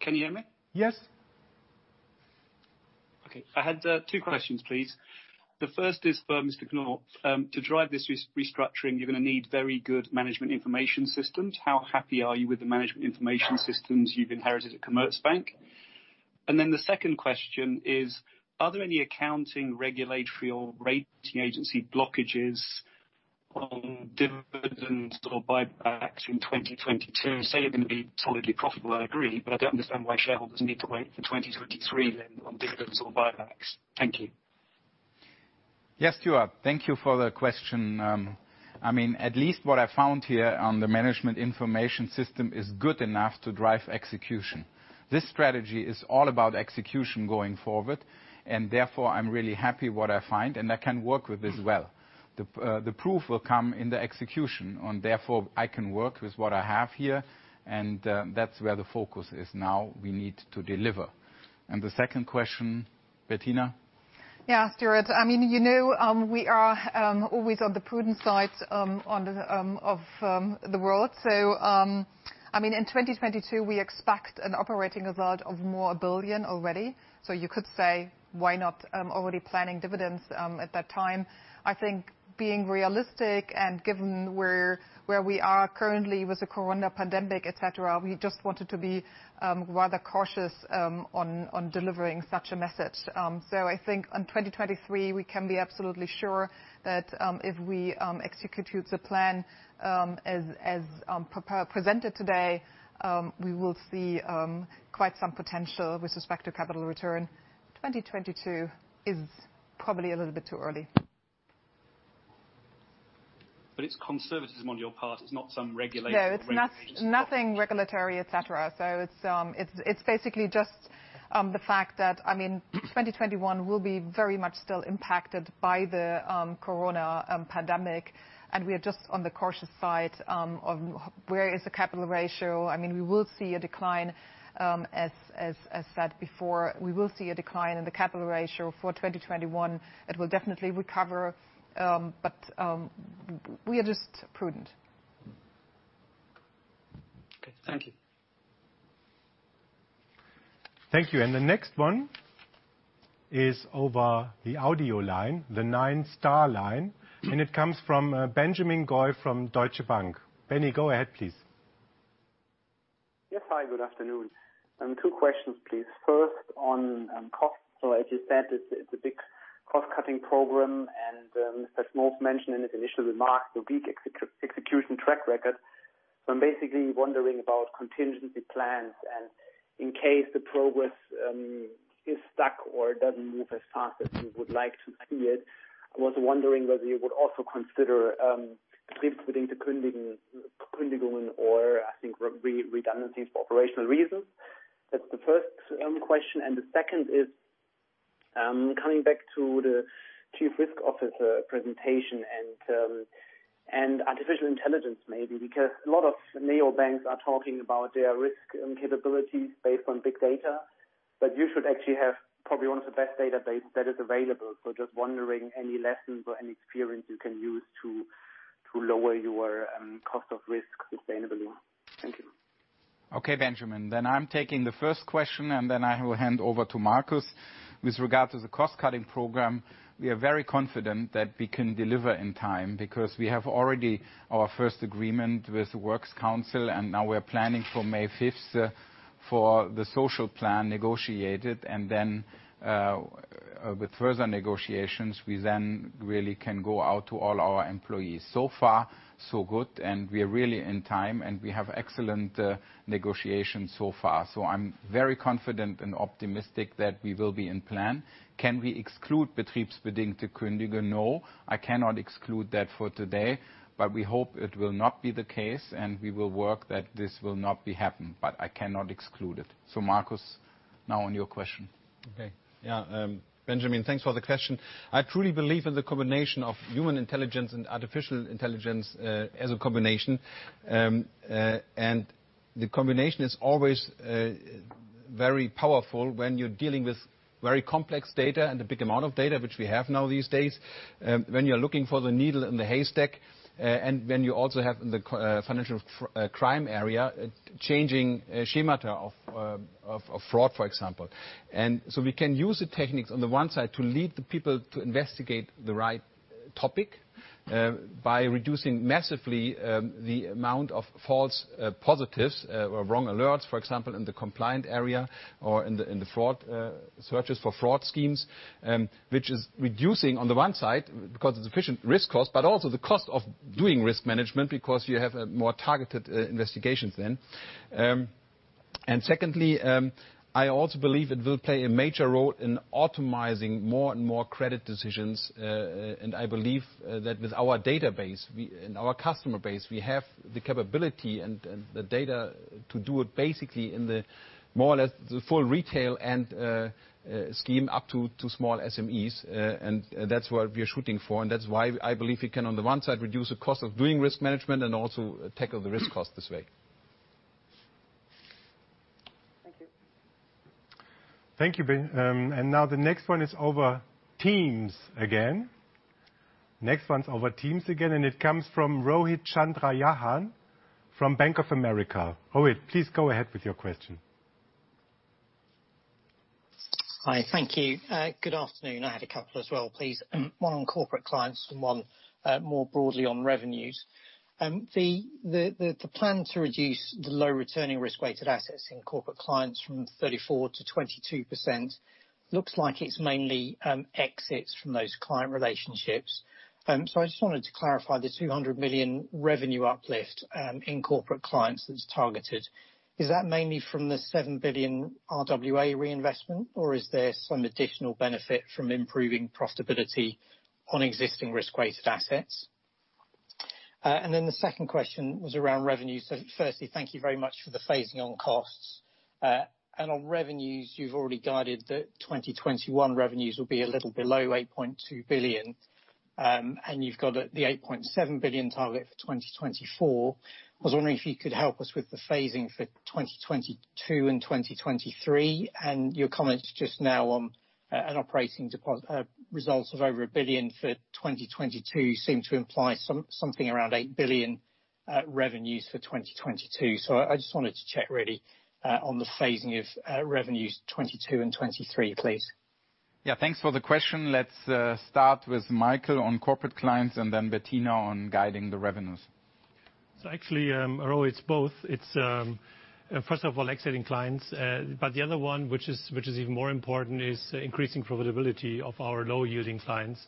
Can you hear me? Yes. Okay. I had two questions, please. The first is for Mr. Knopf. To drive this restructuring, you're going to need very good management information systems. How happy are you with the management information systems you've inherited at Commerzbank? The second question is, are there any accounting, regulatory, or rating agency blockages on dividends or buybacks in 2022? Say you're going to be solidly profitable, I agree, but I don't understand why shareholders need to wait for 2023 then on dividends or buybacks. Thank you. Yes, Stuart. Thank you for the question. I mean, at least what I found here on the management information system is good enough to drive execution. This strategy is all about execution going forward, and therefore I'm really happy with what I find, and I can work with this well. The proof will come in the execution, and therefore I can work with what I have here, and that's where the focus is now. We need to deliver. And the second question, Bettina? Yeah, Stuart. I mean, you know we are always on the prudent side of the world. So I mean, in 2022, we expect an operating result of more than $1 billion already. So you could say, why not already planning dividends at that time? I think being realistic and given where we are currently with the corona pandemic, etc., we just wanted to be rather cautious on delivering such a message. I think in 2023, we can be absolutely sure that if we execute the plan as presented today, we will see quite some potential with respect to capital return. 2022 is probably a little bit too early. But it's conservatism on your part. It's not some regulatory regulation. No, it's nothing regulatory, etc. It's basically just the fact that, I mean, 2021 will be very much still impacted by the corona pandemic, and we are just on the cautious side of where is the capital ratio. I mean, we will see a decline, as said before. We will see a decline in the capital ratio for 2021. It will definitely recover, but we are just prudent. Okay. Thank you. Thank you. And the next one is over the audio line, the nine-star line, and it comes from Benjamin Goy from Deutsche Bank. Benny, go ahead, please. Yes, hi. Good afternoon. Two questions, please. First, on costs. As you said, it's a big cost-cutting program, and Mr. Knopf mentioned in his initial remarks the weak execution track record. I'm basically wondering about contingency plans in case the progress is stuck or doesn't move as fast as we would like to see it. I was wondering whether you would also consider Kündigungen or, I think, redundancies for operational reasons. That's the first question. The second is coming back to the Chief Risk Officer presentation and artificial intelligence, maybe, because a lot of neobanks are talking about their risk capabilities based on big data, but you should actually have probably one of the best databases that is available. Just wondering any lessons or any experience you can use to lower your cost of risk sustainably. Thank you. Okay, Benjamin. I'm taking the first question, and then I will hand over to Marcus. With regard to the cost-cutting program, we are very confident that we can deliver in time because we have already our first agreement with the Works Council, and now we're planning for May 5th for the social plan negotiated, and then with further negotiations, we then really can go out to all our employees. So far, so good, and we are really in time, and we have excellent negotiations so far. I'm very confident and optimistic that we will be in plan. Can we exclude Betriebsbedingte Kündigungen? No, I cannot exclude that for today, but we hope it will not be the case, and we will work that this will not be happened, but I cannot exclude it. Marcus, now on your question. Okay. Yeah. Benjamin, thanks for the question. I truly believe in the combination of human intelligence and artificial intelligence as a combination, and the combination is always very powerful when you're dealing with very complex data and a big amount of data, which we have nowadays, when you're looking for the needle in the haystack, and when you also have in the financial crime area changing schemas of fraud, for example. We can use the techniques on the one side to lead the people to investigate the right topic by reducing massively the amount of false positives or wrong alerts, for example, in the compliance area or in the fraud searches for fraud schemes, which is reducing on the one side because it's efficient risk cost, but also the cost of doing risk management because you have more targeted investigations then. Secondly, I also believe it will play a major role in optimizing more and more credit decisions, and I believe that with our database and our customer base, we have the capability and the data to do it basically in the more or less the full retail and scheme up to small SMEs, and that's what we are shooting for, and that's why I believe we can, on the one side, reduce the cost of doing risk management and also tackle the risk cost this way. Thank you. Thank you, Ben. Now the next one is over Teams again. Next one's over Teams again, and it comes from Rohit Chandra Yahan from Bank of America. Rohit, please go ahead with your question. Hi. Thank you. Good afternoon. I had a couple as well, please. One on corporate clients and one more broadly on revenues. The plan to reduce the low returning risk-weighted assets in corporate clients from 34% to 22% looks like it's mainly exits from those client relationships. I just wanted to clarify the $200 million revenue uplift in corporate clients that's targeted. Is that mainly from the $7 billion RWA reinvestment, or is there some additional benefit from improving profitability on existing risk-weighted assets? The second question was around revenues. Firstly, thank you very much for the phasing on costs. On revenues, you've already guided that 2021 revenues will be a little below $8.2 billion, and you've got the $8.7 billion target for 2024. I was wondering if you could help us with the phasing for 2022 and 2023, and your comments just now on an operating result of over $1 billion for 2022 seem to imply something around $8 billion revenues for 2022. I just wanted to check really on the phasing of revenues '22 and '23, please. Yeah. Thanks for the question. Let's start with Michael on corporate clients and then Bettina on guiding the revenues. Actually, Rohit, both. First of all, exiting clients, but the other one, which is even more important, is increasing profitability of our low-yielding clients,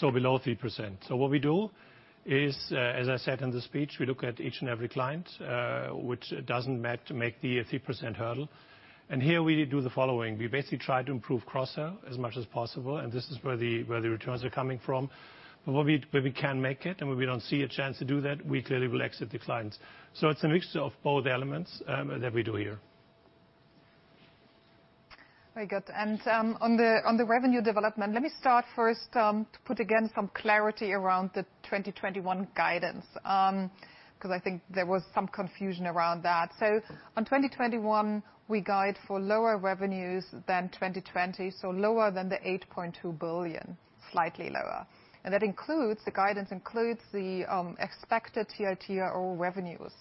below 3%. What we do is, as I said in the speech, we look at each and every client, which doesn't make the 3% hurdle. Here we do the following. We basically try to improve cross-sell as much as possible, and this is where the returns are coming from. But when we can't make it and when we don't see a chance to do that, we clearly will exit the clients. It's a mixture of both elements that we do here. Very good. On the revenue development, let me start first to put, again, some clarity around the 2021 guidance because I think there was some confusion around that. On 2021, we guide for lower revenues than 2020, lower than the $8.2 billion, slightly lower. That includes the guidance includes the expected TLTRO revenues.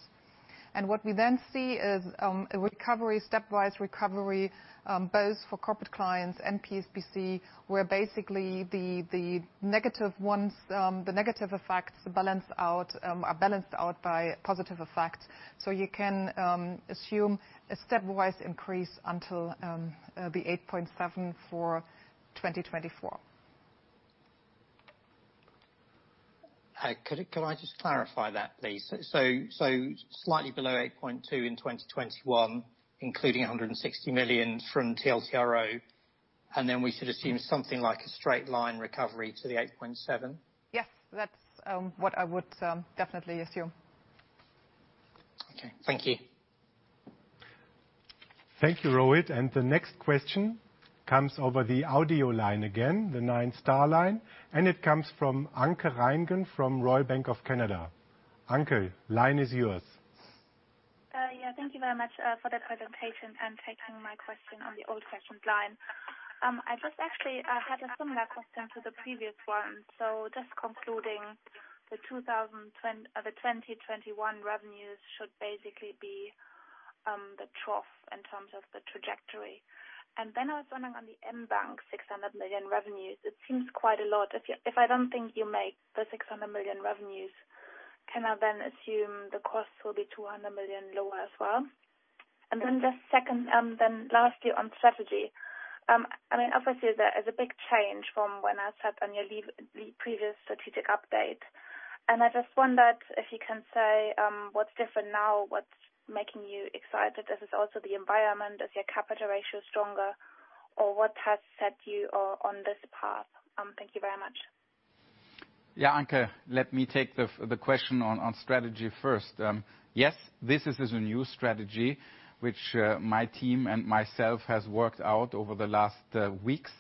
What we then see is a recovery, stepwise recovery, both for corporate clients and PSPC, where basically the negative ones, the negative effects are balanced out by positive effects. You can assume a stepwise increase until the $8.7 billion for 2024. Hi. Could I just clarify that, please? Slightly below $8.2 billion in 2021, including $160 million from TLTRO, and then we should assume something like a straight line recovery to the $8.7 billion? Yes, that's what I would definitely assume. Okay. Thank you. Thank you, Rohit. The next question comes over the audio line again, the nine-star line, and it comes from Anke Reingen from Royal Bank of Canada. Anke, line is yours. Thank you very much for the presentation and taking my question on the old questions line. I just actually had a similar question to the previous one. Concluding, the 2021 revenues should basically be the trough in terms of the trajectory. I was wondering on the mBank $600 million revenues, it seems quite a lot. If I don't think you make the $600 million revenues, can I then assume the costs will be $200 million lower as well? Lastly on strategy. Obviously, there is a big change from when I sat on your previous strategic update. I just wondered if you can say what's different now, what's making you excited? Is it also the environment? Is your capital ratio stronger, or what has set you on this path? Thank you very much. Yeah, Anke, let me take the question on strategy first. Yes, this is a new strategy which my team and myself have worked out over the last weeks,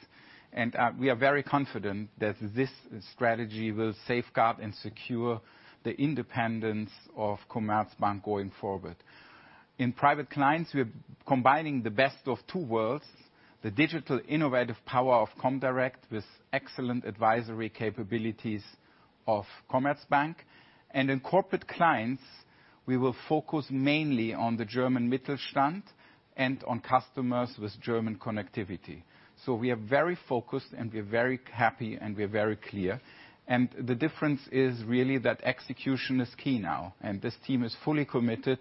and we are very confident that this strategy will safeguard and secure the independence of Commerzbank going forward. In private clients, we're combining the best of two worlds: the digital innovative power of Comdirect with excellent advisory capabilities of Commerzbank. In corporate clients, we will focus mainly on the German Mittelstand and on customers with German connectivity. So we are very focused, we are very happy, and we are very clear. The difference is really that execution is key now, and this team is fully committed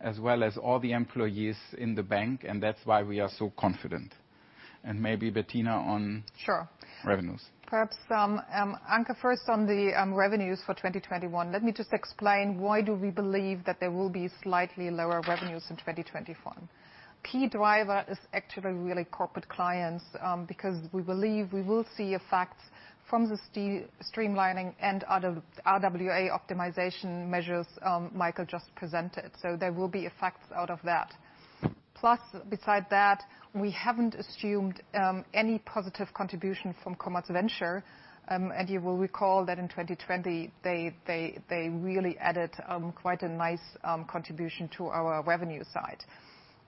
as well as all the employees in the bank, and that's why we are so confident. Maybe, Bettina, on revenues. Sure. Perhaps Anke first on the revenues for 2021. Let me just explain why we believe that there will be slightly lower revenues in 2021. Key driver is actually really corporate clients because we believe we will see effects from the streamlining and other RWA optimization measures Michael just presented. So there will be effects out of that. Plus, beside that, we haven't assumed any positive contribution from Commerzventure, and you will recall that in 2020, they really added quite a nice contribution to our revenue side.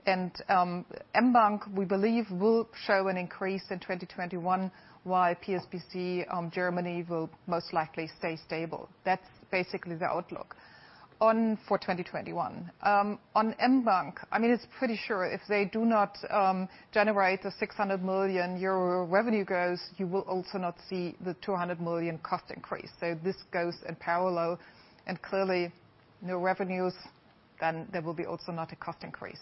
mBank, we believe, will show an increase in 2021 while PSPC Germany will most likely stay stable. That's basically the outlook for 2021. On mBank, I mean, it's pretty sure if they do not generate the €600 million revenue growth, you will also not see the €200 million cost increase. So this goes in parallel, and clearly, no revenues, then there will be also not a cost increase.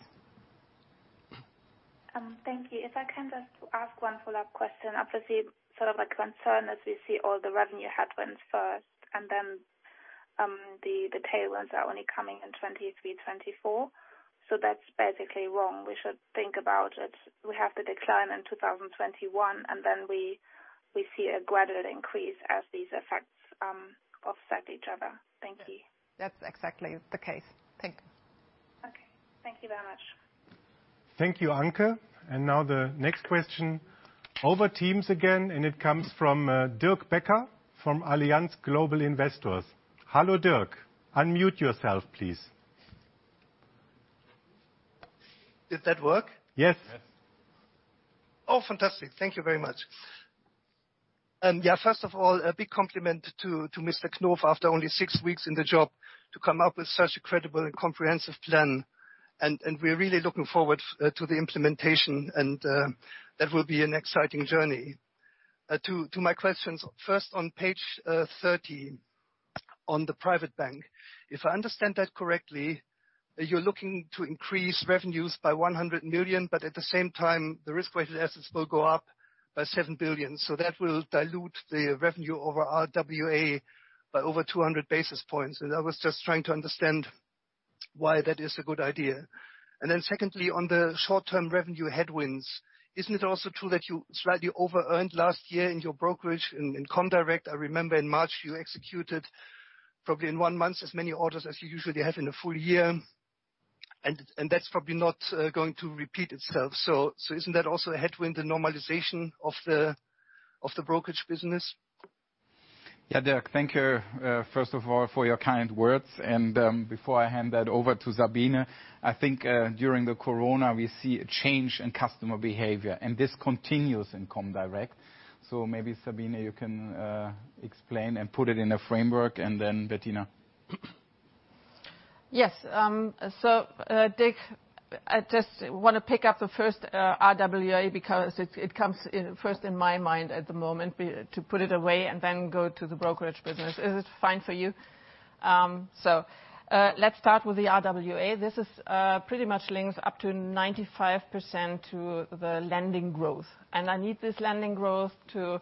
Thank you. If I can just ask one follow-up question, obviously, sort of a concern as we see all the revenue headwinds first and then the tailwinds are only coming in '23, '24. So that's basically wrong. We should think about it. We have the decline in 2021, and then we see a gradual increase as these effects offset each other. Thank you. That's exactly the case. Thank you. Okay. Thank you very much. Thank you, Anke. Now the next question over Teams again, and it comes from Dirk Becker from Allianz Global Investors. Hello, Dirk. Unmute yourself, please. Did that work? Yes. Oh, fantastic. Thank you very much. Yeah, first of all, a big compliment to Mr. Knopf after only six weeks in the job to come up with such a credible and comprehensive plan, and we're really looking forward to the implementation, and that will be an exciting journey. To my questions, first on page 30 on the private bank, if I understand that correctly, you're looking to increase revenues by $100 million, but at the same time, the risk-weighted assets will go up by $7 billion. So that will dilute the revenue over RWA by over 200 basis points. I was just trying to understand why that is a good idea. Secondly, on the short-term revenue headwinds, isn't it also true that you slightly over-earned last year in your brokerage in Comdirect? I remember in March, you executed probably in one month as many orders as you usually have in a full year, and that's probably not going to repeat itself. So isn't that also a headwind, the normalization of the brokerage business? Yeah, Dirk, thank you first of all for your kind words. Before I hand that over to Sabine, I think during the corona, we see a change in customer behavior, and this continues in Comdirect. Maybe, Sabine, you can explain and put it in a framework, and then Bettina. Yes. Dirk, I just want to pick up the first RWA because it comes first in my mind at the moment to put it away and then go to the brokerage business. Is it fine for you? Let's start with the RWA. This is pretty much linked up to 95% to the lending growth, and I need this lending growth to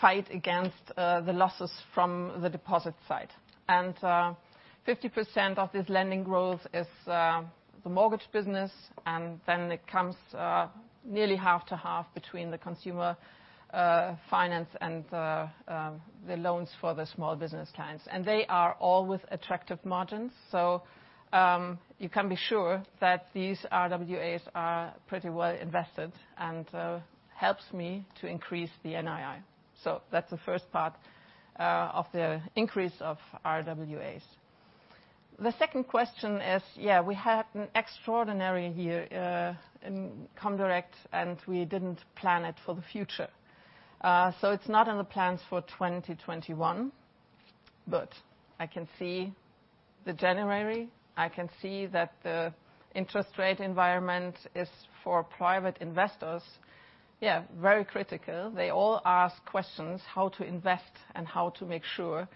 fight against the losses from the deposit side. 50% of this lending growth is the mortgage business, and then it comes nearly half to half between the consumer finance and the loans for the small business clients. They are all with attractive margins, so you can be sure that these RWAs are pretty well invested and help me to increase the NII. That's the first part of the increase of RWAs. The second question is, yeah, we had an extraordinary year in Comdirect, and we didn't plan it for the future. It's not in the plans for 2021, but I can see the January. I can see that the interest rate environment is for private investors, yeah, very critical. They all ask questions how to invest and how to make sure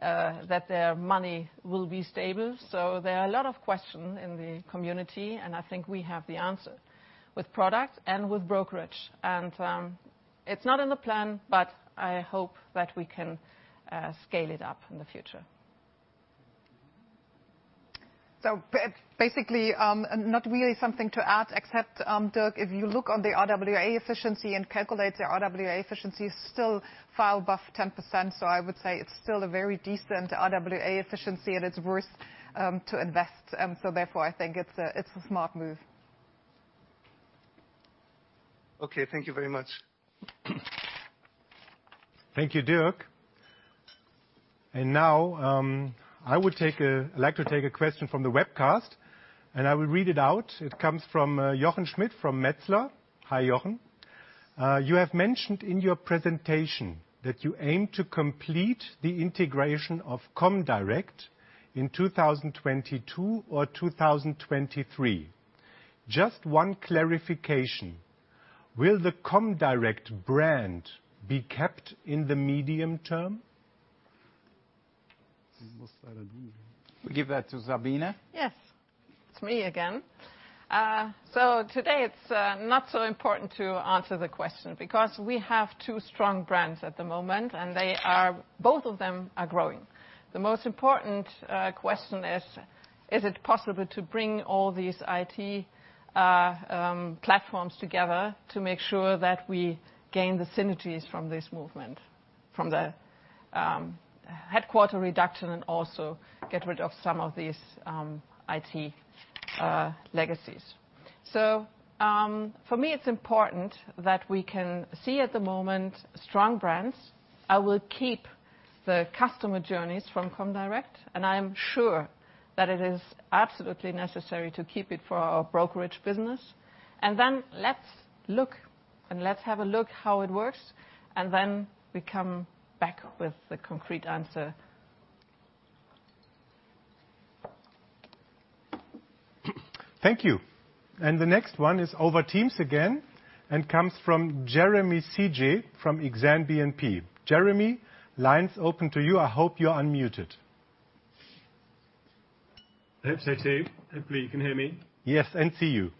that their money will be stable. There are a lot of questions in the community, and I think we have the answer with product and with brokerage. It's not in the plan, but I hope that we can scale it up in the future. Basically, not really something to add, except Dirk, if you look on the RWA efficiency and calculate the RWA efficiency, it's still far above 10%. I would say it's still a very decent RWA efficiency, and it's worth to invest. Therefore, I think it's a smart move. Okay. Thank you very much. Thank you, Dirk. Now I would like to take a question from the webcast, and I will read it out. It comes from Jochen Schmidt from Metzler. Hi, Jochen. You have mentioned in your presentation that you aim to complete the integration of Comdirect in 2022 or 2023. Just one clarification: will the Comdirect brand be kept in the medium term? We give that to Sabine. Yes. It's me again. Today, it's not so important to answer the question because we have two strong brands at the moment, and both of them are growing. The most important question is, is it possible to bring all these IT platforms together to make sure that we gain the synergies from this movement, from the headquarter reduction, and also get rid of some of these IT legacies? For me, it's important that we can see at the moment strong brands. I will keep the customer journeys from Comdirect, and I am sure that it is absolutely necessary to keep it for our brokerage business. Let's look and let's have a look how it works, and then we come back with the concrete answer. Thank you. The next one is over Teams again and comes from Jeremy CJ from ExambeNP. Jeremy, line's open to you. I hope you're unmuted. Hopefully, you can hear me. Yes, and see you.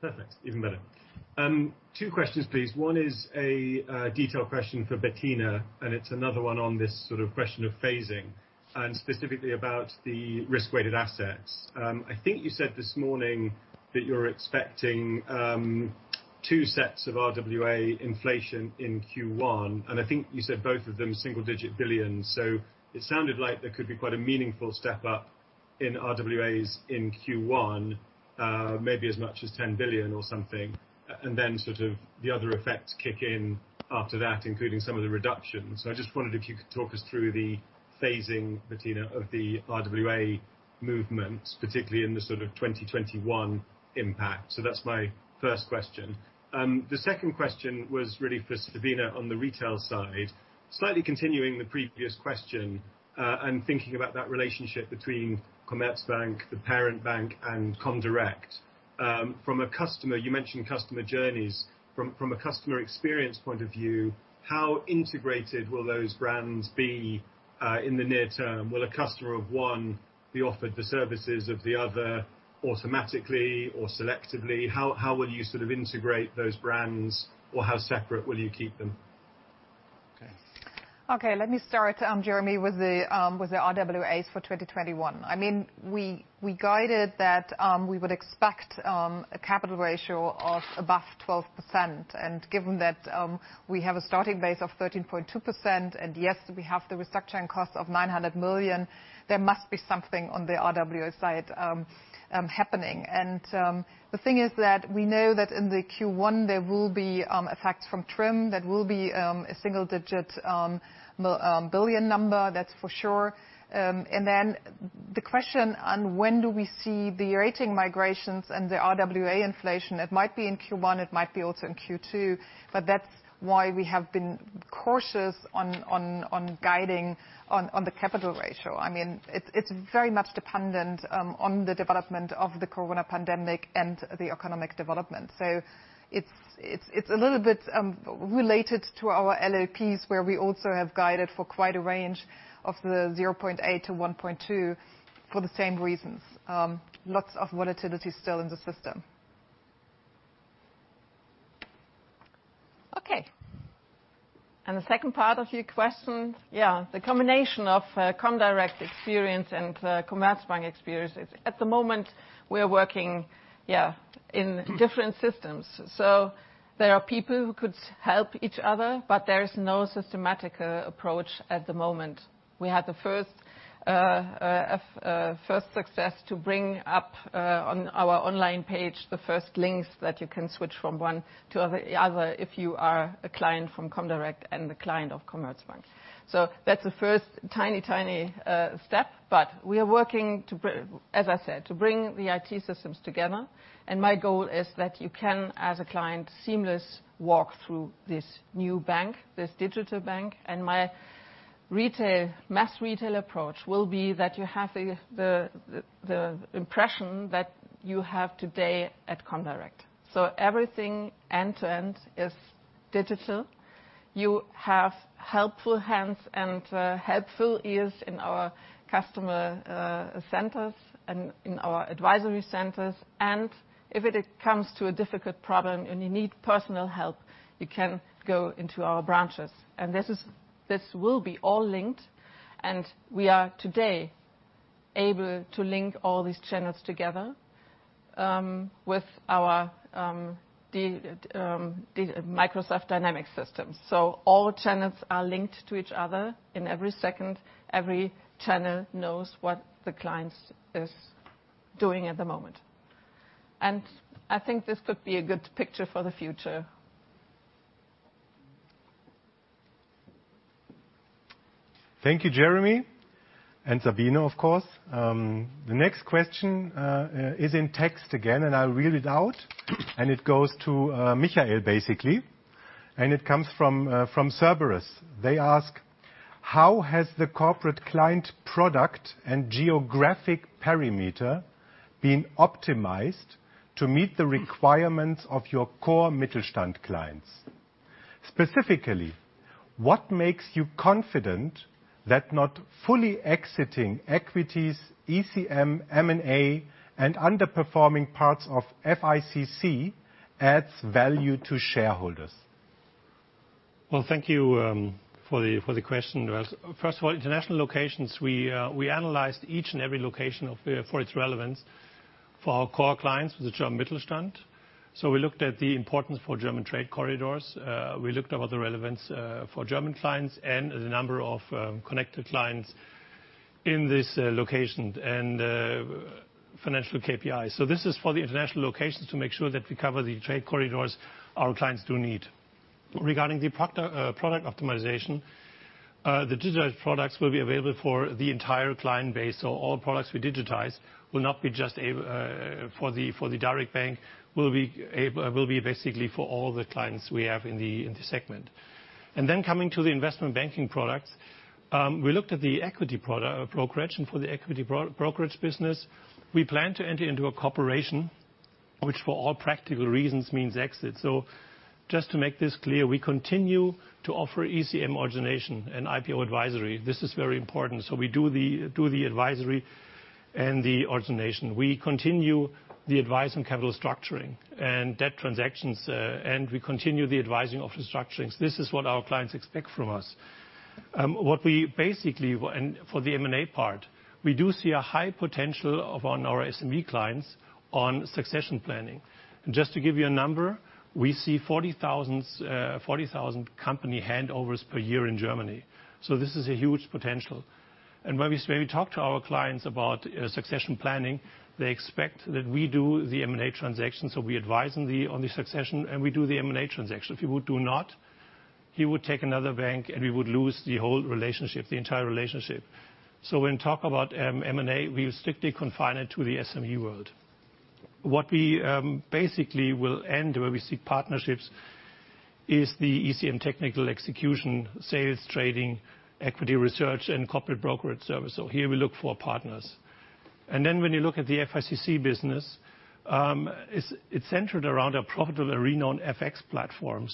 Perfect. Even better. Two questions, please. One is a detailed question for Bettina, and it's another one on this sort of question of phasing and specifically about the risk-weighted assets. I think you said this morning that you're expecting two sets of RWA inflation in Q1, and I think you said both of them single-digit billions. It sounded like there could be quite a meaningful step up in RWAs in Q1, maybe as much as $10 billion or something, and then the other effects kick in after that, including some of the reductions. I just wondered if you could talk us through the phasing, Bettina, of the RWA movement, particularly in the 2021 impact. That's my first question. The second question was really for Sabina on the retail side, slightly continuing the previous question and thinking about that relationship between Commerzbank, the parent bank, and Comdirect. From a customer, you mentioned customer journeys. From a customer experience point of view, how integrated will those brands be in the near term? Will a customer of one be offered the services of the other automatically or selectively? How will you sort of integrate those brands, or how separate will you keep them? Okay. Let me start, Jeremy, with the RWAs for 2021. I mean, we guided that we would expect a capital ratio of above 12%. Given that we have a starting base of 13.2%, and yes, we have the restructuring cost of $900 million, there must be something on the RWA side happening. The thing is that we know that in Q1, there will be effects from TRIM. That will be a single-digit billion number. That's for sure. Then the question on when do we see the rating migrations and the RWA inflation? It might be in Q1. It might be also in Q2, but that's why we have been cautious on guiding on the capital ratio. I mean, it's very much dependent on the development of the corona pandemic and the economic development. So it's a little bit related to our LOPs where we also have guided for quite a range of the 0.8 to 1.2 for the same reasons. Lots of volatility still in the system. And the second part of your question, the combination of Comdirect experience and Commerzbank experience is at the moment, we are working in different systems. So there are people who could help each other, but there is no systematic approach at the moment. We had the first success to bring up on our online page the first links that you can switch from one to the other if you are a client from Comdirect and a client of Commerzbank. That's the first tiny, tiny step, but we are working, as I said, to bring the IT systems together. My goal is that you can, as a client, seamlessly walk through this new bank, this digital bank. My mass retail approach will be that you have the impression that you have today at Comdirect. Everything end-to-end is digital. You have helpful hands and helpful ears in our customer centers and in our advisory centers. If it comes to a difficult problem and you need personal help, you can go into our branches. This will be all linked, and we are today able to link all these channels together with our Microsoft Dynamics systems. All channels are linked to each other in every second. Every channel knows what the client is doing at the moment. I think this could be a good picture for the future. Thank you, Jeremy, and Sabina, of course. The next question is in text again, and I'll read it out, and it goes to Michael, basically. It comes from Cerberus. They ask, "How has the corporate client product and geographic perimeter been optimized to meet the requirements of your core Mittelstand clients? Specifically, what makes you confident that not fully exiting equities, ECM, M&A, and underperforming parts of FICC adds value to shareholders?" Thank you for the question. First of all, international locations, we analyzed each and every location for its relevance for our core clients, the German Mittelstand. We looked at the importance for German trade corridors. We looked at the relevance for German clients and the number of connected clients in this location and financial KPIs. This is for the international locations to make sure that we cover the trade corridors our clients do need. Regarding the product optimization, the digitized products will be available for the entire client base. All products we digitize will not be just for the direct bank. It will be basically for all the clients we have in the segment. Coming to the investment banking products, we looked at the equity brokerage and for the equity brokerage business, we plan to enter into a corporation, which for all practical reasons means exit. Just to make this clear, we continue to offer ECM origination and IPO advisory. This is very important. We do the advisory and the origination. We continue the advice on capital structuring and debt transactions, and we continue the advising of the structurings. This is what our clients expect from us. What we basically for the M&A part, we do see a high potential on our SME clients on succession planning. Just to give you a number, we see 40,000 company handovers per year in Germany. So this is a huge potential. When we talk to our clients about succession planning, they expect that we do the M&A transactions. So we advise on the succession, and we do the M&A transactions. If we do not, he would take another bank, and we would lose the whole relationship, the entire relationship. When we talk about M&A, we will strictly confine it to the SME world. What we basically will end where we seek partnerships is the ECM technical execution, sales, trading, equity research, and corporate brokerage service. Here we look for partners. When you look at the FICC business, it's centered around a profitable and renowned FX platform.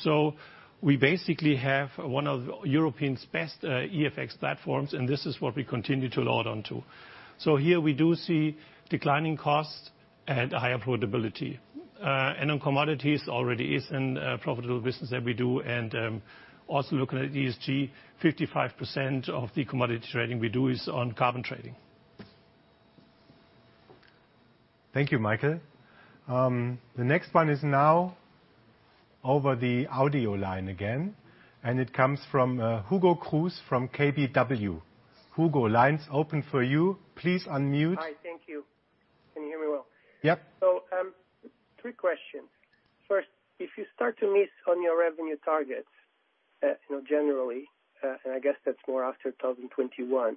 We basically have one of Europe's best EFX platforms, and this is what we continue to hold on to. Here we do see declining costs and higher profitability. On commodities, it already is a profitable business that we do. Looking at ESG, 55% of the commodity trading we do is on carbon trading. Thank you, Michael. The next one is now over the audio line again, and it comes from Hugo Cruz from KBW. Hugo, the line's open for you. Please unmute. Hi. Thank you. Can you hear me well? Yep. Three questions. First, if you start to miss on your revenue targets generally, and I guess that's more after 2021,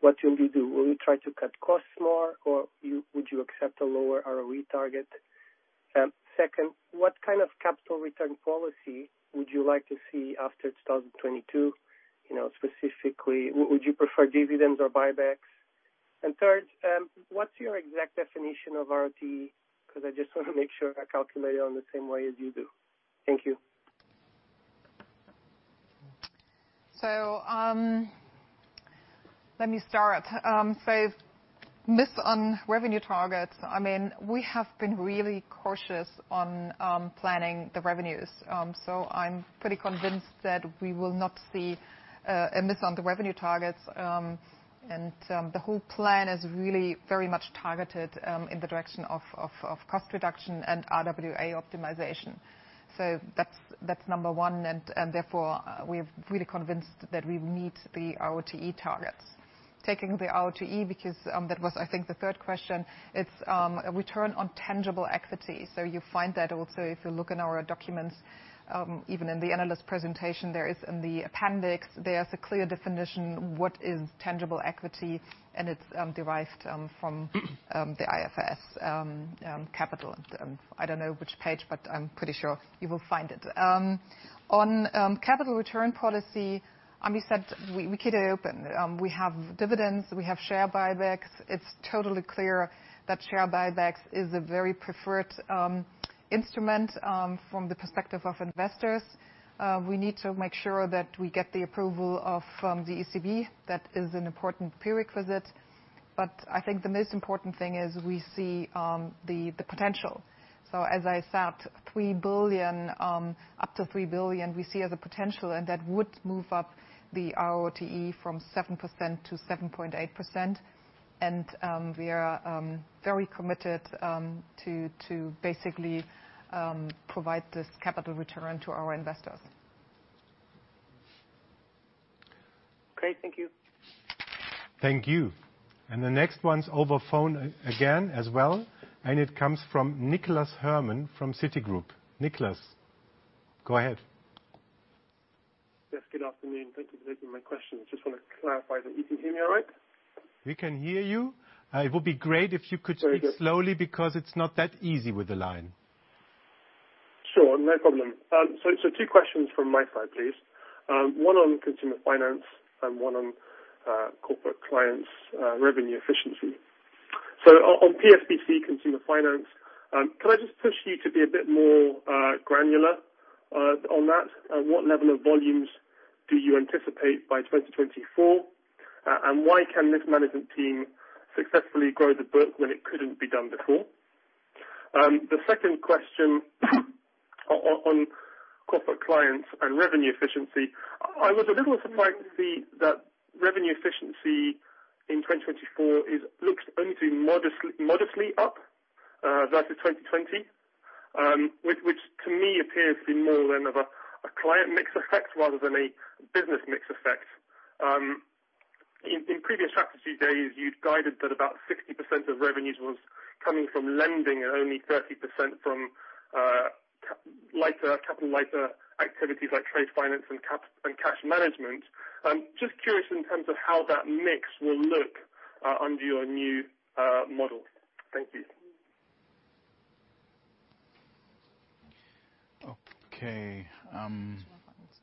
what will you do? Will you try to cut costs more, or would you accept a lower ROE target? Second, what kind of capital return policy would you like to see after 2022? Specifically, would you prefer dividends or buybacks? Third, what's your exact definition of ROTE? Because I just want to make sure I calculate it the same way as you do. Thank you. Let me start. Miss on revenue targets. I mean, we have been really cautious on planning the revenues. I'm pretty convinced that we will not see a miss on the revenue targets. The whole plan is really very much targeted in the direction of cost reduction and RWA optimization. That's number one. Therefore, we are really convinced that we will meet the ROTE targets. Taking the ROTE, because that was, I think, the third question, it's a return on tangible equity. You find that also if you look in our documents, even in the analyst presentation, there is in the appendix, there's a clear definition of what is tangible equity, and it's derived from the IFS capital. I don't know which page, but I'm pretty sure you will find it. On capital return policy, we said we keep it open. We have dividends. We have share buybacks. It's totally clear that share buybacks is a very preferred instrument from the perspective of investors. We need to make sure that we get the approval of the ECB. That is an important prerequisite. But I think the most important thing is we see the potential. As I said, up to $3 billion, we see as a potential, and that would move up the ROTE from 7% to 7.8%. We are very committed to basically provide this capital return to our investors. Great. Thank you. Thank you. The next one's over phone again as well. It comes from Nicholas Herman from Citigroup. Nicholas, go ahead. Yes. Good afternoon. Thank you for taking my question. I just want to clarify that you can hear me all right. We can hear you. It would be great if you could speak slowly because it's not that easy with the line. Sure. No problem. Two questions from my side, please. One on consumer finance and one on corporate clients' revenue efficiency. On PSBC consumer finance, can I just push you to be a bit more granular on that? What level of volumes do you anticipate by 2024? Why can this management team successfully grow the book when it couldn't be done before? The second question on corporate clients and revenue efficiency, I was a little surprised to see that revenue efficiency in 2024 looks only modestly up versus 2020, which to me appears to be more of a client mix effect rather than a business mix effect. In previous strategy days, you'd guided that about 60% of revenues was coming from lending and only 30% from capital-lighter activities like trade finance and cash management. Just curious in terms of how that mix will look under your new model. Thank you. Okay.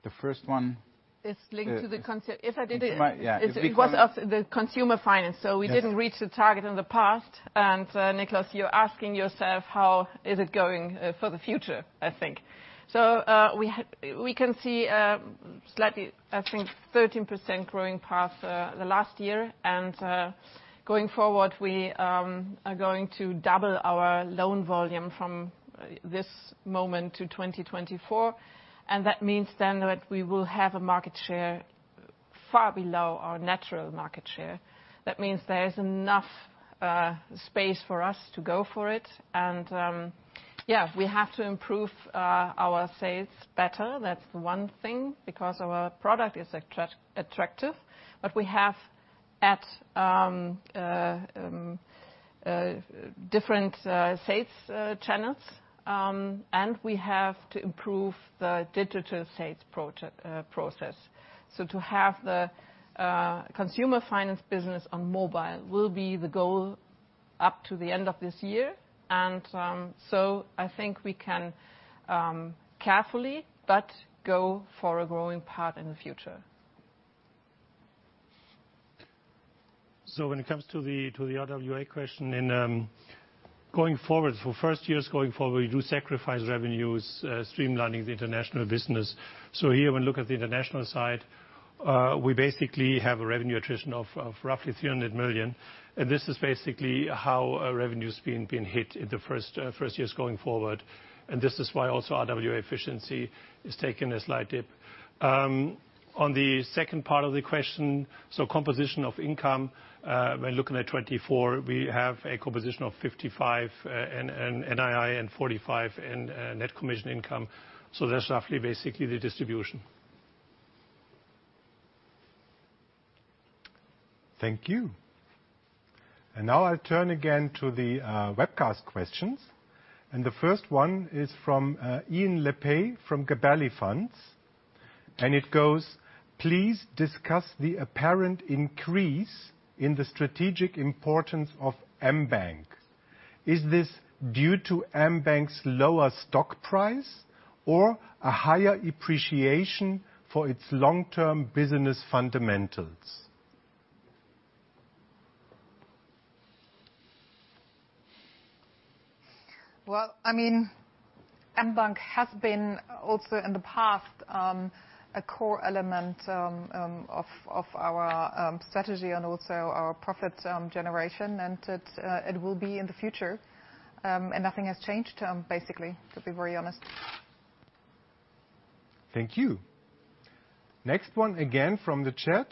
The first one. It's linked to the consumer. If I didn't—yeah. It's because of the consumer finance. So we didn't reach the target in the past. And Nicholas, you're asking yourself, how is it going for the future, I think? So we can see slightly, I think, 13% growing path the last year. Going forward, we are going to double our loan volume from this moment to 2024. That means then that we will have a market share far below our natural market share. That means there is enough space for us to go for it. We have to improve our sales better. That's one thing because our product is attractive. We have different sales channels, and we have to improve the digital sales process. To have the consumer finance business on mobile will be the goal up to the end of this year. I think we can carefully, but go for a growing path in the future. When it comes to the RWA question and going forward, for first years going forward, we do sacrifice revenues streamlining the international business. Here, when we look at the international side, we basically have a revenue attrition of roughly $300 million. This is basically how revenues have been hit in the first years going forward. This is why also RWA efficiency is taking a slight dip. On the second part of the question, composition of income, when looking at '24, we have a composition of 55% in NII and 45% in net commission income. That's roughly basically the distribution. Thank you. Now I'll turn again to the webcast questions. The first one is from Ian Lepay from Gabelli Funds. It goes, "Please discuss the apparent increase in the strategic importance of Ambank." Is this due to Ambank's lower stock price or a higher appreciation for its long-term business fundamentals? I mean, Ambank has been also in the past a core element of our strategy and also our profit generation. It will be in the future. Nothing has changed, basically, to be very honest. Thank you. Next one again from the chat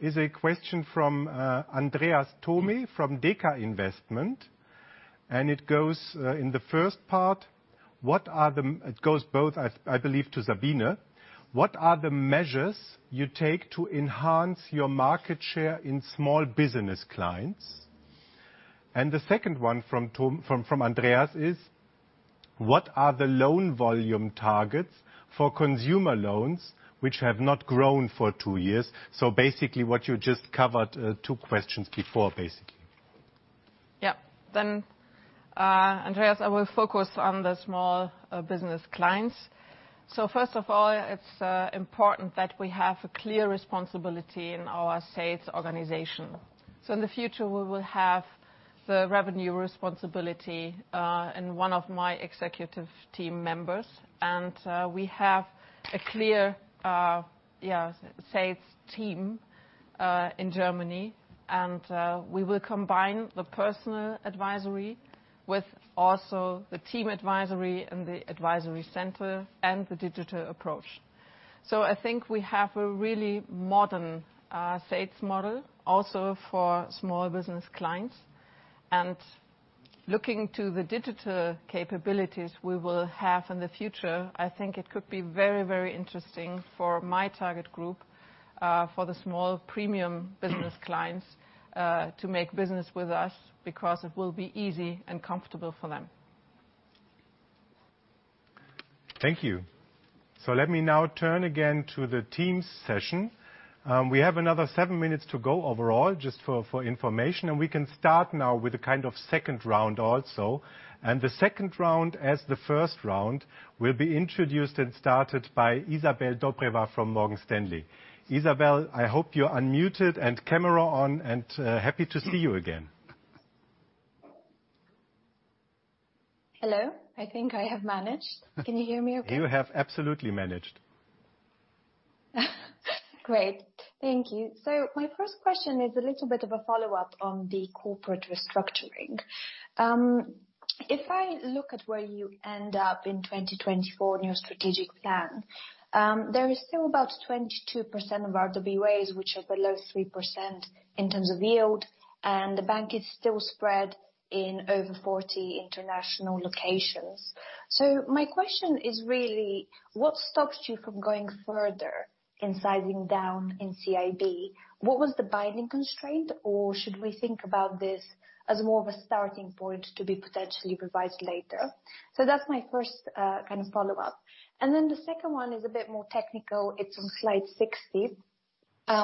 is a question from Andreas Thome from Deka Investment. It goes in the first part, it goes both, I believe, to Sabina. What are the measures you take to enhance your market share in small business clients? The second one from Andreas is, what are the loan volume targets for consumer loans which have not grown for two years? Basically, what you just covered two questions before, basically. Then Andreas, I will focus on the small business clients. First of all, it's important that we have a clear responsibility in our sales organization. In the future, we will have the revenue responsibility in one of my executive team members. We have a clear sales team in Germany. We will combine the personal advisory with also the team advisory and the advisory center and the digital approach. I think we have a really modern sales model also for small business clients. Looking to the digital capabilities we will have in the future, I think it could be very, very interesting for my target group, for the small premium business clients, to make business with us because it will be easy and comfortable for them. Thank you. Let me now turn again to the Teams session. We have another seven minutes to go overall, just for information. We can start now with a kind of second round also. The second round, as the first round, will be introduced and started by Isabel Dobreva from Morgan Stanley. Isabel, I hope you're unmuted and camera on, and happy to see you again. Hello? I think I have managed. Can you hear me okay? You have absolutely managed. Great. Thank you. So my first question is a little bit of a follow-up on the corporate restructuring. If I look at where you end up in 2024 in your strategic plan, there is still about 22% of RWAs which are below 3% in terms of yield. The bank is still spread in over 40 international locations. So my question is really, what stops you from going further in sizing down in CIB? What was the binding constraint, or should we think about this as more of a starting point to be potentially revised later? That's my first kind of follow-up. The second one is a bit more technical. It's on slide 60,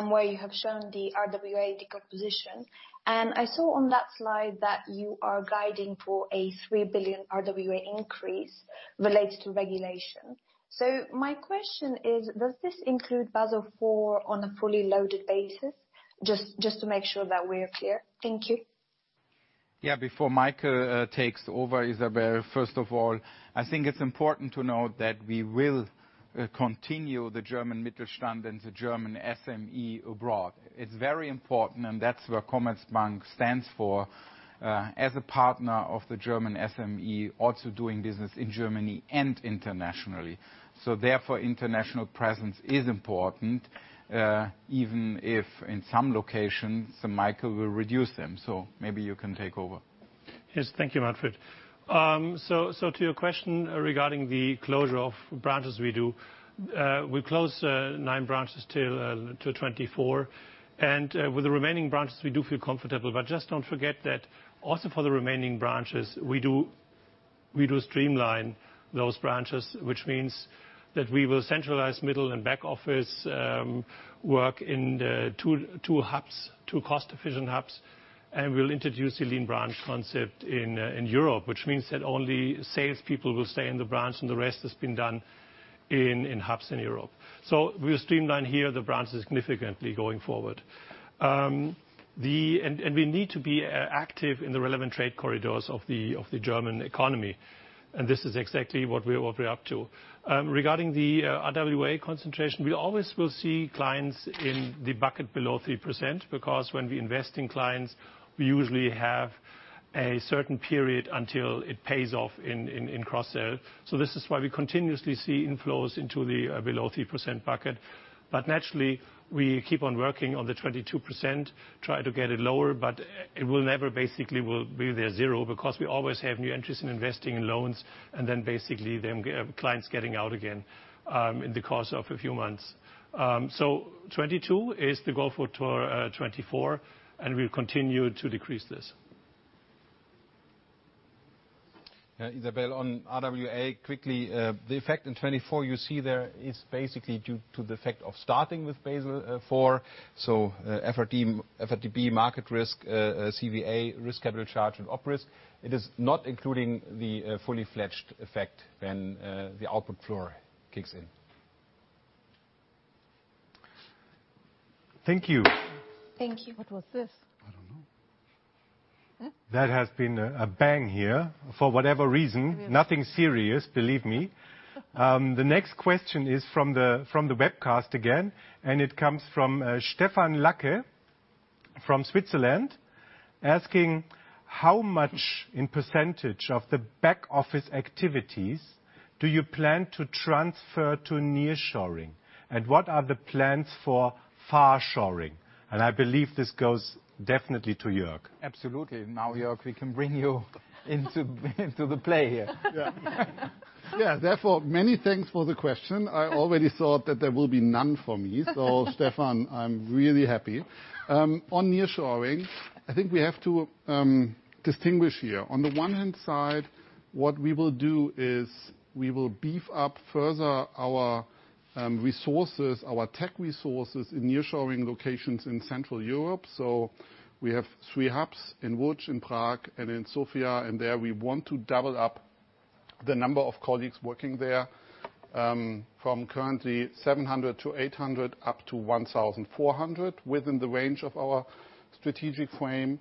where you have shown the RWA decomposition. I saw on that slide that you are guiding for a $3 billion RWA increase related to regulation. My question is, does this include Basel IV on a fully loaded basis? Just to make sure that we're clear. Thank you. Before Michael takes over, Isabel, first of all, I think it's important to note that we will continue the German Mittelstand and the German SME abroad. It's very important, and that's what Commerzbank stands for as a partner of the German SME, also doing business in Germany and internationally. Therefore, international presence is important, even if in some locations, Michael will reduce them. Maybe you can take over. Yes. Thank you, Manfred. To your question regarding the closure of branches we do, we close nine branches till '24. And with the remaining branches, we do feel comfortable. But just don't forget that also for the remaining branches, we do streamline those branches, which means that we will centralize middle and back office work in two hubs, two cost-efficient hubs. And we'll introduce the lean branch concept in Europe, which means that only salespeople will stay in the branch, and the rest has been done in hubs in Europe. We'll streamline here the branches significantly going forward. And we need to be active in the relevant trade corridors of the German economy. And this is exactly what we're up to. Regarding the RWA concentration, we will always see clients in the bucket below 3% because when we invest in clients, we usually have a certain period until it pays off in cross-sale. This is why we continuously see inflows into the below 3% bucket. But naturally, we keep working on the 22%, trying to get it lower, but it will never basically be zero because we always have new entries investing in loans, and then clients getting out again in the course of a few months. 22% is the goal for 2024, and we'll continue to decrease this. Isabel, on RWA, quickly, the effect in 2024 you see there is basically due to the effect of starting with Basel IV. FRTB market risk, CVA risk, capital charge, and operative. It is not including the fully fledged effect when the output floor kicks in. Thank you. Thank you. What was this? I don't know. That has been a bang here for whatever reason. Nothing serious, believe me. The next question is from the webcast again, and it comes from Stefan Lacke from Switzerland, asking, "How much in percentage of the back office activities do you plan to transfer to nearshoring, and what are the plans for farshoring?" I believe this goes definitely to Jörg. Absolutely. Now, Jörg, we can bring you into the play here. Yeah. Yeah. Therefore, many thanks for the question. I already thought that there will be none for me. Stefan, I'm really happy. On nearshoring, I think we have to distinguish here. On the one hand, what we will do is we will beef up further our resources, our tech resources in nearshoring locations in Central Europe. So we have three hubs in Łódź, in Prague, and in Sofia. There we want to double up the number of colleagues working there from currently 700 to 800 up to 1,400 within the range of our strategic frame.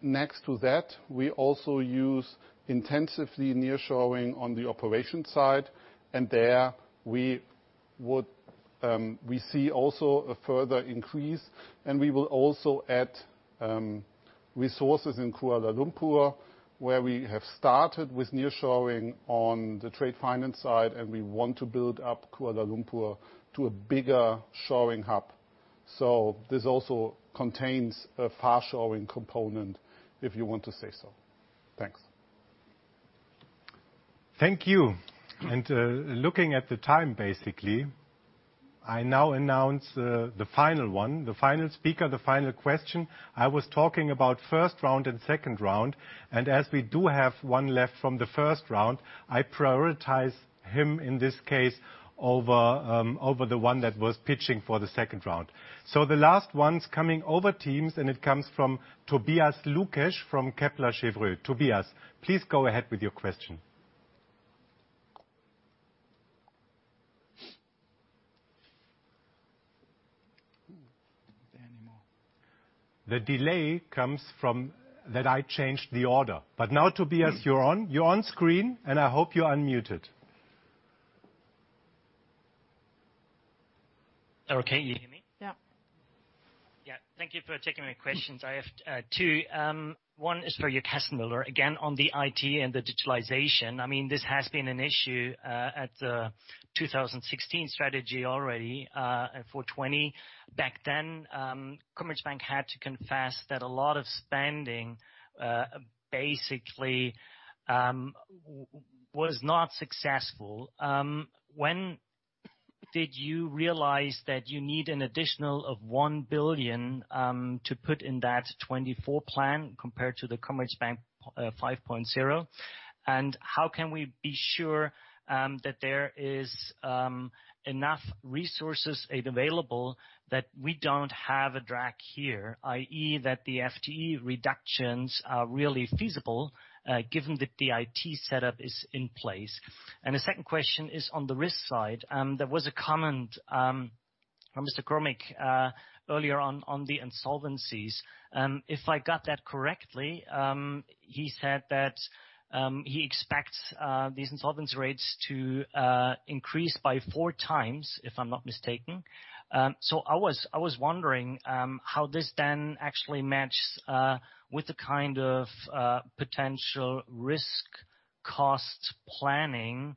Next to that, we also use intensively nearshoring on the operation side. There we see also a further increase. We will also add resources in Kuala Lumpur, where we have started with nearshoring on the trade finance side, and we want to build up Kuala Lumpur to a bigger shoring hub. This also contains a farshoring component, if you want to say so. Thanks. Thank you. Looking at the time, basically, I now announce the final one, the final speaker, the final question. I was talking about first round and second round. As we do have one left from the first round, I prioritize him in this case over the one that was pitching for the second round. So the last one's coming over Teams, and it comes from Tobias Lukesch from Kepler Chevreux. Tobias, please go ahead with your question. The delay comes from that I changed the order. But now, Tobias, you're on. You're on screen, and I hope you're unmuted. Eric, can't you hear me? Yeah. Yeah. Thank you for taking my questions. I have two. One is for you, Kassenmüller, again on the IT and the digitalization. I mean, this has been an issue at the 2016 strategy already for 2020. Back then, Commerzbank had to confess that a lot of spending basically was not successful. When did you realize that you need an additional $1 billion to put in that '24 plan compared to the Commerzbank 5.0? How can we be sure that there is enough resources available that we don't have a drag here, i.e., that the FTE reductions are really feasible given that the IT setup is in place? The second question is on the risk side. There was a comment from Mr. Gromik earlier on the insolvencies. If I got that correctly, he said that he expects these insolvency rates to increase by four times, if I'm not mistaken. I was wondering how this then actually matches with the kind of potential risk-cost planning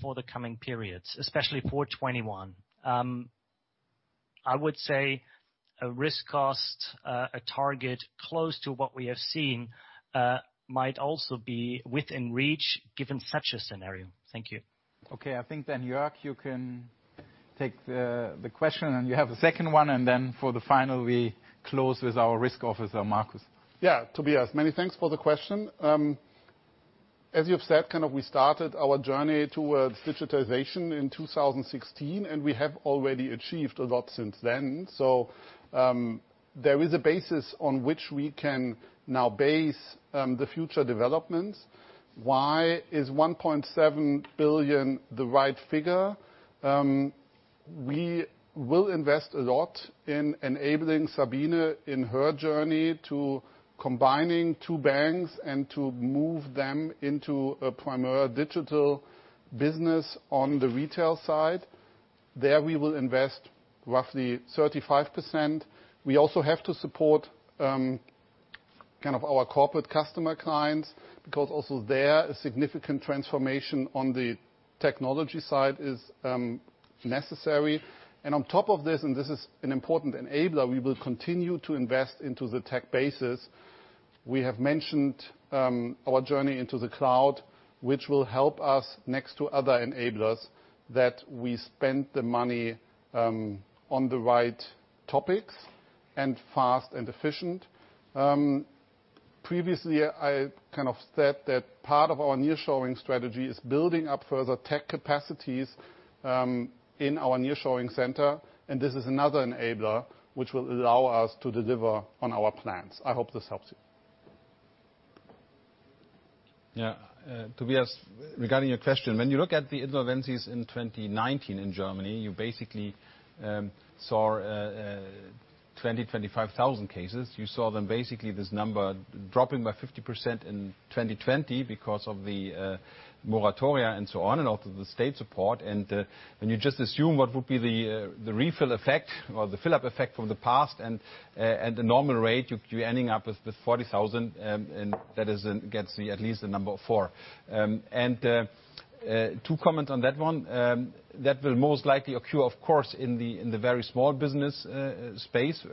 for the coming periods, especially for '21. I would say a risk-cost, a target close to what we have seen might also be within reach given such a scenario. Thank you. Okay. I think then, Jörg, you can take the question, and you have a second one. For the final, we close with our risk officer, Markus. Yeah. Tobias, many thanks for the question. As you've said, we started our journey towards digitization in 2016, and we have already achieved a lot since then. So there is a basis on which we can now base the future developments. Why is $1.7 billion the right figure? We will invest a lot in enabling Sabina in her journey to combining two banks and to move them into a primary digital business on the retail side. There we will invest roughly 35%. We also have to support kind of our corporate customer clients because also there a significant transformation on the technology side is necessary. On top of this, and this is an important enabler, we will continue to invest into the tech basis. We have mentioned our journey into the cloud, which will help us next to other enablers that we spend the money on the right topics and fast and efficient. Previously, I kind of said that part of our nearshoring strategy is building up further tech capacities in our nearshoring center. This is another enabler which will allow us to deliver on our plans. I hope this helps you. Yeah. Tobias, regarding your question, when you look at the insolvencies in 2019 in Germany, you basically saw 20,000 to 25,000 cases. You saw them basically this number dropping by 50% in 2020 because of the moratoria and so on and also the state support. When you just assume what would be the refill effect or the fill-up effect from the past and the normal rate, you're ending up with 40,000, and that gets at least the number of four. Two comments on that one. That will most likely occur, of course, in the very small business space.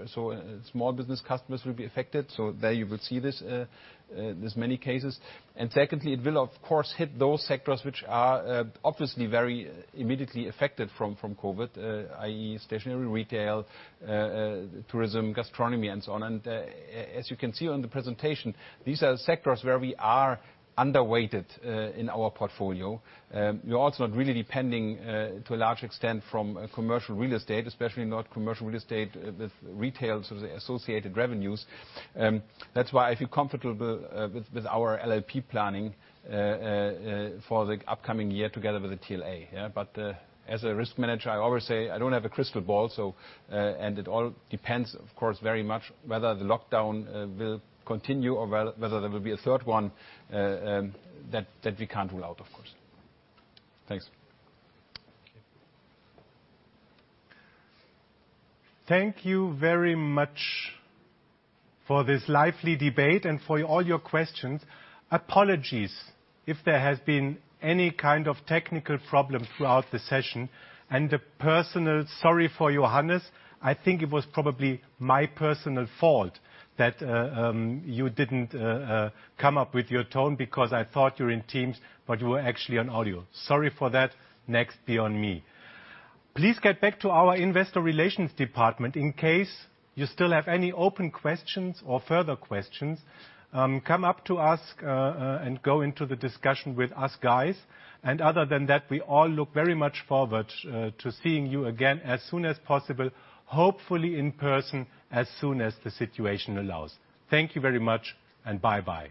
Small business customers will be affected. There you will see this many cases. Secondly, it will, of course, hit those sectors which are obviously very immediately affected from COVID, i.e., stationery retail, tourism, gastronomy, and so on. As you can see on the presentation, these are sectors where we are underweighted in our portfolio. We're also not really depending to a large extent from commercial real estate, especially not commercial real estate with retail associated revenues. That's why I feel comfortable with our LLP planning for the upcoming year together with the TLA. But as a risk manager, I always say I don't have a crystal ball. It all depends, of course, very much whether the lockdown will continue or whether there will be a third one that we can't rule out, of course. Thanks. Thank you very much for this lively debate and for all your questions. Apologies if there has been any kind of technical problem throughout the session. A personal sorry for Johannes. I think it was probably my personal fault that you didn't come up with your tone because I thought you're in Teams, but you were actually on audio. Sorry for that. Next be on me. Please get back to our investor relations department in case you still have any open questions or further questions. Come up to us and go into the discussion with us, guys. Other than that, we all look very much forward to seeing you again as soon as possible, hopefully in person as soon as the situation allows. Thank you very much, and bye-bye.